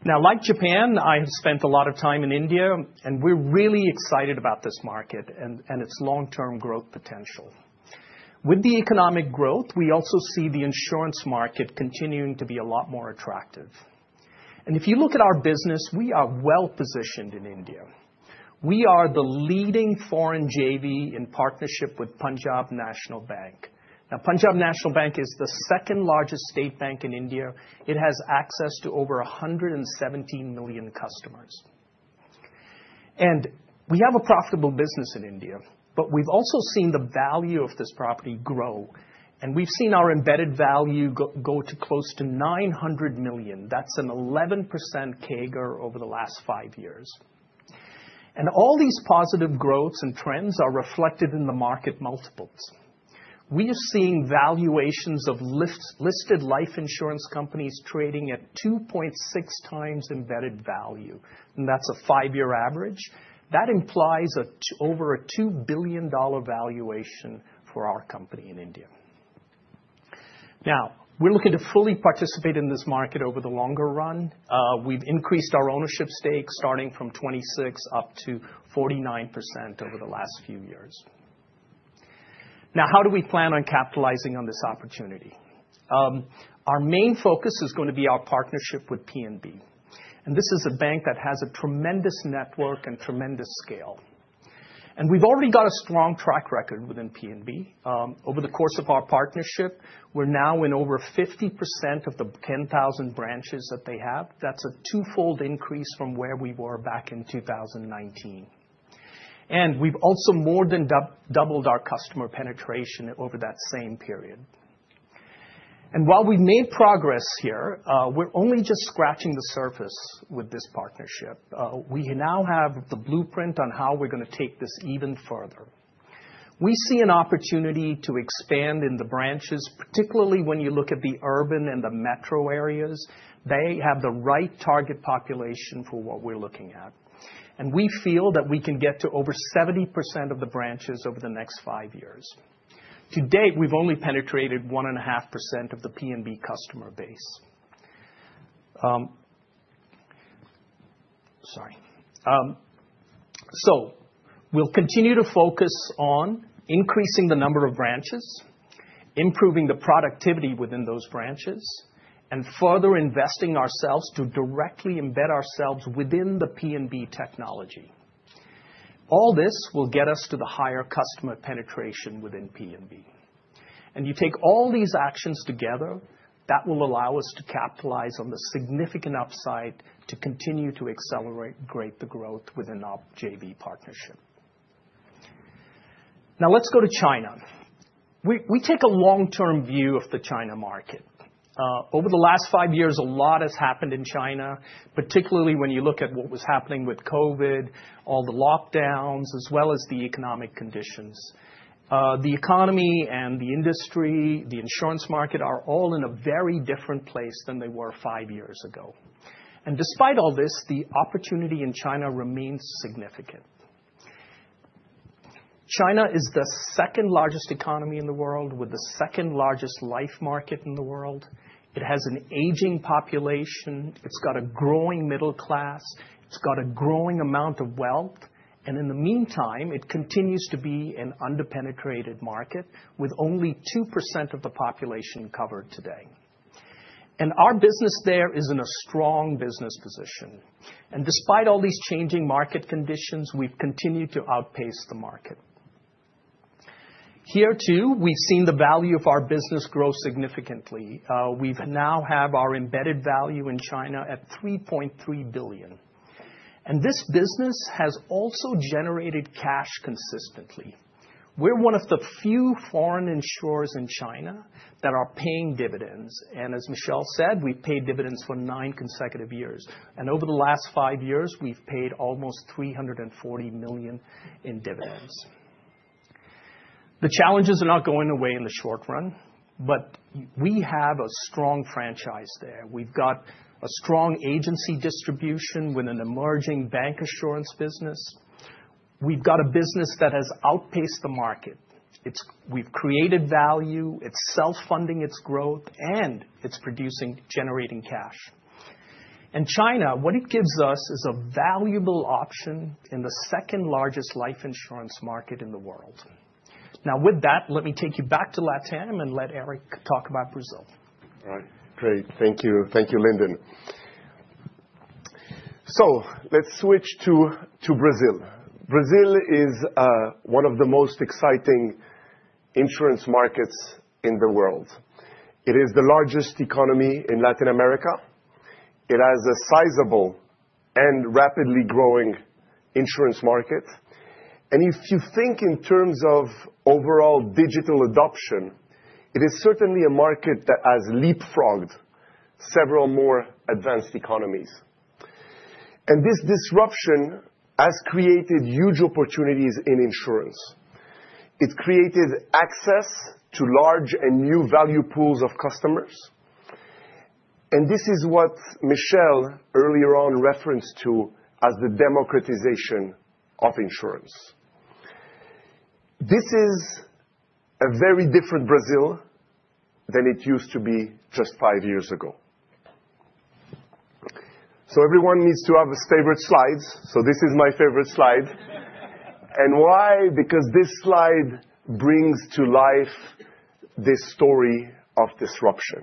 Now, like Japan, I have spent a lot of time in India, and we're really excited about this market and its long-term growth potential. With the economic growth, we also see the insurance market continuing to be a lot more attractive. And if you look at our business, we are well positioned in India. We are the leading foreign JV in partnership with Punjab National Bank. Now, Punjab National Bank is the second-largest state bank in India. It has access to over 117 million customers. And we have a profitable business in India, but we've also seen the value of this property grow. We've seen our embedded value go to close to $900 million. That's an 11% CAGR over the last five years. All these positive growths and trends are reflected in the market multiples. We are seeing valuations of listed life insurance companies trading at 2.6 times embedded value. That's a five-year average. That implies over a $2 billion valuation for our company in India. Now, we're looking to fully participate in this market over the longer run. We've increased our ownership stake starting from 26% up to 49% over the last few years. Now, how do we plan on capitalizing on this opportunity? Our main focus is going to be our partnership with PNB. This is a bank that has a tremendous network and tremendous scale. We've already got a strong track record within PNB. Over the course of our partnership, we're now in over 50% of the 10,000 branches that they have. That's a twofold increase from where we were back in 2019. And we've also more than doubled our customer penetration over that same period. And while we've made progress here, we're only just scratching the surface with this partnership. We now have the blueprint on how we're going to take this even further. We see an opportunity to expand in the branches, particularly when you look at the urban and the metro areas. They have the right target population for what we're looking at. And we feel that we can get to over 70% of the branches over the next five years. To date, we've only penetrated 1.5% of the PNB customer base. Sorry. We'll continue to focus on increasing the number of branches, improving the productivity within those branches, and further investing ourselves to directly embed ourselves within the PNB technology. All this will get us to the higher customer penetration within PNB. And you take all these actions together, that will allow us to capitalize on the significant upside to continue to accelerate and grow the growth within our JV partnership. Now, let's go to China. We take a long-term view of the China market. Over the last five years, a lot has happened in China, particularly when you look at what was happening with COVID, all the lockdowns, as well as the economic conditions. The economy and the industry, the insurance market, are all in a very different place than they were five years ago. And despite all this, the opportunity in China remains significant. China is the second-largest economy in the world with the second-largest life market in the world. It has an aging population. It's got a growing middle class. It's got a growing amount of wealth, and in the meantime, it continues to be an underpenetrated market with only 2% of the population covered today, and our business there is in a strong business position. And despite all these changing market conditions, we've continued to outpace the market. Here too, we've seen the value of our business grow significantly. We now have our embedded value in China at $3.3 billion, and this business has also generated cash consistently. We're one of the few foreign insurers in China that are paying dividends, and as Michel said, we've paid dividends for nine consecutive years, and over the last five years, we've paid almost $340 million in dividends. The challenges are not going away in the short run, but we have a strong franchise there. We've got a strong agency distribution with an emerging bancassurance business. We've got a business that has outpaced the market. We've created value. It's self-funding its growth, and it's generating cash. China, what it gives us is a valuable option in the second-largest life insurance market in the world. Now, with that, let me take you back to LatAm and let Eric talk about Brazil. All right. Great. Thank you. Thank you, Lyndon. So let's switch to Brazil. Brazil is one of the most exciting insurance markets in the world. It is the largest economy in Latin America. It has a sizable and rapidly growing insurance market. And if you think in terms of overall digital adoption, it is certainly a market that has leapfrogged several more advanced economies. This disruption has created huge opportunities in insurance. It's created access to large and new value pools of customers. This is what Michel earlier on referenced to as the democratization of insurance. This is a very different Brazil than it used to be just five years ago. Everyone needs to have his favorite slides. This is my favorite slide. Why? Because this slide brings to life this story of disruption.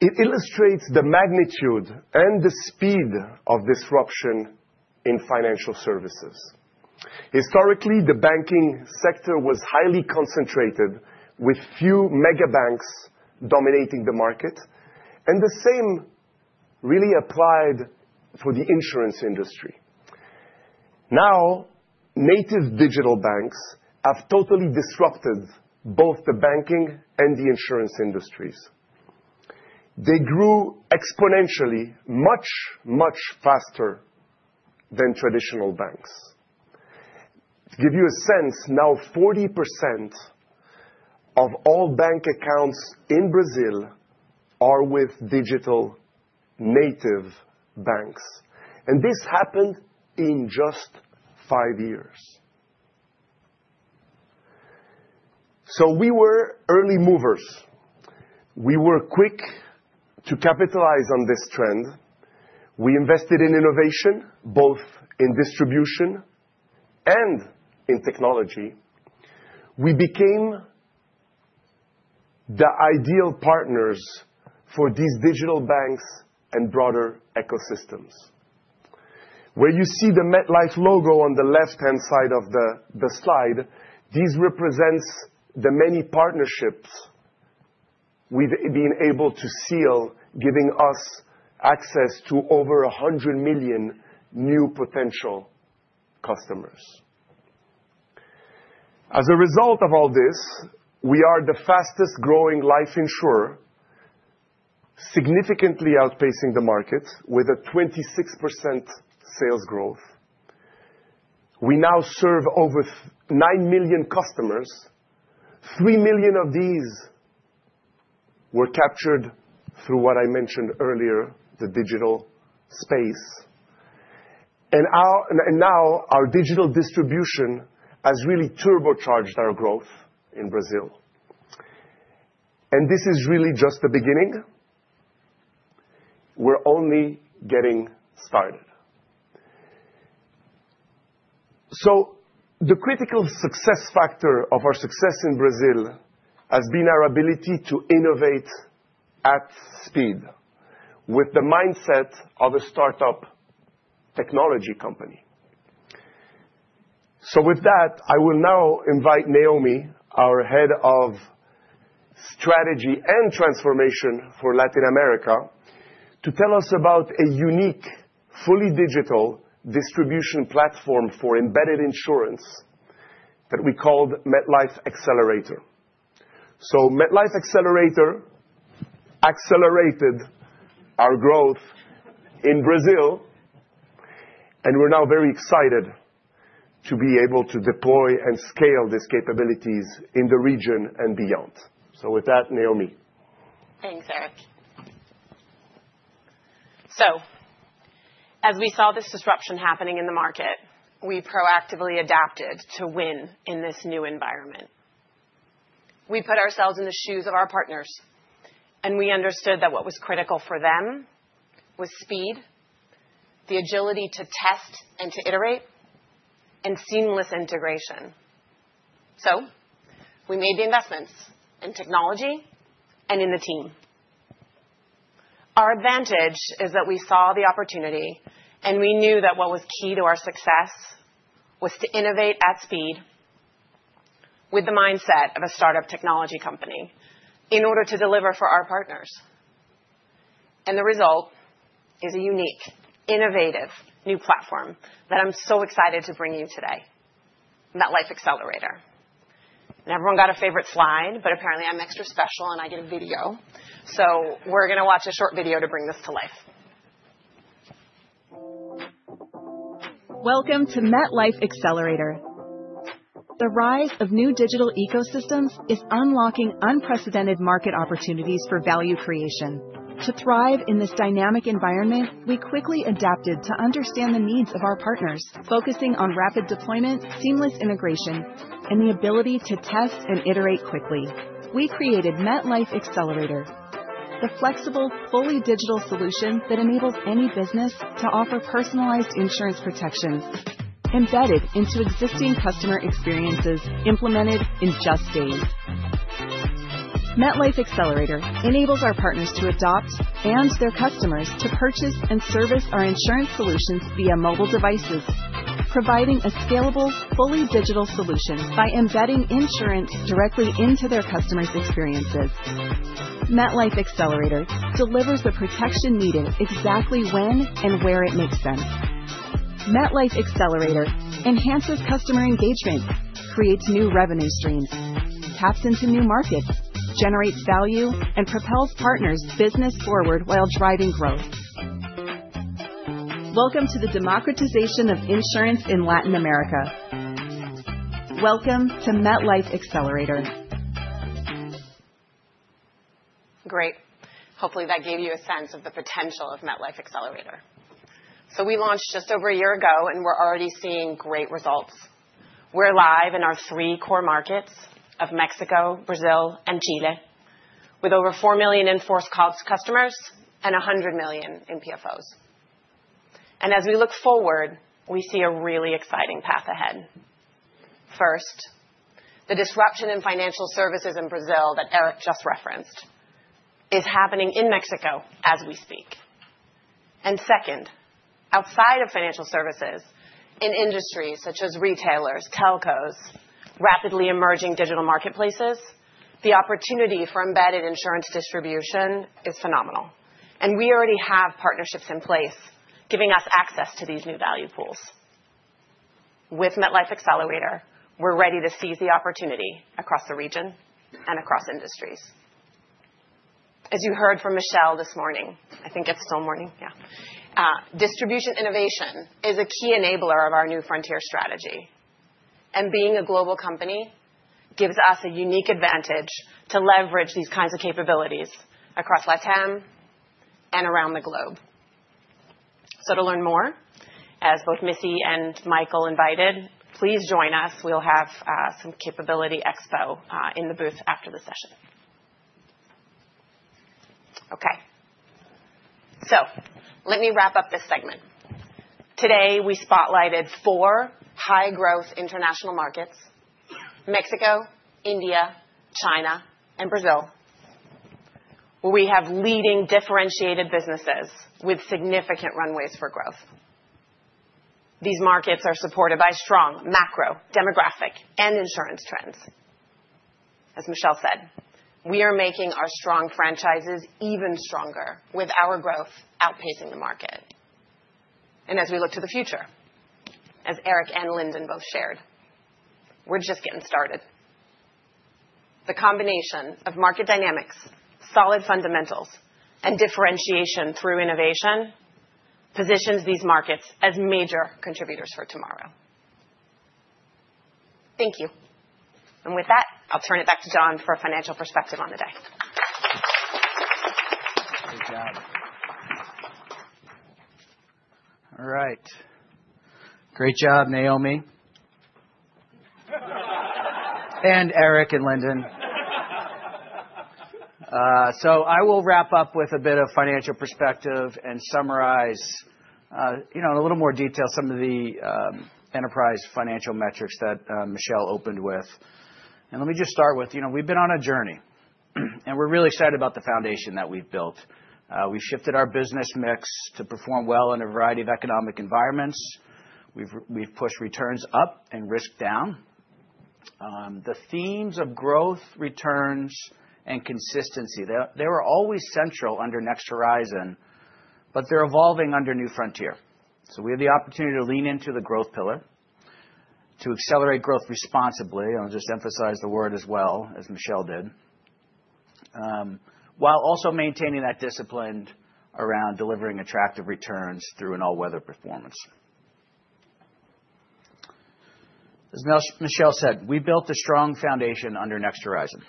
It illustrates the magnitude and the speed of disruption in financial services. Historically, the banking sector was highly concentrated, with few mega banks dominating the market. The same really applied for the insurance industry. Now, native digital banks have totally disrupted both the banking and the insurance industries. They grew exponentially much, much faster than traditional banks. To give you a sense, now 40% of all bank accounts in Brazil are with digital native banks, and this happened in just five years, so we were early movers. We were quick to capitalize on this trend. We invested in innovation, both in distribution and in technology. We became the ideal partners for these digital banks and broader ecosystems. Where you see the MetLife logo on the left-hand side of the slide, this represents the many partnerships we've been able to seal, giving us access to over 100 million new potential customers. As a result of all this, we are the fastest-growing life insurer, significantly outpacing the market with a 26% sales growth. We now serve over nine million customers. Three million of these were captured through what I mentioned earlier, the digital space. And now our digital distribution has really turbocharged our growth in Brazil. This is really just the beginning. We're only getting started. The critical success factor of our success in Brazil has been our ability to innovate at speed with the mindset of a startup technology company. With that, I will now invite Naomi, our head of strategy and transformation for Latin America, to tell us about a unique, fully digital distribution platform for embedded insurance that we called MetLife Accelerator. MetLife Accelerator accelerated our growth in Brazil. We're now very excited to be able to deploy and scale these capabilities in the region and beyond. With that, Naomi. Thanks, Eric. As we saw this disruption happening in the market, we proactively adapted to win in this new environment. We put ourselves in the shoes of our partners, and we understood that what was critical for them was speed, the agility to test and to iterate, and seamless integration. So we made the investments in technology and in the team. Our advantage is that we saw the opportunity, and we knew that what was key to our success was to innovate at speed with the mindset of a startup technology company in order to deliver for our partners. And the result is a unique, innovative new platform that I'm so excited to bring you today, MetLife Accelerator. And everyone got a favorite slide, but apparently I'm extra special and I get a video. So we're going to watch a short video to bring this to life. Welcome to MetLife Accelerator. The rise of new digital ecosystems is unlocking unprecedented market opportunities for value creation. To thrive in this dynamic environment, we quickly adapted to understand the needs of our partners, focusing on rapid deployment, seamless integration, and the ability to test and iterate quickly. We created MetLife Accelerator, the flexible, fully digital solution that enables any business to offer personalized insurance protections embedded into existing customer experiences implemented in just days. MetLife Accelerator enables our partners to adopt and their customers to purchase and service our insurance solutions via mobile devices, providing a scalable, fully digital solution by embedding insurance directly into their customers' experiences. MetLife Accelerator delivers the protection needed exactly when and where it makes sense. MetLife Accelerator enhances customer engagement, creates new revenue streams, taps into new markets, generates value, and propels partners' business forward while driving growth. Welcome to the democratization of insurance in Latin America. Welcome to MetLife Accelerator. Great. Hopefully, that gave you a sense of the potential of MetLife Accelerator, so we launched just over a year ago, and we're already seeing great results. We're live in our three core markets of Mexico, Brazil, and Chile, with over 4 million in-force customers and 100 million in PFOs, and as we look forward, we see a really exciting path ahead. First, the disruption in financial services in Brazil that Eric just referenced is happening in Mexico as we speak, and second, outside of financial services, in industries such as retailers, telcos, and rapidly emerging digital marketplaces, the opportunity for embedded insurance distribution is phenomenal, and we already have partnerships in place giving us access to these new value pools. With MetLife Accelerator, we're ready to seize the opportunity across the region and across industries. As you heard from Michel this morning, I think it's still morning, yeah, distribution innovation is a key enabler of our New Frontier strategy, and being a global company gives us a unique advantage to leverage these kinds of capabilities across LatAm and around the globe, so to learn more, as both Missy and Michael invited, please join us. We'll have some capability expo in the booth after the session. Okay, so let me wrap up this segment. Today, we spotlighted four high-growth international markets: Mexico, India, China, and Brazil, where we have leading differentiated businesses with significant runways for growth. These markets are supported by strong macro, demographic, and insurance trends. As Michel said, we are making our strong franchises even stronger with our growth outpacing the market, and as we look to the future, as Eric and Lyndon both shared, we're just getting started. The combination of market dynamics, solid fundamentals, and differentiation through innovation positions these markets as major contributors for tomorrow. Thank you, and with that, I'll turn it back to John for a financial perspective on the day. Great job. All right. Great job, Naomi, and Eric and Lyndon, so I will wrap up with a bit of financial perspective and summarize in a little more detail some of the enterprise financial metrics that Michel opened with. Let me just start with, we've been on a journey, and we're really excited about the foundation that we've built. We've shifted our business mix to perform well in a variety of economic environments. We've pushed returns up and risk down. The themes of growth, returns, and consistency, they were always central under Next Horizon, but they're evolving under New Frontier. So we have the opportunity to lean into the growth pillar, to accelerate growth responsibly. I'll just emphasize the word as well, as Michel did, while also maintaining that discipline around delivering attractive returns through an all-weather performance. As Michel said, we built a strong foundation under Next Horizon.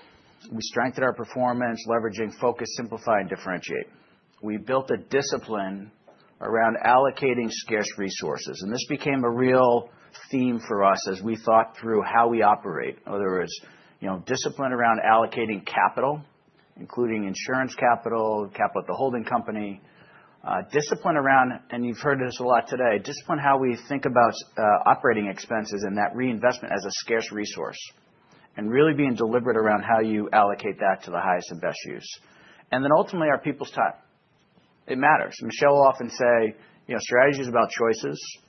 We strengthened our performance, leveraging focus, simplify, and differentiate. We built a discipline around allocating scarce resources. And this became a real theme for us as we thought through how we operate, in other words, discipline around allocating capital, including insurance capital, capital at the holding company, discipline around, and you've heard this a lot today, discipline how we think about operating expenses and that reinvestment as a scarce resource, and really being deliberate around how you allocate that to the highest and best use. And then ultimately, our people's time. It matters. Michel will often say, "Strategy is about choices,"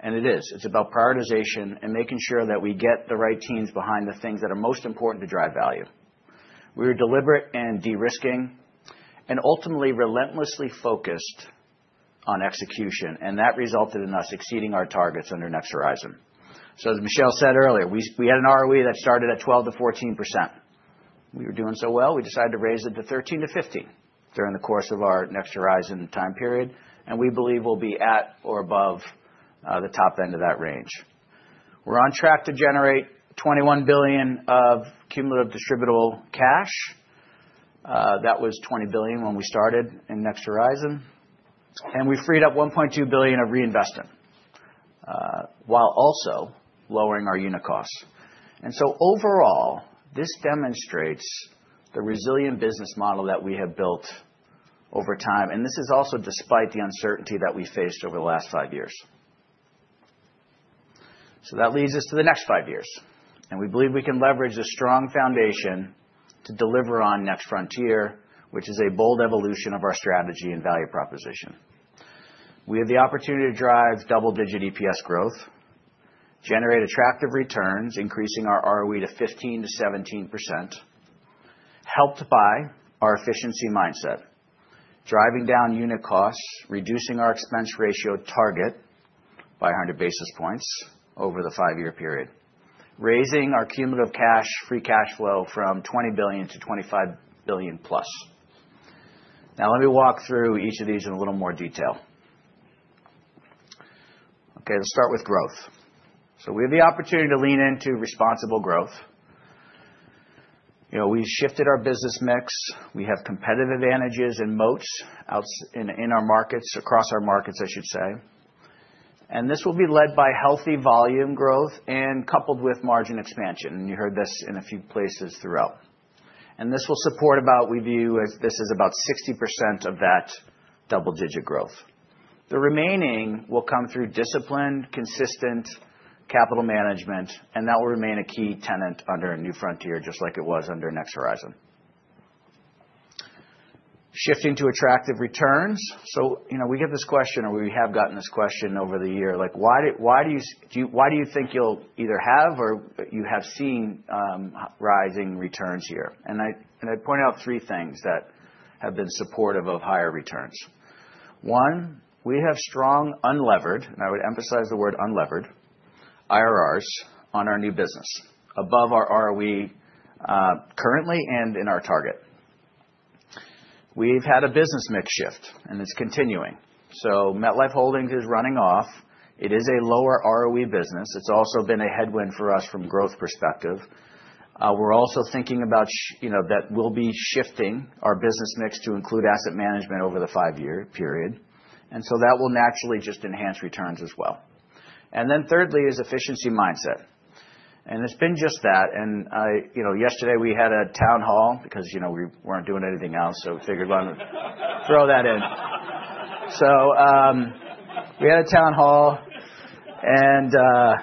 and it is. It's about prioritization and making sure that we get the right teams behind the things that are most important to drive value. We were deliberate and de-risking, and ultimately relentlessly focused on execution that resulted in us exceeding our targets under Next Horizon, so as Michel said earlier, we had an ROE that started at 12% to 14%. We were doing so well, we decided to raise it to 13% to 15% during the course of our Next Horizon time period, and we believe we'll be at or above the top end of that range. We're on track to generate $21 billion of cumulative distributable cash. That was $20 billion when we started in Next Horizon, and we freed up $1.2 billion of reinvestment while also lowering our unit costs. And so overall, this demonstrates the resilient business model that we have built over time. And this is also despite the uncertainty that we faced over the last five years. So that leads us to the next five years. And we believe we can leverage a strong foundation to deliver on New Frontier, which is a bold evolution of our strategy and value proposition. We have the opportunity to drive double-digit EPS growth, generate attractive returns, increasing our ROE to 15% to 17%, helped by our efficiency mindset, driving down unit costs, reducing our expense ratio target by 100 bps over the five-year period, raising our cumulative cash, free cash flow from $20 billion to $25 billion+. Now let me walk through each of these in a little more detail. Okay, let's start with growth. So we have the opportunity to lean into responsible growth. We shifted our business mix. We have competitive advantages and moats in our markets, across our markets, I should say. And this will be led by healthy volume growth and coupled with margin expansion. And you heard this in a few places throughout. And this will support about, we view this as about 60% of that double-digit growth. The remaining will come through disciplined, consistent capital management, and that will remain a key tenet under a New Frontier, just like it was under Next Horizon. Shifting to attractive returns. So we get this question, or we have gotten this question over the year, like, "Why do you think you'll either have or you have seen rising returns here?" And I point out three things that have been supportive of higher returns. One, we have strong, unlevered, and I would emphasize the word unlevered, IRRs on our new business, above our ROE currently and in our target. We've had a business mix shift, and it's continuing. So MetLife Holdings is running off. It is a lower ROE business. It's also been a headwind for us from growth perspective. We're also thinking about that we'll be shifting our business mix to include asset management over the five-year period. And so that will naturally just enhance returns as well. And then thirdly is efficiency mindset. And it's been just that. And yesterday we had a town hall because we weren't doing anything else, so we figured, "Why don't we throw that in?" So we had a town hall, and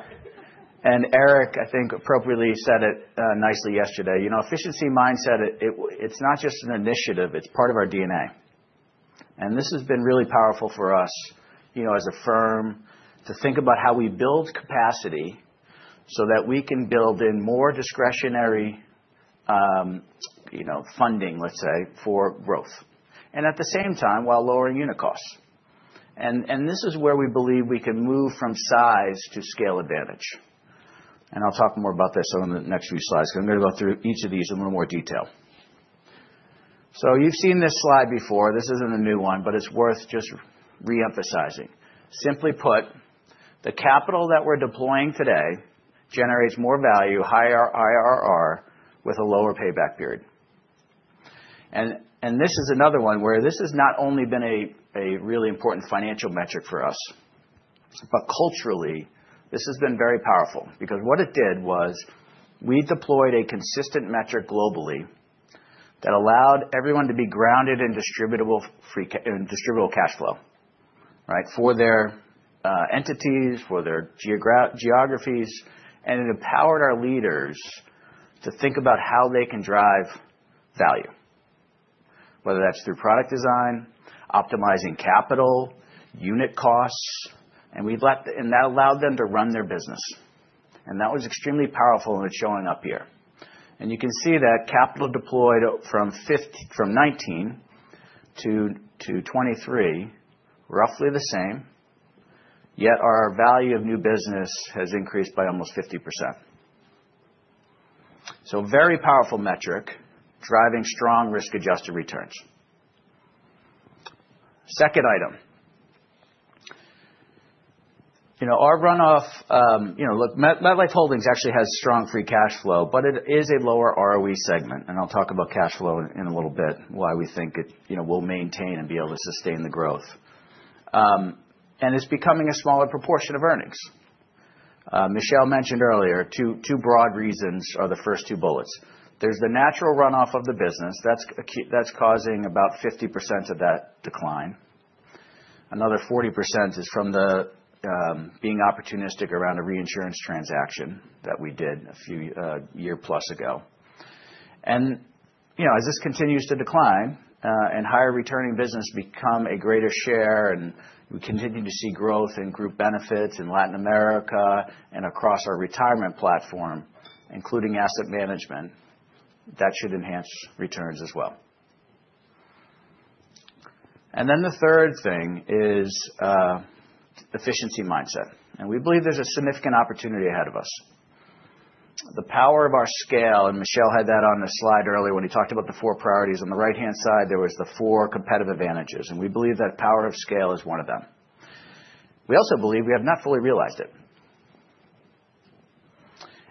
Eric, I think, appropriately said it nicely yesterday, "Efficiency mindset, it's not just an initiative. It's part of our DNA." And this has been really powerful for us as a firm to think about how we build capacity so that we can build in more discretionary funding, let's say, for growth, and at the same time while lowering unit costs. And this is where we believe we can move from size to scale advantage. And I'll talk more about this on the next few slides because I'm going to go through each of these in a little more detail. So you've seen this slide before. This isn't a new one, but it's worth just reemphasizing. Simply put, the capital that we're deploying today generates more value, higher IRR with a lower payback period. This is another one where this has not only been a really important financial metric for us, but culturally, this has been very powerful because what it did was we deployed a consistent metric globally that allowed everyone to be grounded in distributable cash flow, right, for their entities, for their geographies. And it empowered our leaders to think about how they can drive value, whether that's through product design, optimizing capital, unit costs. And that allowed them to run their business. And that was extremely powerful, and it's showing up here. And you can see that capital deployed from 2019 to 2023, roughly the same, yet our value of new business has increased by almost 50%. So very powerful metric, driving strong risk-adjusted returns. Second item. Our runoff, look, MetLife Holdings actually has strong free cash flow, but it is a lower ROE segment. I'll talk about cash flow in a little bit, why we think it will maintain and be able to sustain the growth. It's becoming a smaller proportion of earnings. Michel mentioned earlier. Two broad reasons are the first two bullets. There's the natural runoff of the business. That's causing about 50% of that decline. Another 40% is from being opportunistic around a reinsurance transaction that we did a year-plus ago. As this continues to decline and higher returning business becomes a greater share, and we continue to see growth in Group Benefits in Latin America and across our retirement platform, including asset management, that should enhance returns as well. Then the third thing is efficiency mindset. We believe there's a significant opportunity ahead of us. The power of our scale, and Michel had that on the slide earlier when he talked about the four priorities. On the right-hand side, there were the four competitive advantages, and we believe that power of scale is one of them. We also believe we have not fully realized it,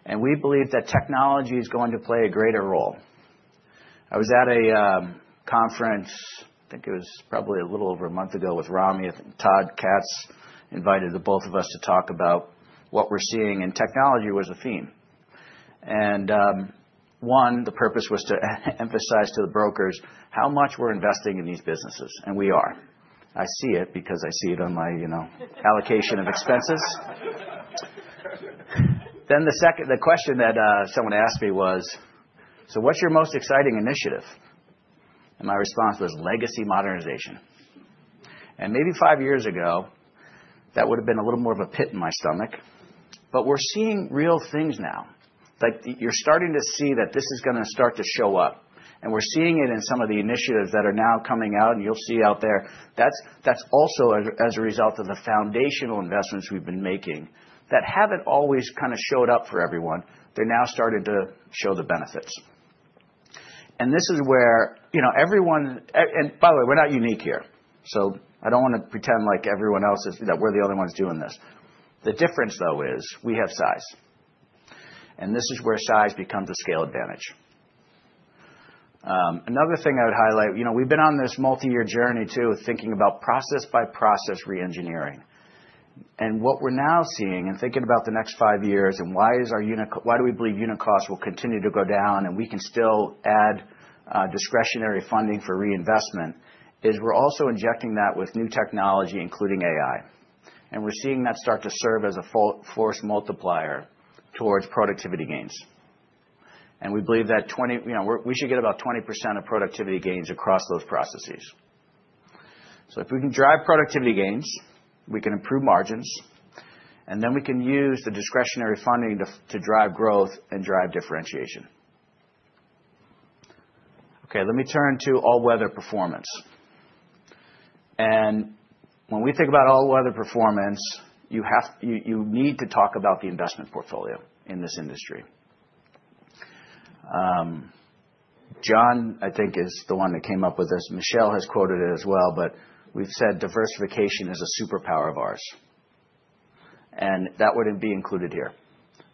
and we believe that technology is going to play a greater role. I was at a conference. I think it was probably a little over a month ago, with Ramy and Todd Katz invited both of us to talk about what we're seeing in technology was a theme. The purpose was to emphasize to the brokers how much we're investing in these businesses, and we are. I see it because I see it on my allocation of expenses. Then the question that someone asked me was, "So what's your most exciting initiative?" And my response was legacy modernization. And maybe five years ago, that would have been a little more of a pit in my stomach. But we're seeing real things now. You're starting to see that this is going to start to show up. And we're seeing it in some of the initiatives that are now coming out. And you'll see out there, that's also as a result of the foundational investments we've been making that haven't always kind of showed up for everyone. They're now starting to show the benefits. And this is where everyone, and by the way, we're not unique here. So I don't want to pretend like everyone else is that we're the only ones doing this. The difference, though, is we have size. And this is where size becomes a scale advantage. Another thing I would highlight, we've been on this multi-year journey too of thinking about process-by-process reengineering. And what we're now seeing and thinking about the next five years and why do we believe unit costs will continue to go down and we can still add discretionary funding for reinvestment is we're also injecting that with new technology, including AI. And we're seeing that start to serve as a force multiplier towards productivity gains. And we believe that we should get about 20% of productivity gains across those processes. So if we can drive productivity gains, we can improve margins, and then we can use the discretionary funding to drive growth and drive differentiation. Okay, let me turn to all-weather performance. And when we think about all-weather performance, you need to talk about the investment portfolio in this industry. John, I think, is the one that came up with this. Michel has quoted it as well, but we've said diversification is a superpower of ours. And that wouldn't be included here,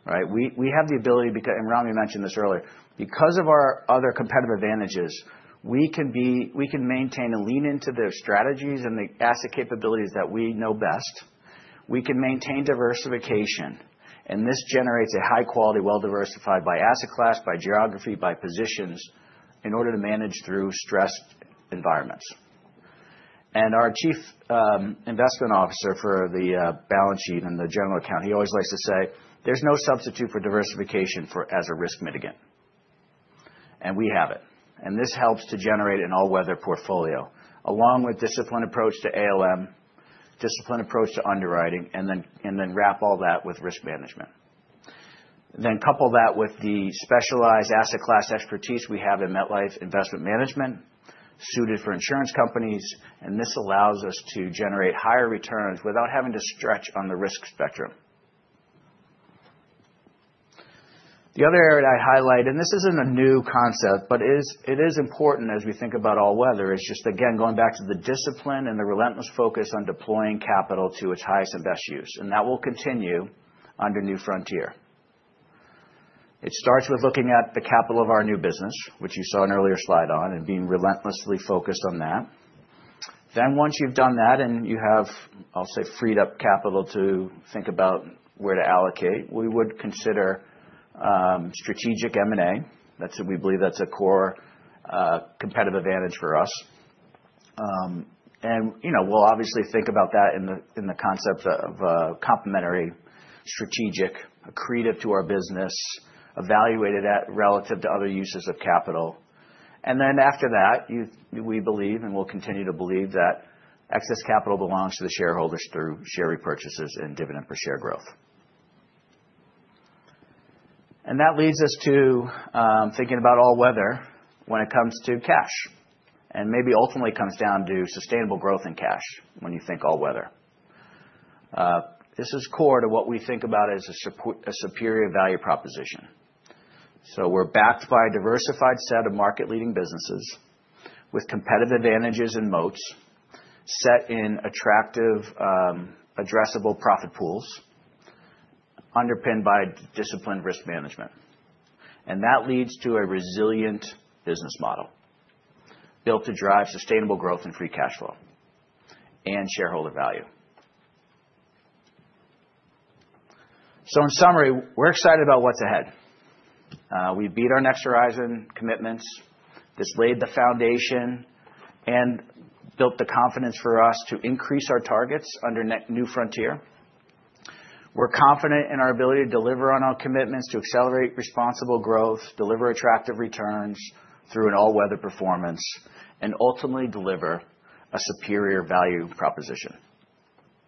right? We have the ability, and Ramy mentioned this earlier, because of our other competitive advantages, we can maintain and lean into the strategies and the asset capabilities that we know best. We can maintain diversification, and this generates a high-quality, well-diversified asset class by geography, by positions in order to manage through stressed environments. And our Chief Investment Officer for the balance sheet and the General Account, he always likes to say, "There's no substitute for diversification as a risk mitigant." And we have it. And this helps to generate an all-weather portfolio along with a disciplined approach to ALM, a disciplined approach to underwriting, and then wrap all that with risk management. Then couple that with the specialized asset class expertise we have in MetLife Investment Management suited for insurance companies, and this allows us to generate higher returns without having to stretch on the risk spectrum. The other area I'd highlight, and this isn't a new concept, but it is important as we think about all-weather. It's just, again, going back to the discipline and the relentless focus on deploying capital to its highest and best use, and that will continue under New Frontier. It starts with looking at the capital of our new business, which you saw an earlier slide on, and being relentlessly focused on that, then once you've done that and you have, I'll say, freed up capital to think about where to allocate, we would consider strategic M&A. We believe that's a core competitive advantage for us. We'll obviously think about that in the concept of complementary, strategic, accretive to our business, evaluated relative to other uses of capital. Then after that, we believe, and we'll continue to believe, that excess capital belongs to the shareholders through share repurchases and dividend per share growth. That leads us to thinking about all-weather when it comes to cash. Maybe ultimately it comes down to sustainable growth in cash when you think all-weather. This is core to what we think about as a superior value proposition. We're backed by a diversified set of market-leading businesses with competitive advantages and moats set in attractive, addressable profit pools underpinned by disciplined risk management. That leads to a resilient business model built to drive sustainable growth and free cash flow and shareholder value. In summary, we're excited about what's ahead. We've beat our Next Horizon commitments. This laid the foundation and built the confidence for us to increase our targets under New Frontier. We're confident in our ability to deliver on our commitments to accelerate responsible growth, deliver attractive returns through an all-weather performance, and ultimately deliver a superior value proposition.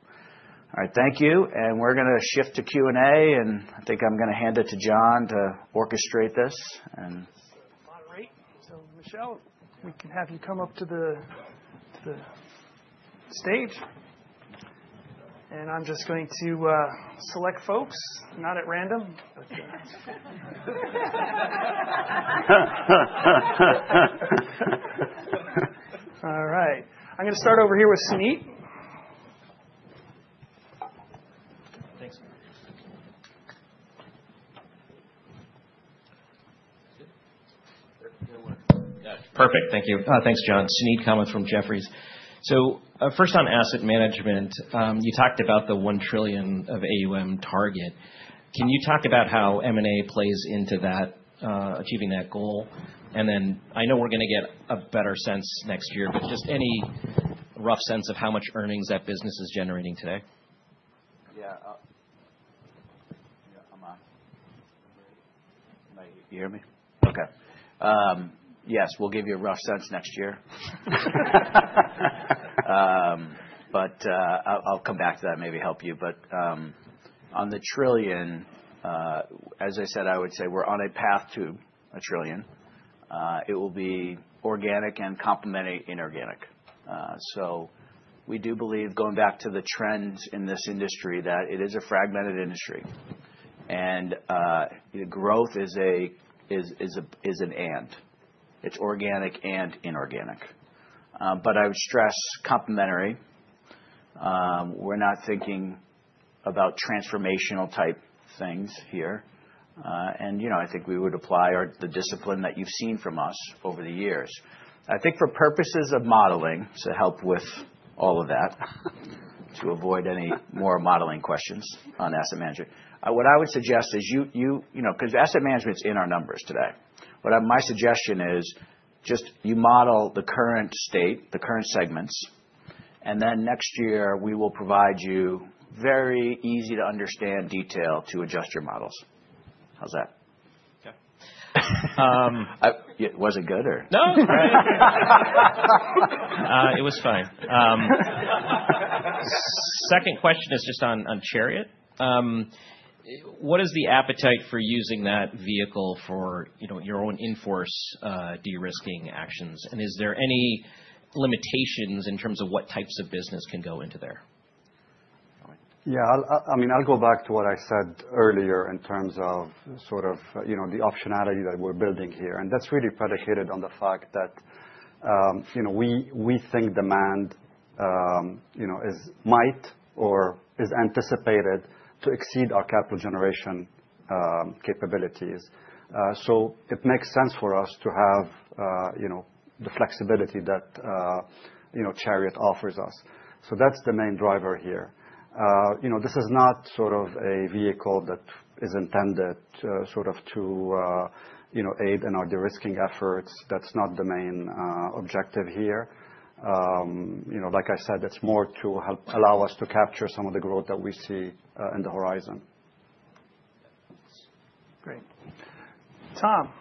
All right, thank you. We're going to shift to Q&A, and I think I'm going to hand it to John to orchestrate this and moderate. So Michel, we can have you come up to the stage. I'm just going to select folks, not at random, but. All right. I'm going to start over here with Sunit. Thanks, Mark. Perfect. Thank you. Thanks, John. Sunit coming from Jefferies. So first on asset management, you talked about the $1 trillion AUM target. Can you talk about how M&A plays into achieving that goal? And then I know we're going to get a better sense next year, but just any rough sense of how much earnings that business is generating today? Yeah. I'm on. Can you hear me? Okay. Yes, we'll give you a rough sense next year. But I'll come back to that and maybe help you. But on the trillion, as I said, I would say we're on a path to a trillion. It will be organic and complementary inorganic. So we do believe, going back to the trends in this industry, that it is a fragmented industry. And growth is an and. It's organic and inorganic. But I would stress complementary. We're not thinking about transformational-type things here. And I think we would apply the discipline that you've seen from us over the years. I think for purposes of modeling, to help with all of that, to avoid any more modeling questions on asset management, what I would suggest is you because asset management's in our numbers today. But my suggestion is just you model the current state, the current segments, and then next year we will provide you very easy-to-understand detail to adjust your models. How's that? Okay. Was it good or? No. It was fine. Second question is just on Chariot. What is the appetite for using that vehicle for your own in-force derisking actions? And is there any limitations in terms of what types of business can go into there? Yeah. I mean, I'll go back to what I said earlier in terms of sort of the optionality that we're building here, and that's really predicated on the fact that we think demand might or is anticipated to exceed our capital generation capabilities, so it makes sense for us to have the flexibility that Chariot offers us, so that's the main driver here. This is not sort of a vehicle that is intended sort of to aid in our derisking efforts. That's not the main objective here. Like I said, it's more to allow us to capture some of the growth that we see in the horizon. Great. Tom.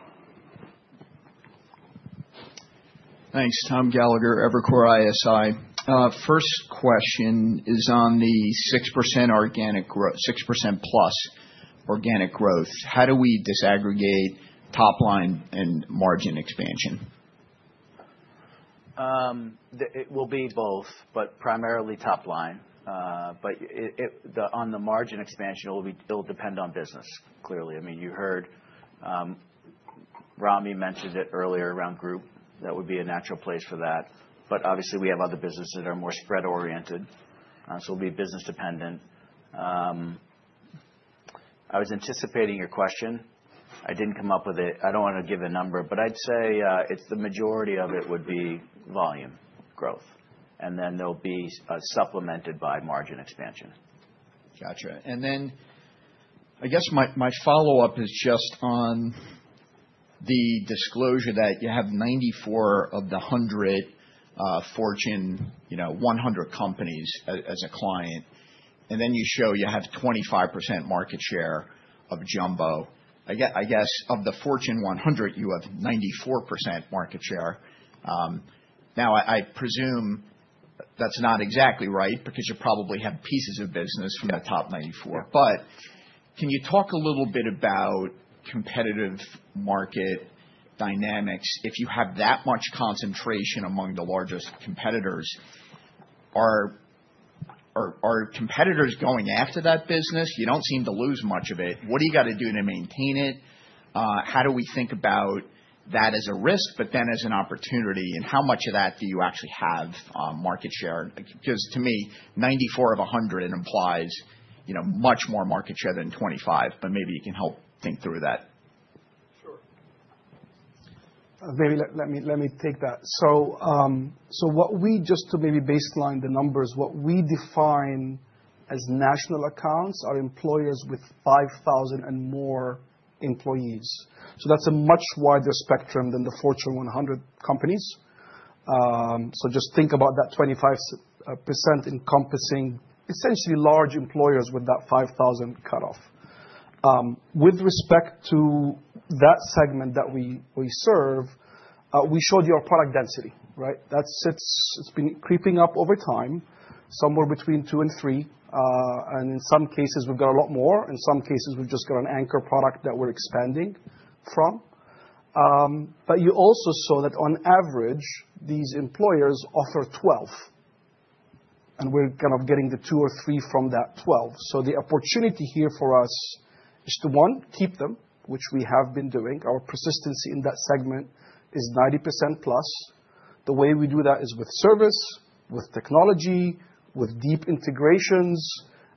Thanks. Tom Gallagher, Evercore ISI. First question is on the 6%+ organic growth. How do we disaggregate top line and margin expansion? It will be both, but primarily top line. But on the margin expansion, it will depend on business, clearly. I mean, you heard Ramy mentioned it earlier around group. That would be a natural place for that. But obviously, we have other businesses that are more spread-oriented. So it'll be business-dependent. I was anticipating your question. I didn't come up with it. I don't want to give a number, but I'd say the majority of it would be volume growth, and then they'll be supplemented by margin expansion. Gotcha. And then I guess my follow-up is just on the disclosure that you have 94 of the 100 Fortune 100 companies as a client. And then you show you have 25% market share of Jumbo. I guess of the Fortune 100, you have 94% market share. Now, I presume that's not exactly right because you probably have pieces of business from the top 94. But can you talk a little bit about competitive market dynamics? If you have that much concentration among the largest competitors, are competitors going after that business? You don't seem to lose much of it. What do you got to do to maintain it? How do we think about that as a risk, but then as an opportunity? And how much of that do you actually have market share? Because to me, 94 of 100 implies much more market share than 25, but maybe you can help think through that. Sure. Maybe let me take that. So just to maybe baseline the numbers, what we define as National Accounts are employers with 5,000 and more employees. So that's a much wider spectrum than the Fortune 100 companies. So just think about that 25% encompassing essentially large employers with that 5,000 cutoff. With respect to that segment that we serve, we showed you our product density, right? It's been creeping up over time, somewhere between two and three. And in some cases, we've got a lot more. In some cases, we've just got an anchor product that we're expanding from. But you also saw that on average, these employers offer 12. And we're kind of getting the two or three from that 12. So the opportunity here for us is to, one, keep them, which we have been doing. Our persistency in that segment is 90%+. The way we do that is with service, with technology, with deep integrations,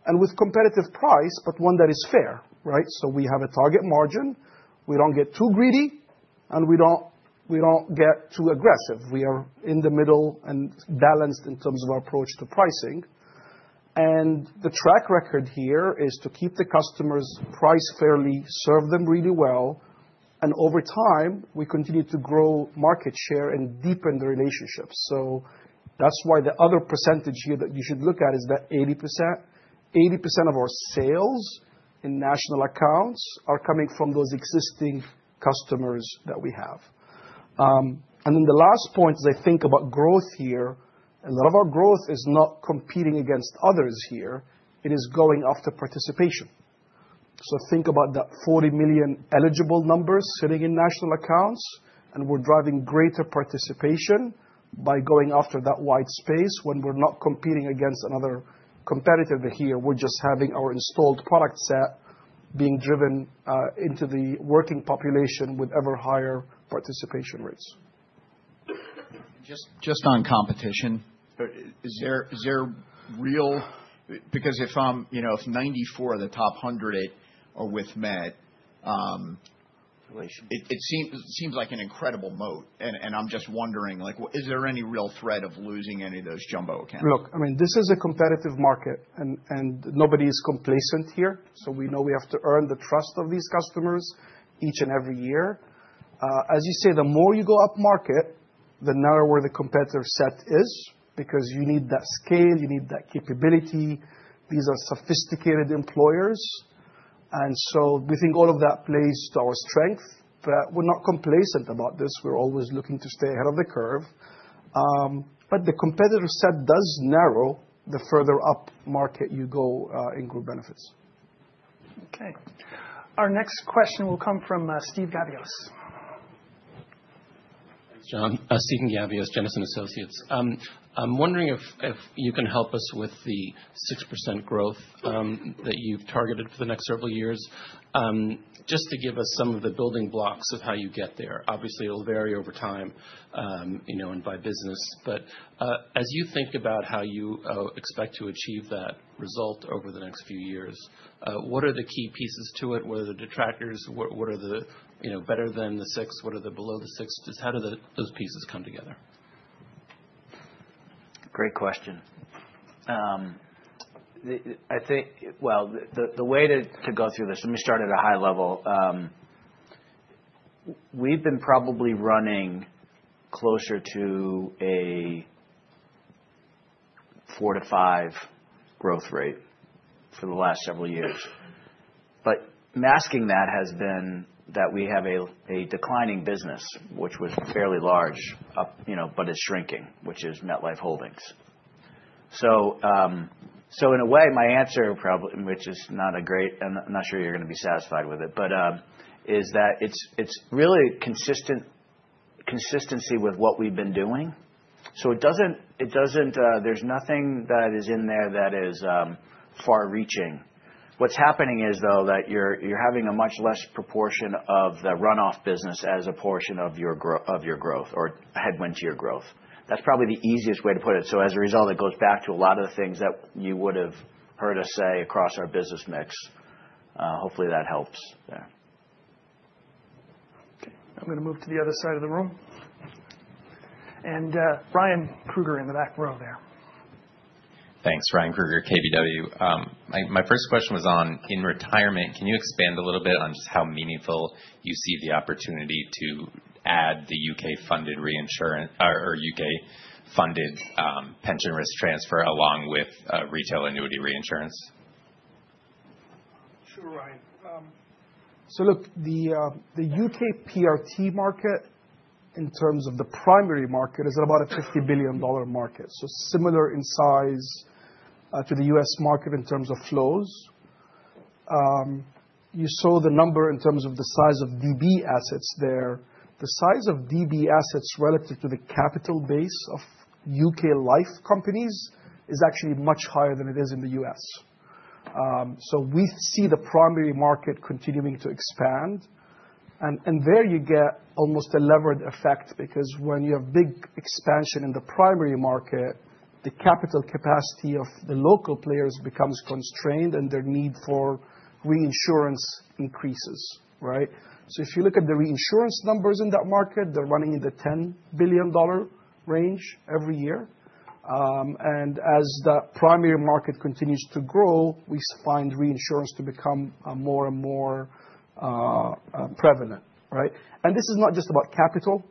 and with competitive price, but one that is fair, right? So we have a target margin. We don't get too greedy, and we don't get too aggressive. We are in the middle and balanced in terms of our approach to pricing, and the track record here is to keep the customers' price fairly, serve them really well, and over time, we continue to grow market share and deepen the relationships, so that's why the other percentage here that you should look at is that 80%. 80% of our sales in National Accounts are coming from those existing customers that we have, and then the last point is I think about growth here. A lot of our growth is not competing against others here. It is going after participation. So think about that 40 million eligible numbers sitting in National Accounts, and we're driving greater participation by going after that wide space when we're not competing against another competitor here. We're just having our installed product set being driven into the working population with ever higher participation rates. Just on competition. Is it real because if 94 of the top 100 are with MET, it seems like an incredible moat. I'm just wondering, is there any real threat of losing any of those jumbo accounts? Look, I mean, this is a competitive market, and nobody is complacent here, so we know we have to earn the trust of these customers each and every year. As you say, the more you go upmarket, the narrower the competitor set is because you need that scale, you need that capability. These are sophisticated employers, and so we think all of that plays to our strength, but we're not complacent about this. We're always looking to stay ahead of the curve, but the competitor set does narrow the further upmarket you go in Group Benefits. Okay. Our next question will come from Stephen Gabios. Thanks, John. Steven Gavios, Jennison Associates. I'm wondering if you can help us with the 6% growth that you've targeted for the next several years, just to give us some of the building blocks of how you get there. Obviously, it'll vary over time and by business. But as you think about how you expect to achieve that result over the next few years, what are the key pieces to it? What are the detractors? What are the better than the six? What are the below the six? How do those pieces come together? Great question. Well, the way to go through this, let me start at a high level. We've been probably running closer to a four-to-five growth rate for the last several years. But masking that has been that we have a declining business, which was fairly large, but is shrinking, which is MetLife Holdings. So in a way, my answer, which is not a great and I'm not sure you're going to be satisfied with it, is that it's really consistency with what we've been doing. So there's nothing that is in there that is far-reaching. What's happening is, though, that you're having a much less proportion of the runoff business as a portion of your growth or headwind to your growth. That's probably the easiest way to put it. So as a result, it goes back to a lot of the things that you would have heard us say across our business mix. Hopefully, that helps there. Okay. I'm going to move to the other side of the room, and Ryan Kruger in the back row there. Thanks, Ryan Kruger, KBW. My first question was on in retirement, can you expand a little bit on just how meaningful you see the opportunity to add the UK-funded reinsurance or UK-funded pension risk transfer along with retail annuity reinsurance? Sure, Ryan. So look, the U.K. PRT market in terms of the primary market is about a $50 billion market. So similar in size to the U.S. market in terms of flows. You saw the number in terms of the size of DB assets there. The size of DB assets relative to the capital base of U.K. life companies is actually much higher than it is in the U.S. So we see the primary market continuing to expand. And there you get almost a levered effect because when you have big expansion in the primary market, the capital capacity of the local players becomes constrained, and their need for reinsurance increases, right? So if you look at the reinsurance numbers in that market, they're running in the $10 billion range every year. And as the primary market continues to grow, we find reinsurance to become more and more prevalent, right? This is not just about capital.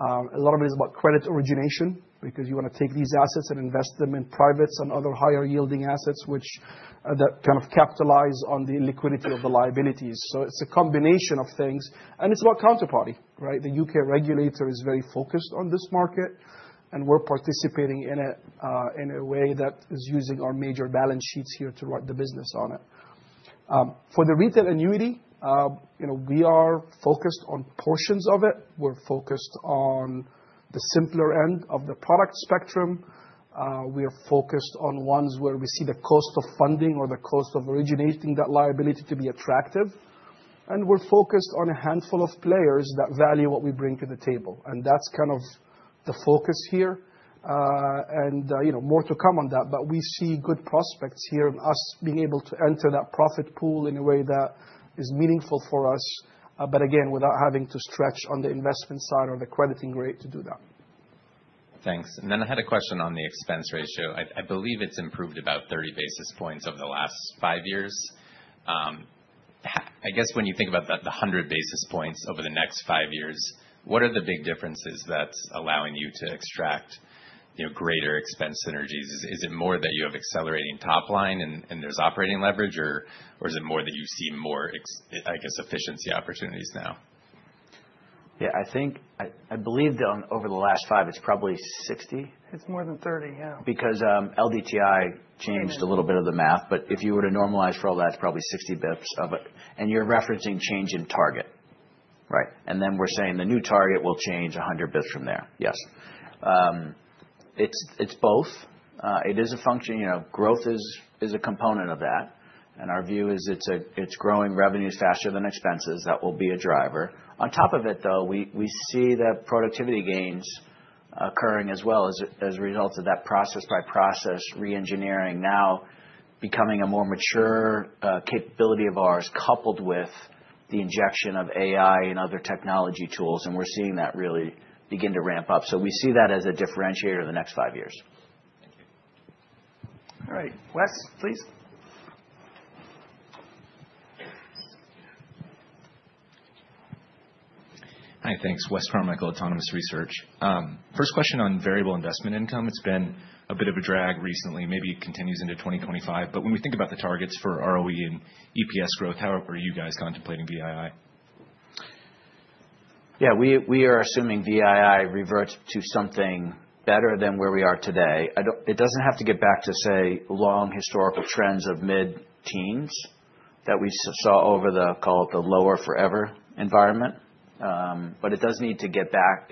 A lot of it is about credit origination because you want to take these assets and invest them in privates and other higher-yielding assets that kind of capitalize on the liquidity of the liabilities. So it's a combination of things. And it's about counterparty, right? The U.K. regulator is very focused on this market, and we're participating in it in a way that is using our major balance sheets here to run the business on it. For the retail annuity, we are focused on portions of it. We're focused on the simpler end of the product spectrum. We are focused on ones where we see the cost of funding or the cost of originating that liability to be attractive. And we're focused on a handful of players that value what we bring to the table. And that's kind of the focus here. And more to come on that, but we see good prospects here in the U.S. being able to enter that profit pool in a way that is meaningful for us, but again, without having to stretch on the investment side or the crediting rate to do that. Thanks. And then I had a question on the expense ratio. I believe it's improved about 30 bps over the last five years. I guess when you think about the 100 bps over the next five years, what are the big differences that's allowing you to extract greater expense synergies? Is it more that you have accelerating top line and there's operating leverage, or is it more that you see more, I guess, efficiency opportunities now? Yeah. I believe that over the last five, it's probably 60. It's more than 30, yeah. Because LDTI changed a little bit of the math. But if you were to normalize for all that, it's probably 60 bps. And you're referencing change in target, right? And then we're saying the new target will change 100 bps from there. Yes. It's both. It is a function. Growth is a component of that. And our view is it's growing revenues faster than expenses. That will be a driver. On top of it, though, we see the productivity gains occurring as well as a result of that process-by-process reengineering now becoming a more mature capability of ours, coupled with the injection of AI and other technology tools. And we're seeing that really begin to ramp up. So we see that as a differentiator in the next five years. Thank you. All right. Wes, please. Hi. Thanks. Wes Carmichael, Autonomous Research. First question on variable investment income. It's been a bit of a drag recently. Maybe it continues into 2025. But when we think about the targets for ROE and EPS growth, how are you guys contemplating VII? Yeah. We are assuming VII reverts to something better than where we are today. It doesn't have to get back to, say, long historical trends of mid-teens that we saw over the, call it the lower forever environment. But it does need to get back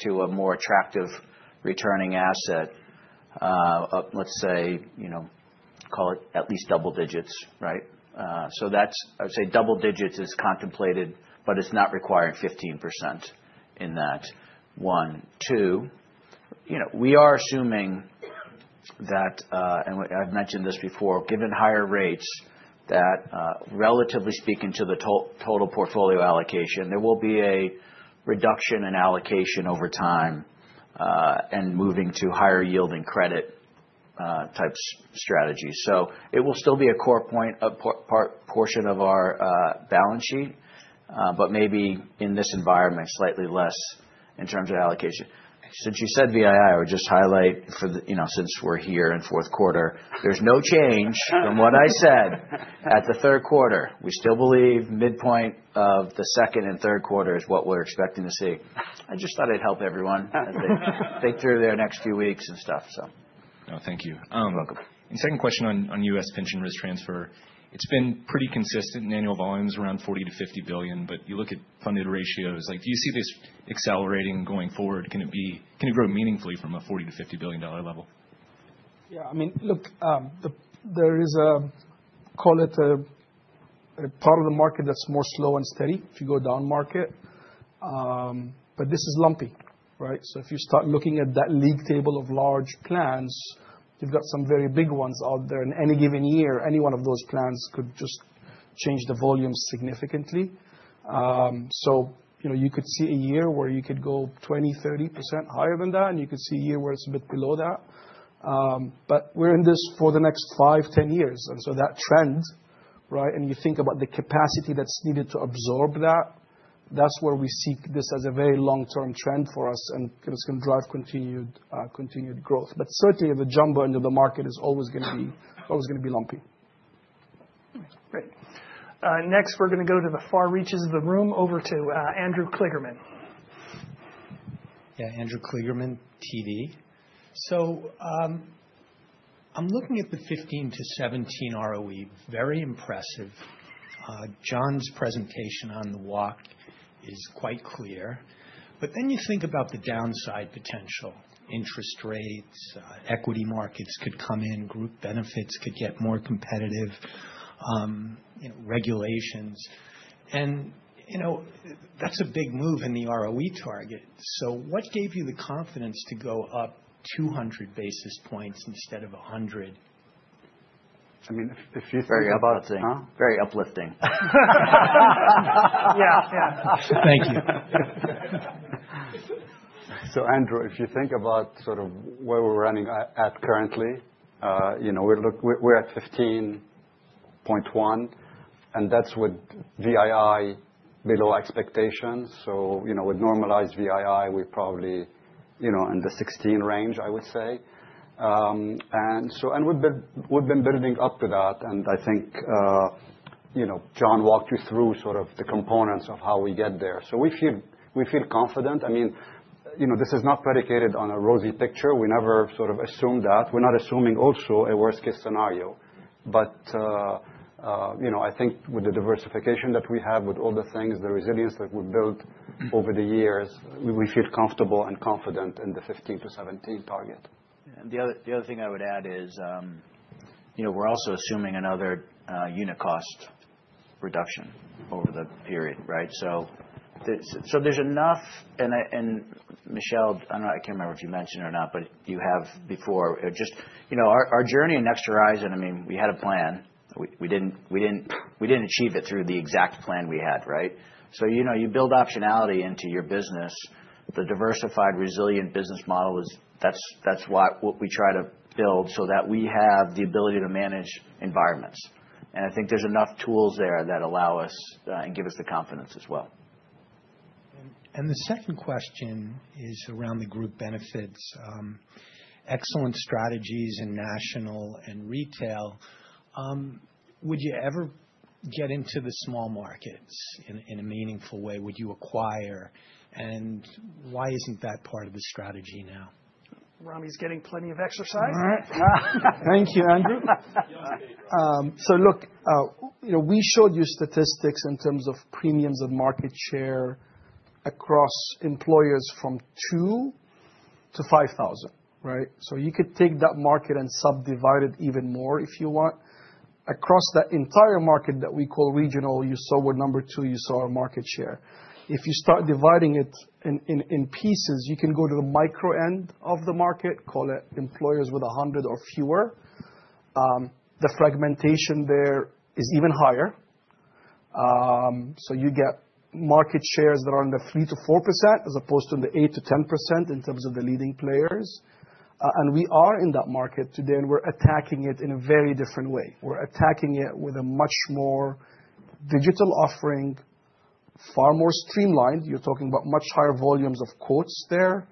to a more attractive returning asset, let's say, call it at least double digits, right? So I would say double digits is contemplated, but it's not requiring 15% in that one. Two, we are assuming that, and I've mentioned this before, given higher rates, that relatively speaking to the total portfolio allocation, there will be a reduction in allocation over time and moving to higher yielding credit-type strategies. So it will still be a core portion of our balance sheet, but maybe in this environment, slightly less in terms of allocation. Since you said VII, I would just highlight, since we're here in fourth quarter, there's no change from what I said at the third quarter. We still believe midpoint of the second and third quarter is what we're expecting to see. I just thought it'd help everyone as they think through their next few weeks and stuff, so. No, thank you. You're welcome. Second question on U.S. pension risk transfer. It's been pretty consistent in annual volumes, around $40 to $50 billion. But you look at funded ratios. Do you see this accelerating going forward? Can it grow meaningfully from a $40-$50 billion dollar level? Yeah. I mean, look, there is a, call it a part of the market that's more slow and steady if you go down market. But this is lumpy, right? So if you start looking at that league table of large plans, you've got some very big ones out there. In any given year, any one of those plans could just change the volume significantly. So you could see a year where you could go 20%-30% higher than that, and you could see a year where it's a bit below that. But we're in this for the next 5-10 years. And so that trend, right, and you think about the capacity that's needed to absorb that, that's where we see this as a very long-term trend for us, and it's going to drive continued growth. But certainly, the jumbo end of the market is always going to be lumpy. Great. Next, we're going to go to the far reaches of the room over to Andrew Kligerman. Yeah. Andrew Kligerman, TD. So I'm looking at the 15%-17% ROE. Very impressive. John's presentation on the walk is quite clear. But then you think about the downside potential. Interest rates, equity markets could come in, Group Benefits could get more competitive, regulations. And that's a big move in the ROE target. So what gave you the confidence to go up 200 bps instead of 100 bps? I mean, if you think about. Huh? Very uplifting. Yeah, yeah. Thank you. Andrew, if you think about sort of where we're running at currently, we're at 15.1, and that's with VII below expectations. With normalized VII, we're probably in the 16 range, I would say. We've been building up to that. I think John walked you through sort of the components of how we get there. We feel confident. I mean, this is not predicated on a rosy picture. We never sort of assumed that. We're not assuming also a worst-case scenario. But I think with the diversification that we have, with all the things, the resilience that we've built over the years, we feel comfortable and confident in the 15-17 target. The other thing I would add is we're also assuming another unit cost reduction over the period, right? So there's enough, and Michel, I can't remember if you mentioned it or not, but you have before, just our journey in Next Horizon, I mean, we had a plan. We didn't achieve it through the exact plan we had, right? So you build optionality into your business. The diversified resilient business model, that's what we try to build so that we have the ability to manage environments. And I think there's enough tools there that allow us and give us the confidence as well. The second question is around the Group Benefits. Excellent strategies in national and retail. Would you ever get into the small markets in a meaningful way? Would you acquire? Why isn't that part of the strategy now? Romney's getting plenty of exercise. All right. Thank you, Andrew. So look, we showed you statistics in terms of premiums of market share across employers from 2 to 5,000, right? So you could take that market and subdivide it even more if you want. Across that entire market that we call regional, you saw what number? Two. You saw our market share. If you start dividing it in pieces, you can go to the micro end of the market, call it employers with 100 or fewer. The fragmentation there is even higher. So you get market shares that are in the 3%-4% as opposed to the 8%-10% in terms of the leading players. And we are in that market today, and we're attacking it in a very different way. We're attacking it with a much more digital offering, far more streamlined. You're talking about much higher volumes of quotes there.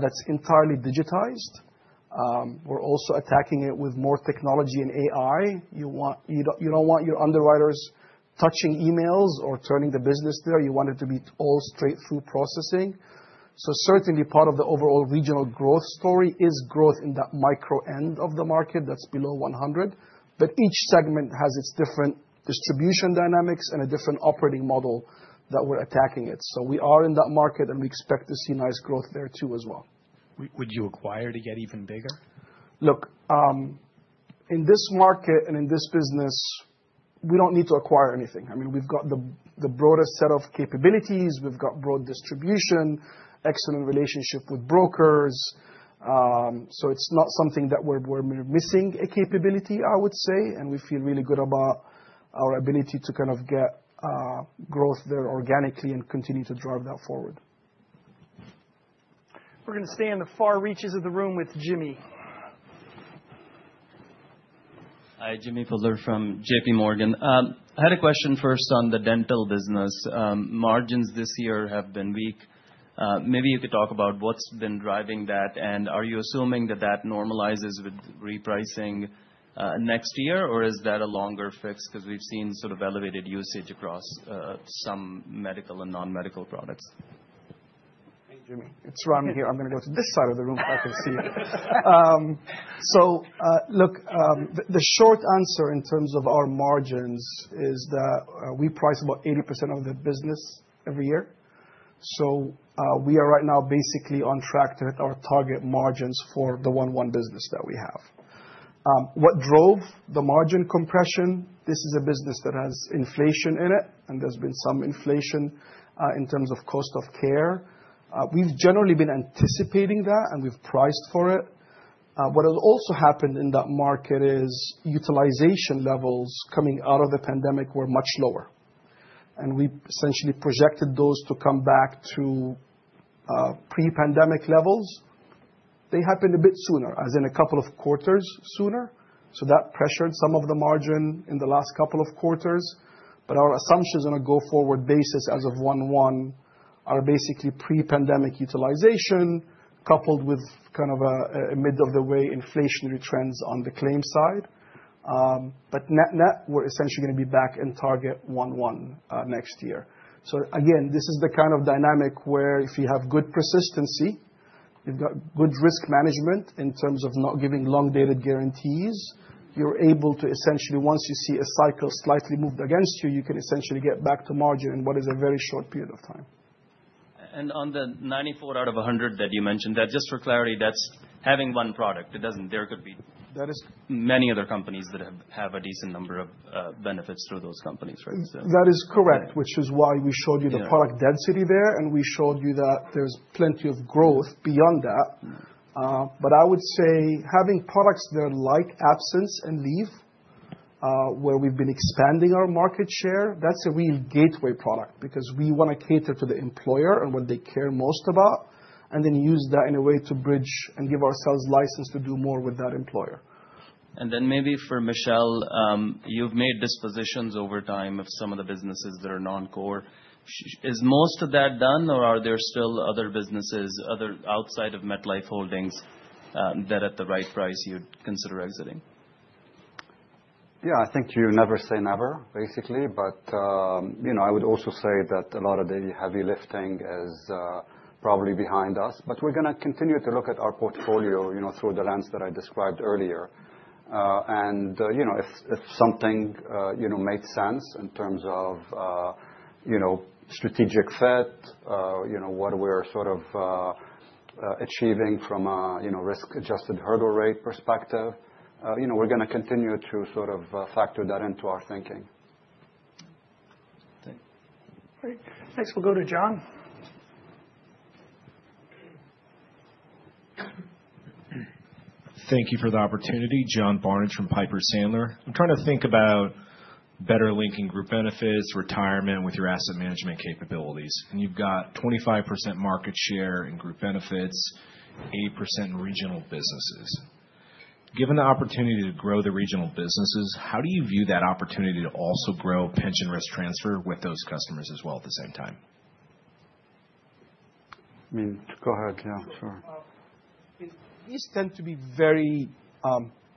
That's entirely digitized. We're also attacking it with more technology and AI. You don't want your underwriters touching emails or turning the business there. You want it to be all straight-through processing. So certainly, part of the overall regional growth story is growth in that micro end of the market that's below 100. But each segment has its different distribution dynamics and a different operating model that we're attacking it. So we are in that market, and we expect to see nice growth there too as well. Would you acquire to get even bigger? Look, in this market and in this business, we don't need to acquire anything. I mean, we've got the broader set of capabilities. We've got broad distribution, excellent relationship with brokers. So it's not something that we're missing a capability, I would say. And we feel really good about our ability to kind of get growth there organically and continue to drive that forward. We're going to stay in the far reaches of the room with Jimmy. Hi, Jimmy Bhullar from J.P. Morgan. I had a question first on the dental business. Margins this year have been weak. Maybe you could talk about what's been driving that, and are you assuming that that normalizes with repricing next year, or is that a longer fix because we've seen sort of elevated usage across some medical and non-medical products? Hey, Jimmy. It's Romney here. I'm going to go to this side of the room so I can see you. So look, the short answer in terms of our margins is that we price about 80% of the business every year. So we are right now basically on track to hit our target margins for the one-to-one business that we have. What drove the margin compression? This is a business that has inflation in it, and there's been some inflation in terms of cost of care. We've generally been anticipating that, and we've priced for it. What has also happened in that market is utilization levels coming out of the pandemic were much lower. And we essentially projected those to come back to pre-pandemic levels. They happened a bit sooner, as in a couple of quarters sooner. So that pressured some of the margin in the last couple of quarters. But our assumptions on a go-forward basis as of one-to-one are basically pre-pandemic utilization coupled with kind of a mid-of-the-way inflationary trends on the claim side. But net net, we're essentially going to be back in target one-to-one next year. So again, this is the kind of dynamic where if you have good persistency, you've got good risk management in terms of not giving long-dated guarantees, you're able to essentially, once you see a cycle slightly moved against you, you can essentially get back to margin in what is a very short period of time. On the 94 out of 100 that you mentioned, just for clarity, that's having one product. There could be many other companies that have a decent number of benefits through those companies, right? That is correct, which is why we showed you the product density there, and we showed you that there's plenty of growth beyond that. But I would say having products that are like absence and leave, where we've been expanding our market share, that's a real gateway product because we want to cater to the employer and what they care most about, and then use that in a way to bridge and give ourselves license to do more with that employer. Maybe for Michel, you've made dispositions over time of some of the businesses that are non-core. Is most of that done, or are there still other businesses outside of MetLife Holdings that at the right price you'd consider exiting? Yeah. I think you never say never, basically. But I would also say that a lot of the heavy lifting is probably behind us. But we're going to continue to look at our portfolio through the lens that I described earlier. And if something made sense in terms of strategic fit, what we're sort of achieving from a risk-adjusted hurdle rate perspective, we're going to continue to sort of factor that into our thinking. Great. Next, we'll go to John. Thank you for the opportunity. John Barnidge from Piper Sandler. I'm trying to think about better linking Group Benefits, retirement with your asset management capabilities. And you've got 25% market share in Group Benefits, 80% in regional businesses. Given the opportunity to grow the regional businesses, how do you view that opportunity to also grow pension risk transfer with those customers as well at the same time? I mean, go ahead. Yeah, sure. These tend to be very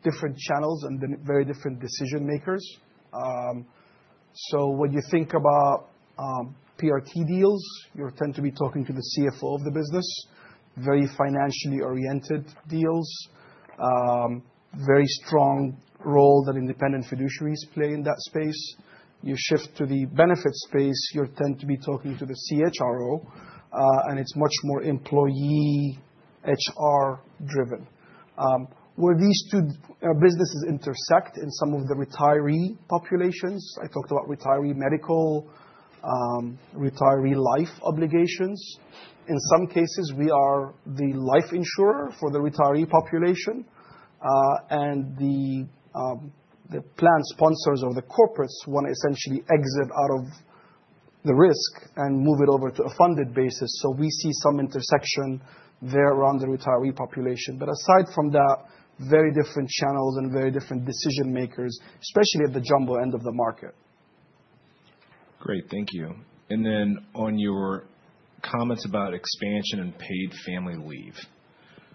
different channels and very different decision-makers. So when you think about PRT deals, you're tend to be talking to the CFO of the business. Very financially oriented deals. Very strong role that independent fiduciaries play in that space. You shift to the benefits space, you're tend to be talking to the CHRO, and it's much more employee HR-driven, where these two businesses intersect in some of the retiree populations. I talked about retiree medical, retiree life obligations. In some cases, we are the life insurer for the retiree population, and the plan sponsors or the corporates want to essentially exit out of the risk and move it over to a funded basis. So we see some intersection there around the retiree population, but aside from that, very different channels and very different decision-makers, especially at the jumbo end of the market. Great. Thank you. And then on your comments about expansion and paid family leave,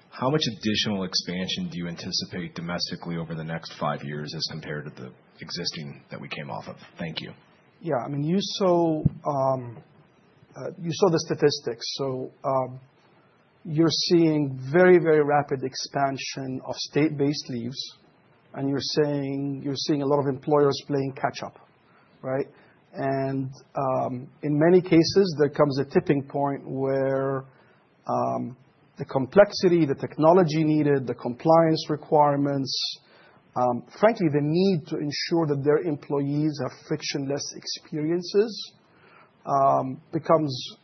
how much additional expansion do you anticipate domestically over the next five years as compared to the existing that we came off of? Thank you. Yeah. I mean, you saw the statistics. So you're seeing very, very rapid expansion of state-based leaves, and you're seeing a lot of employers playing catch-up, right? And in many cases, there comes a tipping point where the complexity, the technology needed, the compliance requirements, frankly, the need to ensure that their employees have frictionless experiences becomes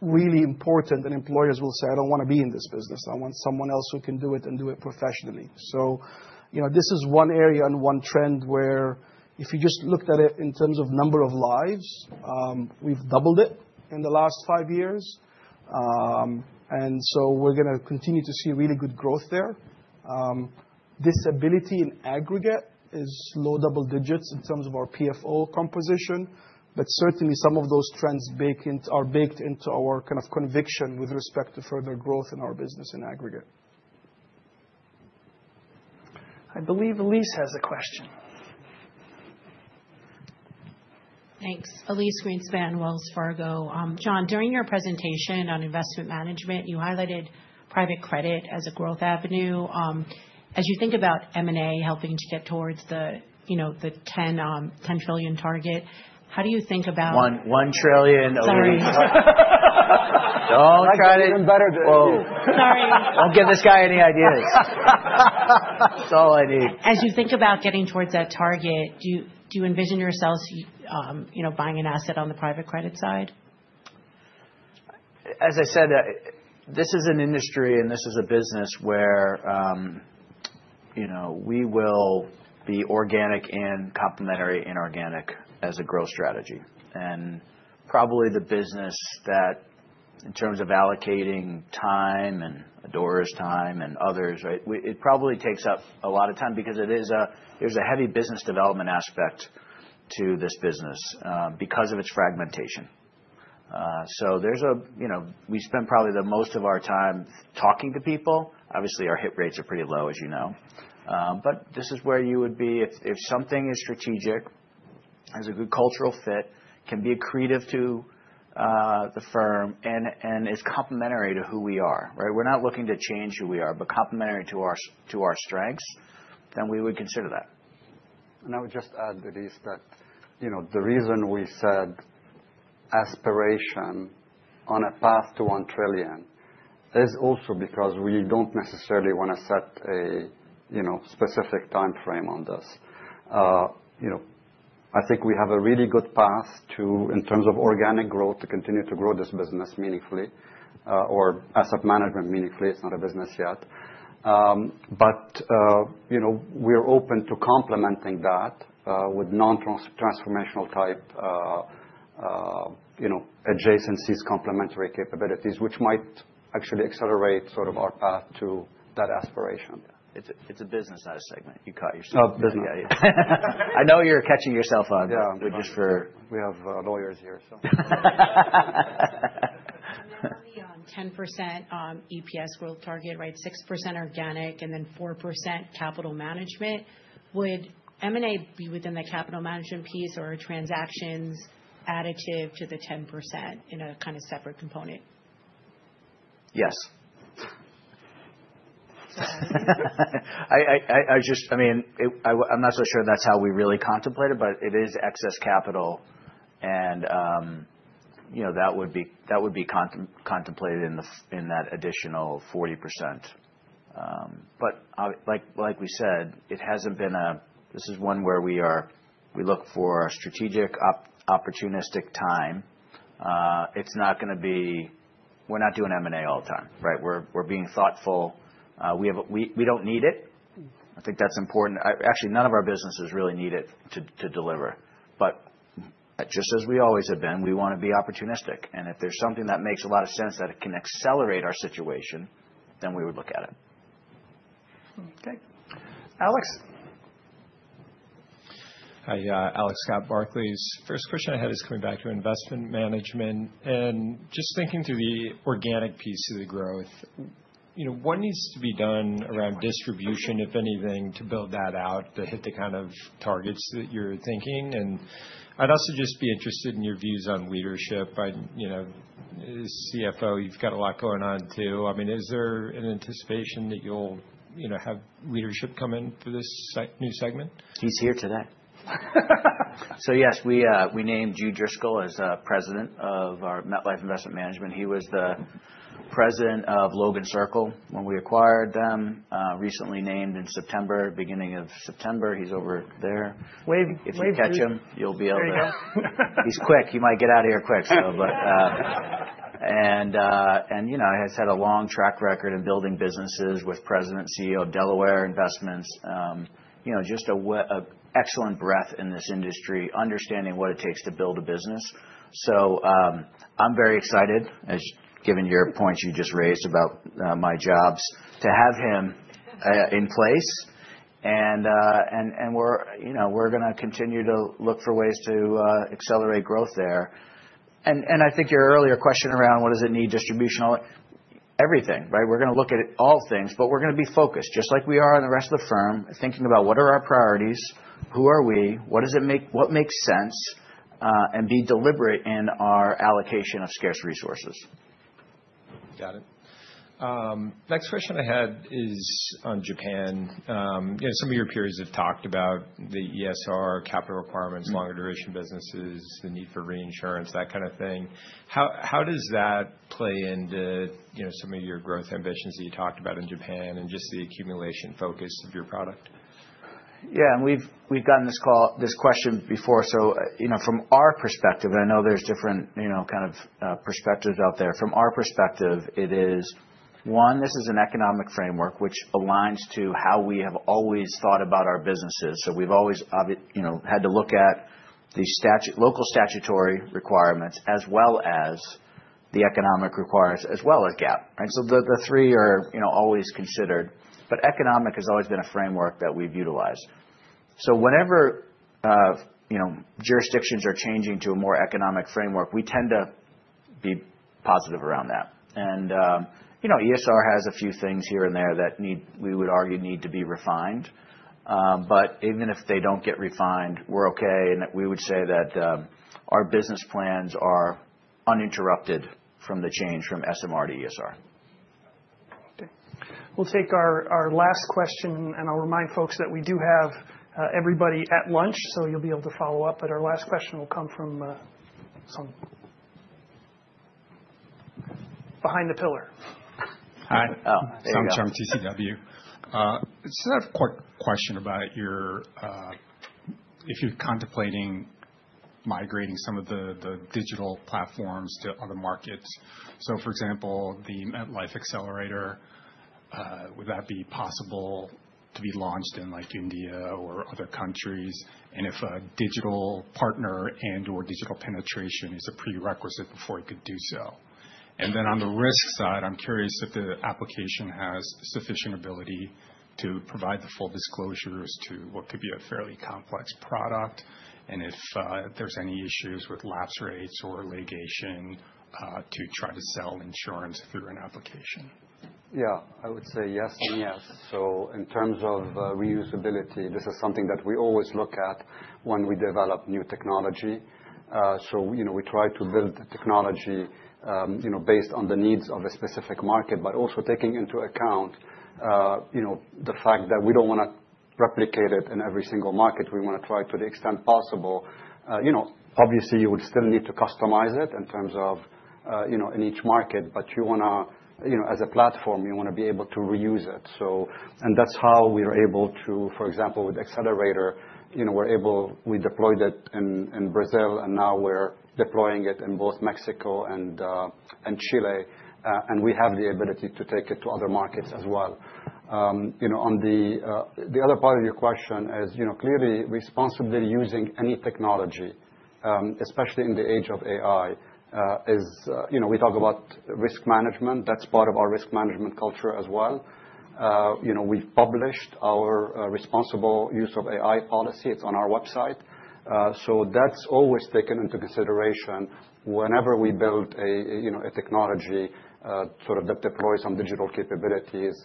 really important. And employers will say, "I don't want to be in this business. I want someone else who can do it and do it professionally." So this is one area and one trend where if you just looked at it in terms of number of lives, we've doubled it in the last five years. And so we're going to continue to see really good growth there. Disability in aggregate is low double digits in terms of our PFO composition, but certainly some of those trends are baked into our kind of conviction with respect to further growth in our business in aggregate. I believe Elise has a question. Thanks. Elyse Greenspan, Wells Fargo. John, during your presentation on investment management, you highlighted private credit as a growth avenue. As you think about M&A helping to get towards the 10 trillion target, how do you think about. 1 trillion. Sorry. Don't try to. I'm even better than you. Sorry. Don't give this guy any ideas. That's all I need. As you think about getting towards that target, do you envision yourselves buying an asset on the private credit side? As I said, this is an industry and this is a business where we will be organic and complementary in organic as a growth strategy, and probably the business that in terms of allocating time and Adora's time and others, right, it probably takes up a lot of time because there's a heavy business development aspect to this business because of its fragmentation, so we spend probably the most of our time talking to people. Obviously, our hit rates are pretty low, as you know, but this is where you would be if something is strategic, has a good cultural fit, can be accretive to the firm, and is complementary to who we are, right? We're not looking to change who we are, but complementary to our strengths, then we would consider that. And I would just add, Elise, that the reason we said aspiration on a path to $1 trillion is also because we don't necessarily want to set a specific time frame on this. I think we have a really good path in terms of organic growth to continue to grow this business meaningfully or asset management meaningfully. It's not a business yet. But we're open to complementing that with non-transformational type adjacencies, complementary capabilities, which might actually accelerate sort of our path to that aspiration. It's a business, not a segment. You caught yourself. Oh, business. Yeah, I know you're catching yourself on, but just for. We have lawyers here, so. You're only on 10% EPS world target, right? 6% organic, and then 4% capital management. Would M&A be within the capital management piece or a transactions additive to the 10% in a kind of separate component? Yes. I mean, I'm not so sure that's how we really contemplate it, but it is excess capital, and that would be contemplated in that additional 40%. But like we said, it hasn't been. This is one where we look for strategic, opportunistic time. It's not going to be. We're not doing M&A all the time, right? We're being thoughtful. We don't need it. I think that's important, actually. None of our businesses really need it to deliver, but just as we always have been, we want to be opportunistic, and if there's something that makes a lot of sense that it can accelerate our situation, then we would look at it. Okay. Alex. Hi, Alex Scott from Barclays. First question I had is coming back to investment management. And just thinking through the organic piece of the growth, what needs to be done around distribution, if anything, to build that out to hit the kind of targets that you're thinking? And I'd also just be interested in your views on leadership. As CFO, you've got a lot going on too. I mean, is there an anticipation that you'll have leadership come in for this new segment? He's here today. So yes, we named Jude Driscoll as President of our MetLife Investment Management. He was the President of Logan Circle when we acquired them, recently named in September, beginning of September. He's over there. If you catch him, you'll be able to. He's quick. He might get out of here quick, so. And he has had a long track record in building businesses with President, CEO of Delaware Investments. Just an excellent breadth in this industry, understanding what it takes to build a business. So I'm very excited, given your points you just raised about MIM, to have him in place. And we're going to continue to look for ways to accelerate growth there. And I think your earlier question around what does it need distributionally, everything, right? We're going to look at all things, but we're going to be focused, just like we are on the rest of the firm, thinking about what are our priorities, who are we, what makes sense, and be deliberate in our allocation of scarce resources. Got it. Next question I had is on Japan. Some of your peers have talked about the ESR, capital requirements, longer duration businesses, the need for reinsurance, that kind of thing. How does that play into some of your growth ambitions that you talked about in Japan and just the accumulation focus of your product? Yeah. And we've gotten this question before. So from our perspective, and I know there's different kind of perspectives out there. From our perspective, it is, one, this is an economic framework which aligns to how we have always thought about our businesses. So we've always had to look at the local statutory requirements as well as the economic requirements as well as GAAP, right? So the three are always considered. But economic has always been a framework that we've utilized. So whenever jurisdictions are changing to a more economic framework, we tend to be positive around that. And ESR has a few things here and there that we would argue need to be refined. But even if they don't get refined, we're okay. And we would say that our business plans are uninterrupted from the change from SMR to ESR. Okay. We'll take our last question, and I'll remind folks that we do have everybody at lunch, so you'll be able to follow up. But our last question will come from someone behind the pillar. Hi. Oh, I'm John, TCW. Just a quick question about if you're contemplating migrating some of the digital platforms to other markets. So for example, the MetLife Accelerator, would that be possible to be launched in India or other countries? And if a digital partner and/or digital penetration is a prerequisite before you could do so. And then on the risk side, I'm curious if the application has sufficient ability to provide the full disclosures to what could be a fairly complex product and if there's any issues with lapse rates or litigation to try to sell insurance through an application. Yeah. I would say yes and yes, so in terms of reusability, this is something that we always look at when we develop new technology, so we try to build technology based on the needs of a specific market, but also taking into account the fact that we don't want to replicate it in every single market. We want to try to the extent possible. Obviously, you would still need to customize it in terms of in each market, but as a platform, you want to be able to reuse it. And that's how we were able to, for example, with Accelerator, we deployed it in Brazil, and now we're deploying it in both Mexico and Chile, and we have the ability to take it to other markets as well. On the other part of your question is clearly responsibly using any technology, especially in the age of AI. We talk about risk management. That's part of our risk management culture as well. We've published our responsible use of AI policy. It's on our website. So that's always taken into consideration whenever we build a technology sort of that deploys some digital capabilities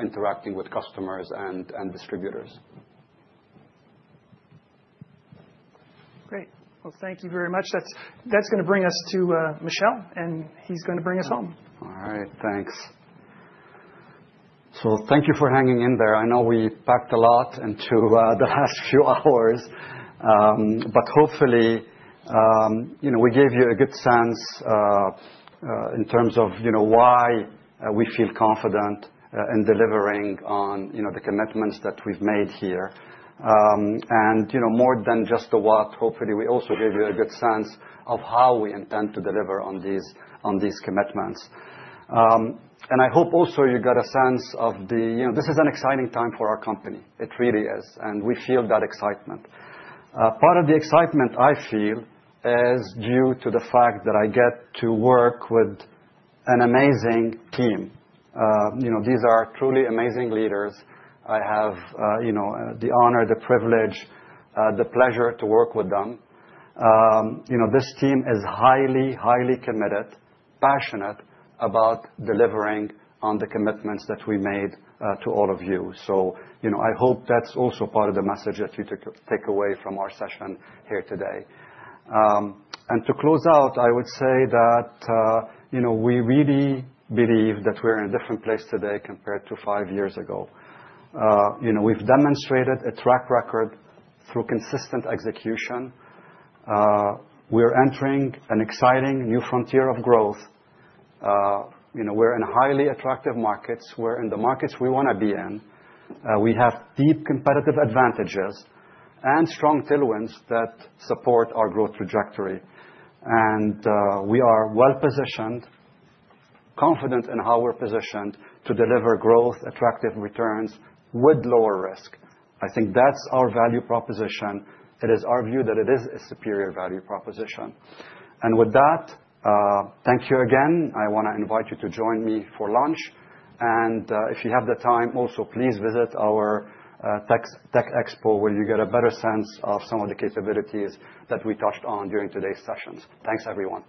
interacting with customers and distributors. Great. Well, thank you very much. That's going to bring us to Michel, and he's going to bring us home. All right. Thanks. So thank you for hanging in there. I know we packed a lot into the last few hours, but hopefully, we gave you a good sense in terms of why we feel confident in delivering on the commitments that we've made here. And more than just the what, hopefully, we also gave you a good sense of how we intend to deliver on these commitments. And I hope also you got a sense of this is an exciting time for our company. It really is. And we feel that excitement. Part of the excitement I feel is due to the fact that I get to work with an amazing team. These are truly amazing leaders. I have the honor, the privilege, the pleasure to work with them. This team is highly, highly committed, passionate about delivering on the commitments that we made to all of you. So I hope that's also part of the message that you take away from our session here today. And to close out, I would say that we really believe that we're in a different place today compared to five years ago. We've demonstrated a track record through consistent execution. We're entering an exciting New Frontier of growth. We're in highly attractive markets. We're in the markets we want to be in. We have deep competitive advantages and strong tailwinds that support our growth trajectory. And we are well-positioned, confident in how we're positioned to deliver growth, attractive returns with lower risk. I think that's our value proposition. It is our view that it is a superior value proposition. And with that, thank you again. I want to invite you to join me for lunch. If you have the time, also please visit our tech expo where you get a better sense of some of the capabilities that we touched on during today's sessions. Thanks, everyone.